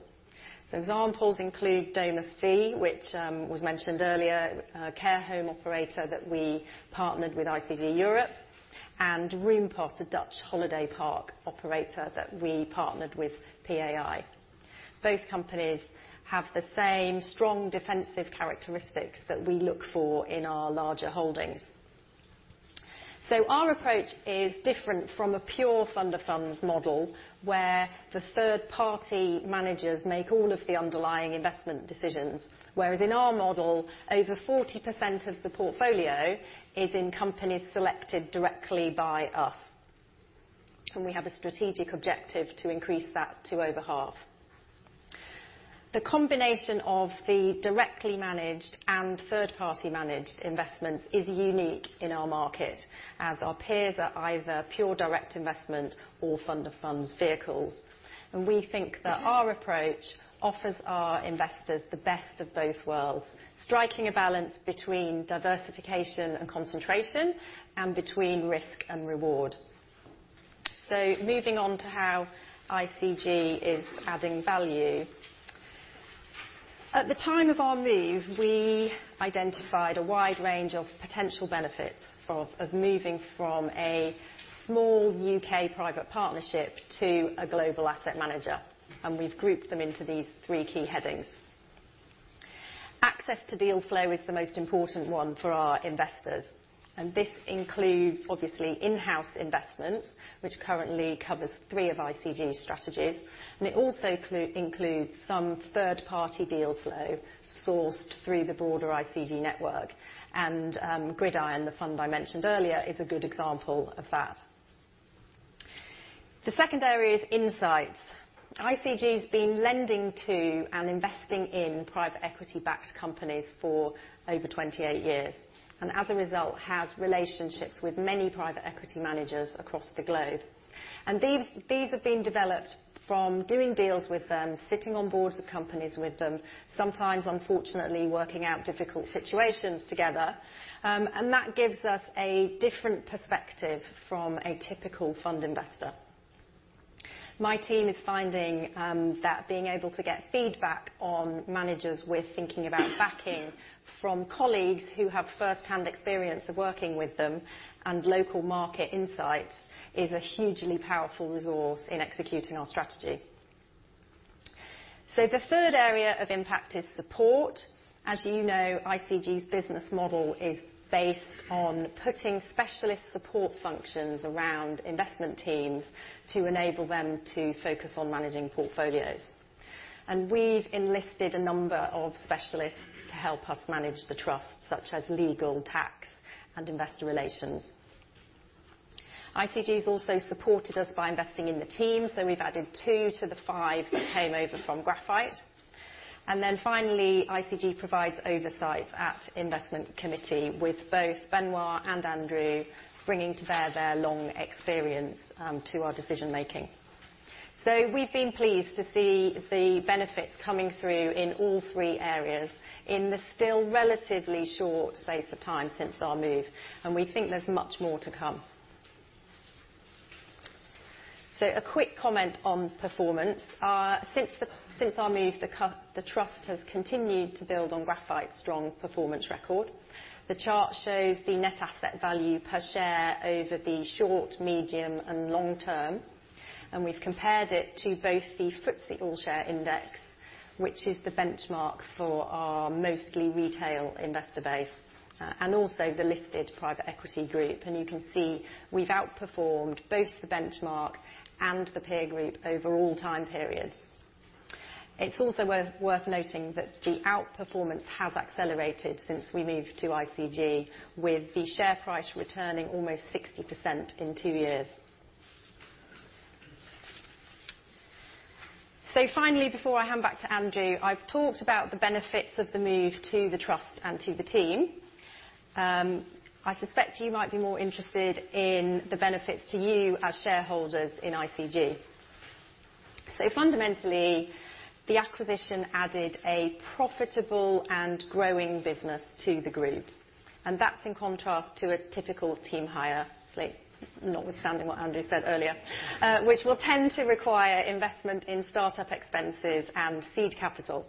Examples include DomusVi, which was mentioned earlier, a care home operator that we partnered with ICG Europe, and Roompot, a Dutch holiday park operator that we partnered with PAI. Both companies have the same strong defensive characteristics that we look for in our larger holdings. Our approach is different from a pure fund of funds model, where the third-party managers make all of the underlying investment decisions. Whereas in our model, over 40% of the portfolio is in companies selected directly by us. We have a strategic objective to increase that to over half. The combination of the directly managed and third-party managed investments is unique in our market, as our peers are either pure direct investment or fund of funds vehicles. We think that our approach offers our investors the best of both worlds, striking a balance between diversification and concentration, and between risk and reward. Moving on to how ICG is adding value. At the time of our move, we identified a wide range of potential benefits of moving from a small U.K. private partnership to a global asset manager, and we've grouped them into these three key headings. Access to deal flow is the most important one for our investors. This includes obviously in-house investment, which currently covers three of ICG's strategies, and it also includes some third-party deal flow sourced through the broader ICG network. Gridiron Capital, the fund I mentioned earlier, is a good example of that. The second area is insights. ICG's been lending to and investing in private equity-backed companies for over 28 years, and as a result, has relationships with many private equity managers across the globe. These have been developed from doing deals with them, sitting on boards of companies with them, sometimes unfortunately working out difficult situations together. That gives us a different perspective from a typical fund investor. My team is finding that being able to get feedback on managers we're thinking about backing from colleagues who have first-hand experience of working with them and local market insight is a hugely powerful resource in executing our strategy. The third area of impact is support. As you know, ICG's business model is based on putting specialist support functions around investment teams to enable them to focus on managing portfolios. We've enlisted a number of specialists to help us manage the trusts, such as legal, tax, and investor relations. ICG's also supported us by investing in the team, so we've added two to the five that came over from Graphite. Finally, ICG provides oversight at investment committee with both Benoît and Andrew bringing to bear their long experience to our decision-making. We've been pleased to see the benefits coming through in all three areas in the still relatively short space of time since our move, and we think there's much more to come. A quick comment on performance. Since our move, the trust has continued to build on Graphite's strong performance record. The chart shows the net asset value per share over the short, medium, and long term. We've compared it to both the FTSE All-Share Index, which is the benchmark for our mostly retail investor base, and also the listed private equity group. You can see we've outperformed both the benchmark and the peer group over all time periods. It's also worth noting that the outperformance has accelerated since we moved to ICG, with the share price returning almost 60% in two years. Finally, before I hand back to Andrew, I've talked about the benefits of the move to the Trust and to the team. I suspect you might be more interested in the benefits to you as shareholders in ICG. Fundamentally, the acquisition added a profitable and growing business to the group. That's in contrast to a typical team hire, obviously, notwithstanding what Andrew said earlier, which will tend to require investment in start-up expenses and seed capital.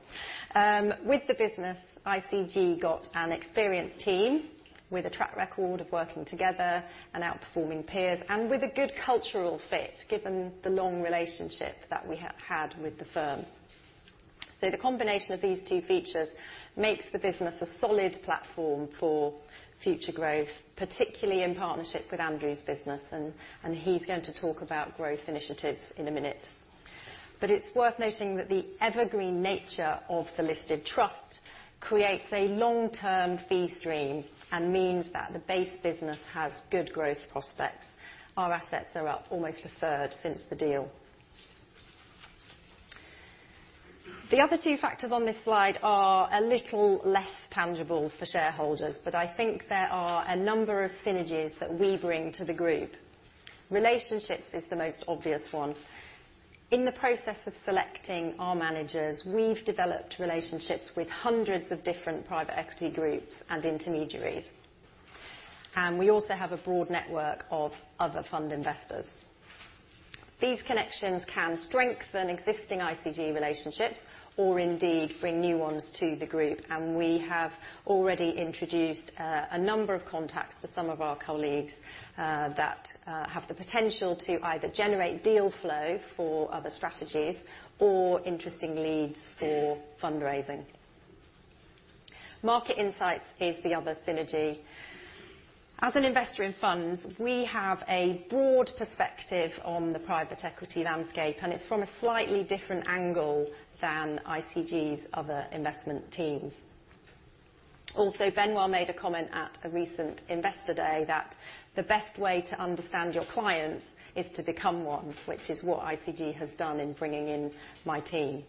With the business, ICG got an experienced team with a track record of working together and outperforming peers, and with a good cultural fit, given the long relationship that we had with the firm. The combination of these two features makes the business a solid platform for future growth, particularly in partnership with Andrew's business. He's going to talk about growth initiatives in a minute. It's worth noting that the evergreen nature of the listed trust creates a long-term fee stream and means that the base business has good growth prospects. Our assets are up almost a third since the deal. The other two factors on this slide are a little less tangible for shareholders. I think there are a number of synergies that we bring to the group. Relationships is the most obvious one. In the process of selecting our managers, we've developed relationships with hundreds of different private equity groups and intermediaries. We also have a broad network of other fund investors. These connections can strengthen existing ICG relationships or indeed bring new ones to the group. We have already introduced a number of contacts to some of our colleagues that have the potential to either generate deal flow for other strategies or interesting leads for fundraising. Market insights is the other synergy. As an investor in funds, we have a broad perspective on the private equity landscape. It's from a slightly different angle than ICG's other investment teams. Benoît made a comment at a recent investor day that the best way to understand your clients is to become one, which is what ICG has done in bringing in my team.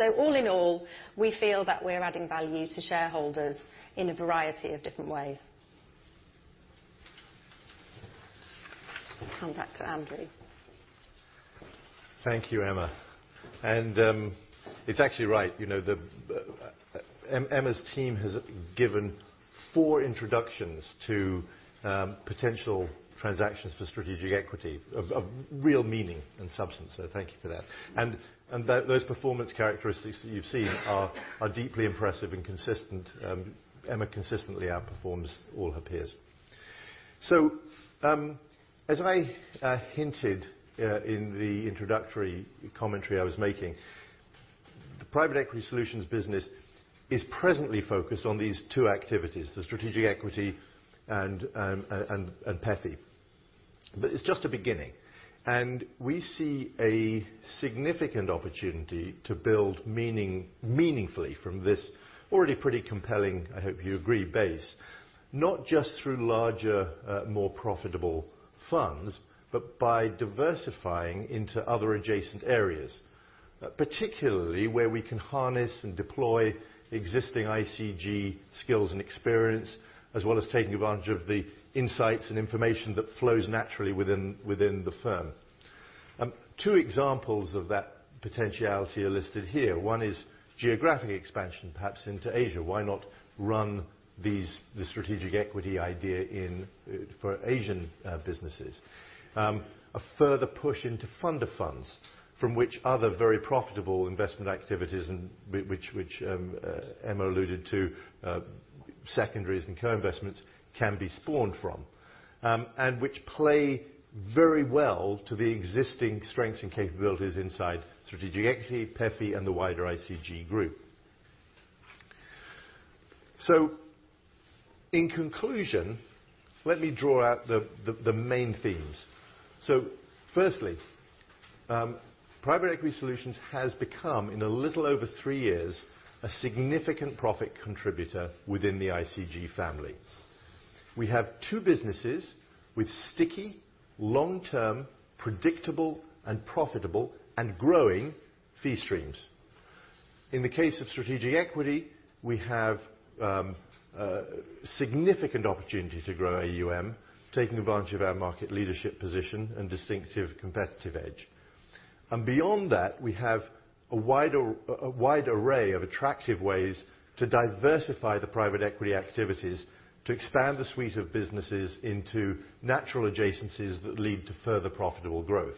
All in all, we feel that we're adding value to shareholders in a variety of different ways. I'll come back to Andrew. Thank you, Emma. It's actually right. You know, the Emma's team has given four introductions to potential transactions for Strategic Equity, of real meaning and substance, so thank you for that. Those performance characteristics that you've seen are deeply impressive and consistent. Emma consistently outperforms all her peers. As I hinted in the introductory commentary I was making, the Private Equity Solutions business is presently focused on these two activities, the Strategic Equity and PEFI. It's just a beginning. We see a significant opportunity to build meaningfully from this already pretty compelling, I hope you agree, base, not just through larger, more profitable funds, but by diversifying into other adjacent areas, particularly where we can harness and deploy existing ICG skills and experience, as well as taking advantage of the insights and information that flows naturally within the firm. Two examples of that potentiality are listed here. One is geographic expansion, perhaps into Asia. Why not run the Strategic Equity idea for Asian businesses? A further push into fund of funds, from which other very profitable investment activities, and which Emma alluded to, secondaries and co-investments can be spawned from, and which play very well to the existing strengths and capabilities inside Strategic Equity, PEFI, and the wider ICG group. In conclusion, let me draw out the main themes. Firstly, Private Equity Solutions has become, in a little over three years, a significant profit contributor within the ICG family. We have two businesses with sticky, long-term, predictable and profitable and growing fee streams. In the case of Strategic Equity, we have a significant opportunity to grow AUM, taking advantage of our market leadership position and distinctive competitive edge. Beyond that, we have a wide array of attractive ways to diversify the private equity activities to expand the suite of businesses into natural adjacencies that lead to further profitable growth.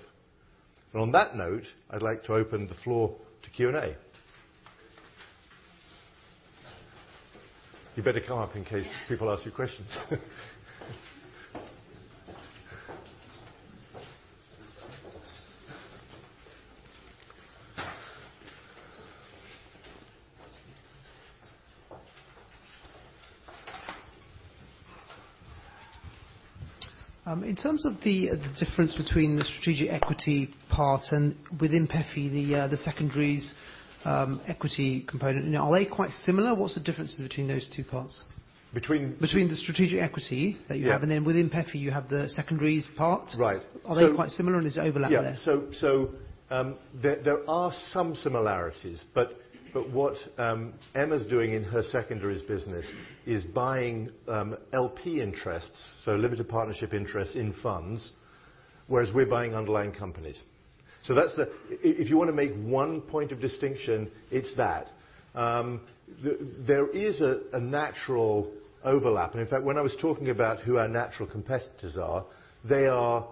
On that note, I'd like to open the floor to Q&A. You better come up in case people ask you questions. In terms of the difference between the Strategic Equity part and within PEFI, the secondaries equity component, are they quite similar? What's the difference between those two parts? Between? Between the Strategic Equity that you have, and then within PEFI you have the secondaries part. Right. Are they quite similar and is there overlap there? Yeah. There are some similarities, but what Emma's doing in her secondaries business is buying LP interests, so limited partnership interests in funds, whereas we're buying underlying companies. If you want to make one point of distinction, it's that. There is a natural overlap, and in fact, when I was talking about who our natural competitors are, they are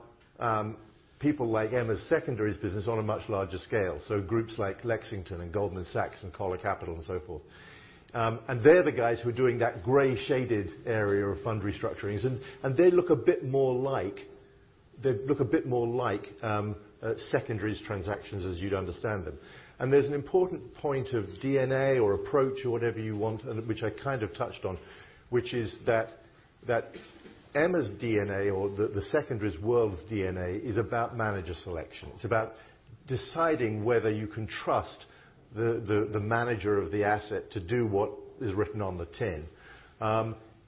people like Emma's secondaries business on a much larger scale. Groups like Lexington and Goldman Sachs and Coller Capital and so forth. They're the guys who are doing that gray shaded area of fund restructurings, and they look a bit more like secondaries transactions as you'd understand them. There's an important point of DNA or approach or whatever you want, and which I kind of touched on, which is that Emma's DNA or the secondaries world's DNA is about manager selection. It's about deciding whether you can trust the manager of the asset to do what is written on the tin.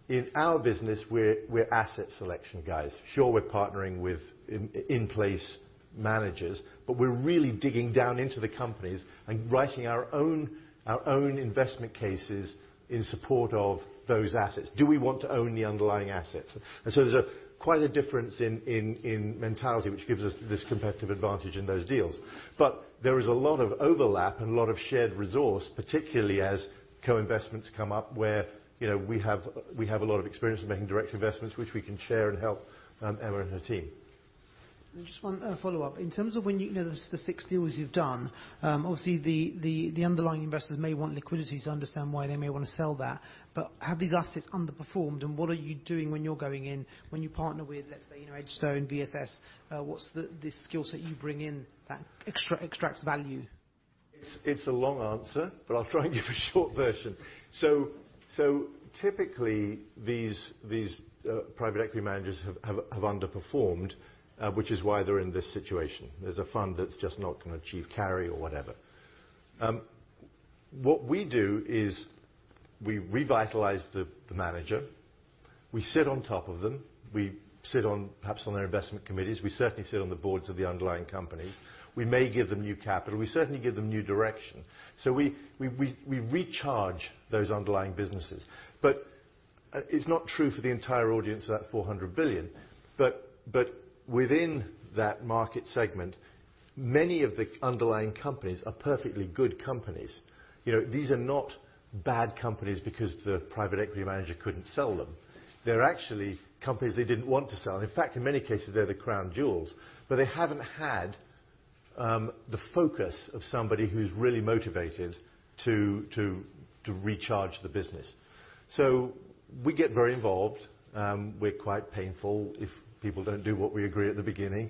In our business, we're asset selection guys. Sure, we're partnering with in-place managers, but we're really digging down into the companies and writing our own investment cases in support of those assets. Do we want to own the underlying assets? There's quite a difference in mentality which gives us this competitive advantage in those deals. There is a lot of overlap and a lot of shared resource, particularly as co-investments come up where we have a lot of experience in making direct investments, which we can share and help Emma and her team. Just one follow-up. In terms of the six deals you've done, obviously the underlying investors may want liquidity, so understand why they may want to sell that. Have these assets underperformed, and what are you doing when you're going in, when you partner with, let's say, EdgeStone, VSS, what's the skill set you bring in that extracts value? It's a long answer, but I'll try and give a short version. Typically, these private equity managers have underperformed, which is why they're in this situation. There's a fund that's just not going to achieve carry or whatever. What we do is we revitalize the manager. We sit on top of them. We sit perhaps on their investment committees. We certainly sit on the boards of the underlying companies. We may give them new capital. We certainly give them new direction. We recharge those underlying businesses. It's not true for the entire audience of that 400 billion. Within that market segment, many of the underlying companies are perfectly good companies. These are not bad companies because the private equity manager couldn't sell them. They're actually companies they didn't want to sell. In fact, in many cases, they're the crown jewels. The focus of somebody who's really motivated to recharge the business. We get very involved. We're quite painful if people don't do what we agree at the beginning.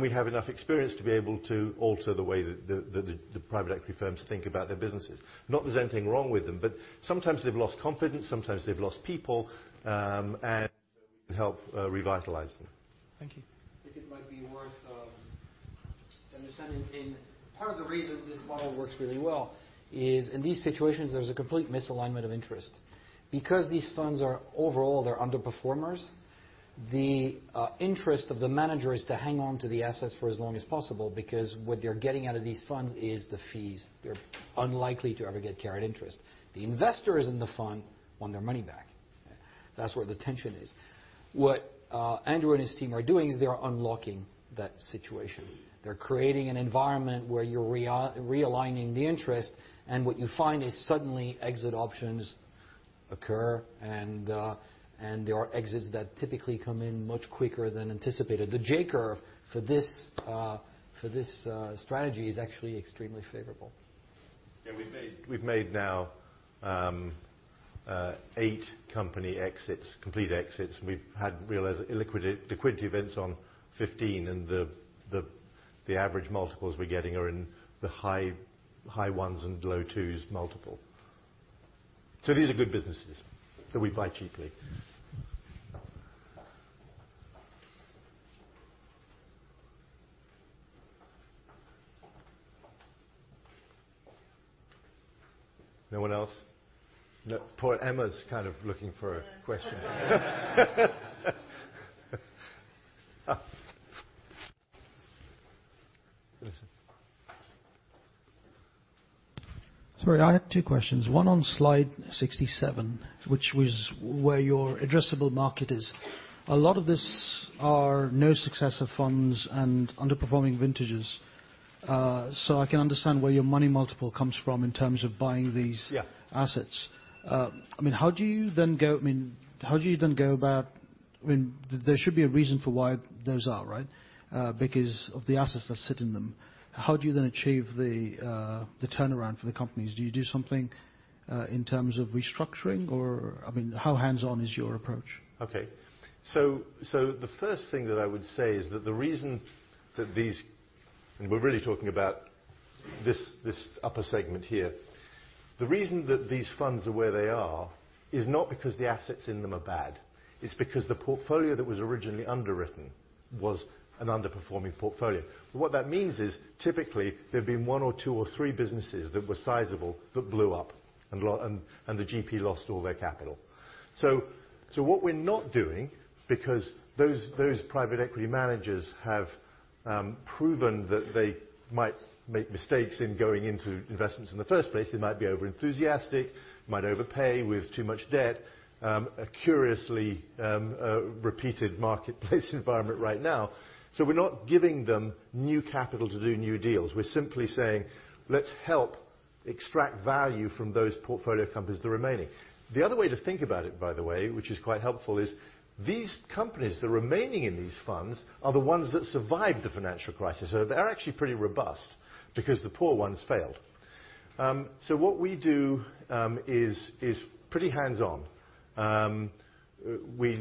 We have enough experience to be able to alter the way that the private equity firms think about their businesses. Not there's anything wrong with them, but sometimes they've lost confidence, sometimes they've lost people, and we can help revitalize them. Thank you. I think it might be worth understanding in part the reason this model works really well is in these situations, there's a complete misalignment of interest. Because these funds are overall they're underperformers, the interest of the manager is to hang on to the assets for as long as possible because what they're getting out of these funds is the fees. They're unlikely to ever get carried interest. The investors in the fund want their money back. That's where the tension is. What Andrew and his team are doing is they're unlocking that situation. They're creating an environment where you're realigning the interest, and what you find is suddenly exit options occur and there are exits that typically come in much quicker than anticipated. The J-curve for this strategy is actually extremely favorable. Yeah, we've made now eight company exits, complete exits, and we've had realized liquidity events on 15, and the average multiples we're getting are in the high ones and low twos multiple. These are good businesses that we buy cheaply. No one else? No. Poor Emma's kind of looking for a question. Sorry, I have two questions. One on slide 67, which was where your addressable market is. A lot of this are no successor funds and underperforming vintages. I can understand where your money multiple comes from in terms of buying these- Yeah assets. There should be a reason for why those are, right? Because of the assets that sit in them. How do you achieve the turnaround for the companies? Do you do something in terms of restructuring or how hands-on is your approach? Okay. The first thing that I would say is that the reason that these We're really talking about this upper segment here. The reason that these funds are where they are is not because the assets in them are bad, it's because the portfolio that was originally underwritten was an underperforming portfolio. What that means is typically there've been one or two or three businesses that were sizable that blew up and the GP lost all their capital. What we're not doing, because those private equity managers have proven that they might make mistakes in going into investments in the first place, they might be over-enthusiastic, might overpay with too much debt. A curiously repeated marketplace environment right now. We're not giving them new capital to do new deals. We're simply saying, "Let's help extract value from those portfolio companies that are remaining." The other way to think about it, by the way, which is quite helpful, is these companies that are remaining in these funds are the ones that survived the financial crisis. They're actually pretty robust because the poor ones failed. What we do is pretty hands-on. We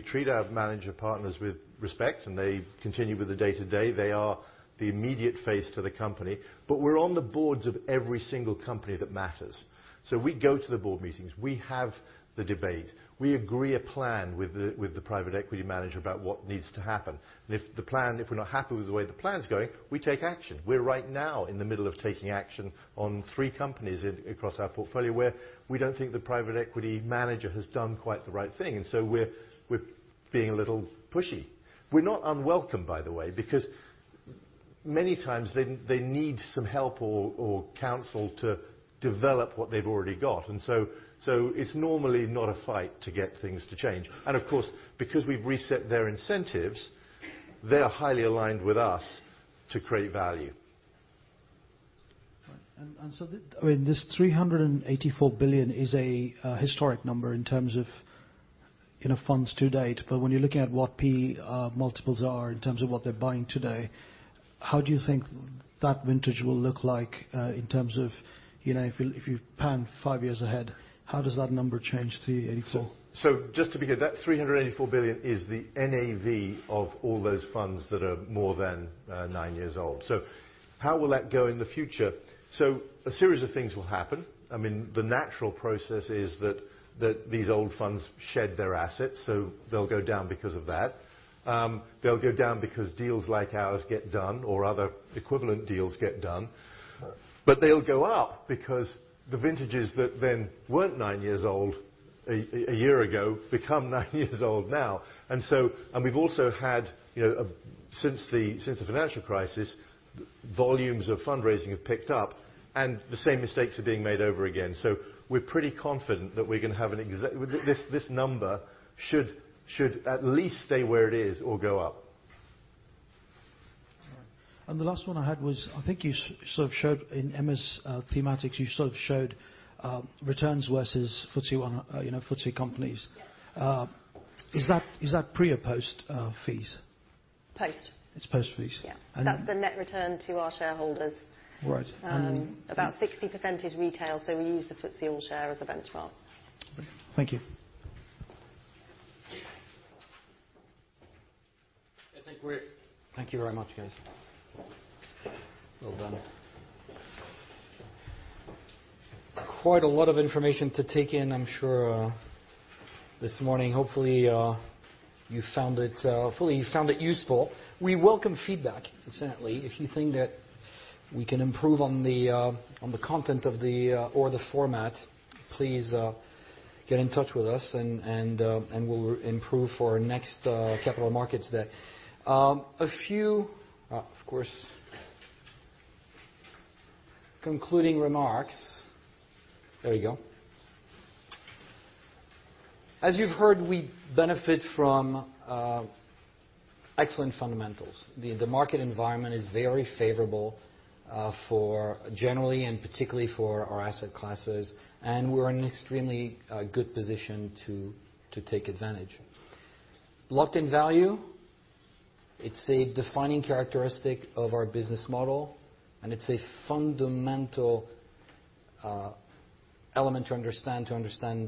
treat our manager partners with respect, and they continue with the day-to-day. They are the immediate face to the company, but we're on the boards of every single company that matters. We go to the board meetings. We have the debate. We agree a plan with the private equity manager about what needs to happen. If we're not happy with the way the plan's going, we take action. We're right now in the middle of taking action on three companies across our portfolio where we don't think the private equity manager has done quite the right thing, we're being a little pushy. We're not unwelcome, by the way, because many times they need some help or counsel to develop what they've already got, it's normally not a fight to get things to change. Of course, because we've reset their incentives, they're highly aligned with us to create value. Right. This 384 billion is a historic number in terms of funds to date. When you're looking at what PE multiples are in terms of what they're buying today, how do you think that vintage will look like in terms of, if you pan 5 years ahead, how does that number change, 384? Just to be clear, that 384 billion is the NAV of all those funds that are more than 9 years old. How will that go in the future? A series of things will happen. The natural process is that these old funds shed their assets, so they'll go down because of that. They'll go down because deals like ours get done or other equivalent deals get done. Right. They'll go up because the vintages that then weren't 9 years old a year ago become 9 years old now. We've also had, since the financial crisis, volumes of fundraising have picked up and the same mistakes are being made over again. We're pretty confident that this number should at least stay where it is or go up. All right. The last one I had was, I think you showed in Emma's Thematics, you showed returns versus FTSE companies. Yeah. Is that pre or post fees? Post. It's post fees. Yeah. That's the net return to our shareholders. Right. About 60% is retail, so we use the FTSE All-Share as a benchmark. Thank you. Thank you very much, guys. Well done. Quite a lot of information to take in, I'm sure, this morning. Hopefully, you found it useful. We welcome feedback, certainly. If you think that we can improve on the content or the format, please get in touch with us and we'll improve for our next Capital Markets Day. A few, of course, concluding remarks. There we go. As you've heard, we benefit from excellent fundamentals. The market environment is very favorable generally and particularly for our asset classes, and we're in an extremely good position to take advantage. Locked in value, it's a defining characteristic of our business model, and it's a fundamental element to understand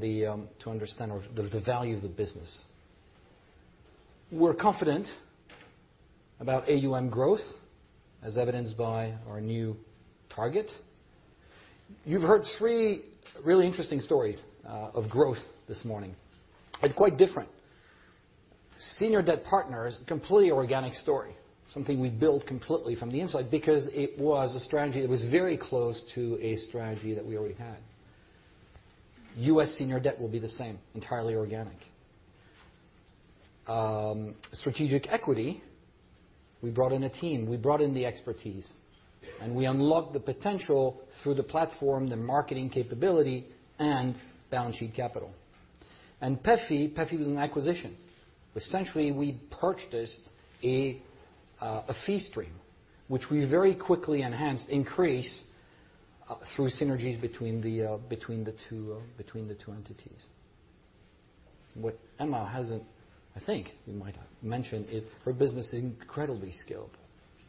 the value of the business. We're confident about AUM growth, as evidenced by our new target. You've heard three really interesting stories of growth this morning, and quite different. Senior Debt Partners, completely organic story, something we built completely from the inside because it was a strategy that was very close to a strategy that we already had. U.S. senior debt will be the same, entirely organic. Strategic Equity, we brought in a team, we brought in the expertise, and we unlocked the potential through the platform, the marketing capability, and balance sheet capital. PEFI was an acquisition. Essentially, we purchased a fee stream, which we very quickly enhanced increase through synergies between the two entities. What Emma hasn't, I think, might have mentioned is her business is incredibly skilled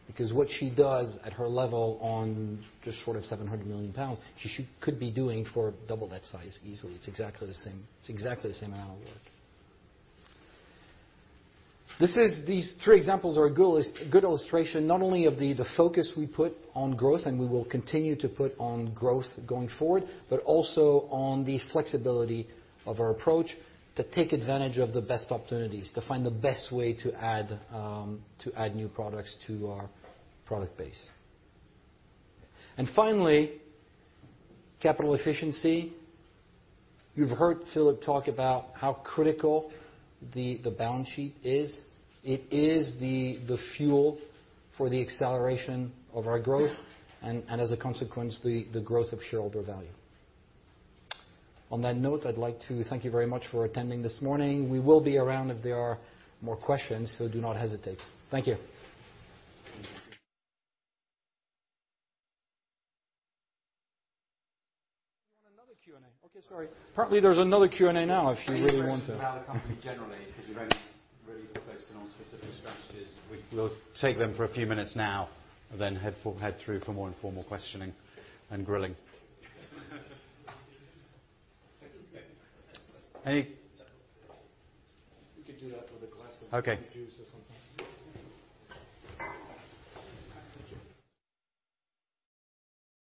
because what she does at her level on just short of 700 million pounds, she could be doing for double that size easily. It's exactly the same amount of work. These three examples are a good illustration, not only of the focus we put on growth and we will continue to put on growth going forward, but also on the flexibility of our approach to take advantage of the best opportunities, to find the best way to add new products to our product base. Finally, capital efficiency. You've heard Philip talk about how critical the balance sheet is. It is the fuel for the acceleration of our growth, and as a consequence, the growth of shareholder value. On that note, I'd like to thank you very much for attending this morning. We will be around if there are more questions, so do not hesitate. Thank you. You want another Q&A? Sorry. Apparently, there's another Q&A now if you really want to. Any questions about the company generally, because we won't really focus on specific strategies. We'll take them for a few minutes now, then head through for more informal questioning and grilling. Thank you. Any We could do that with a glass of juice or something.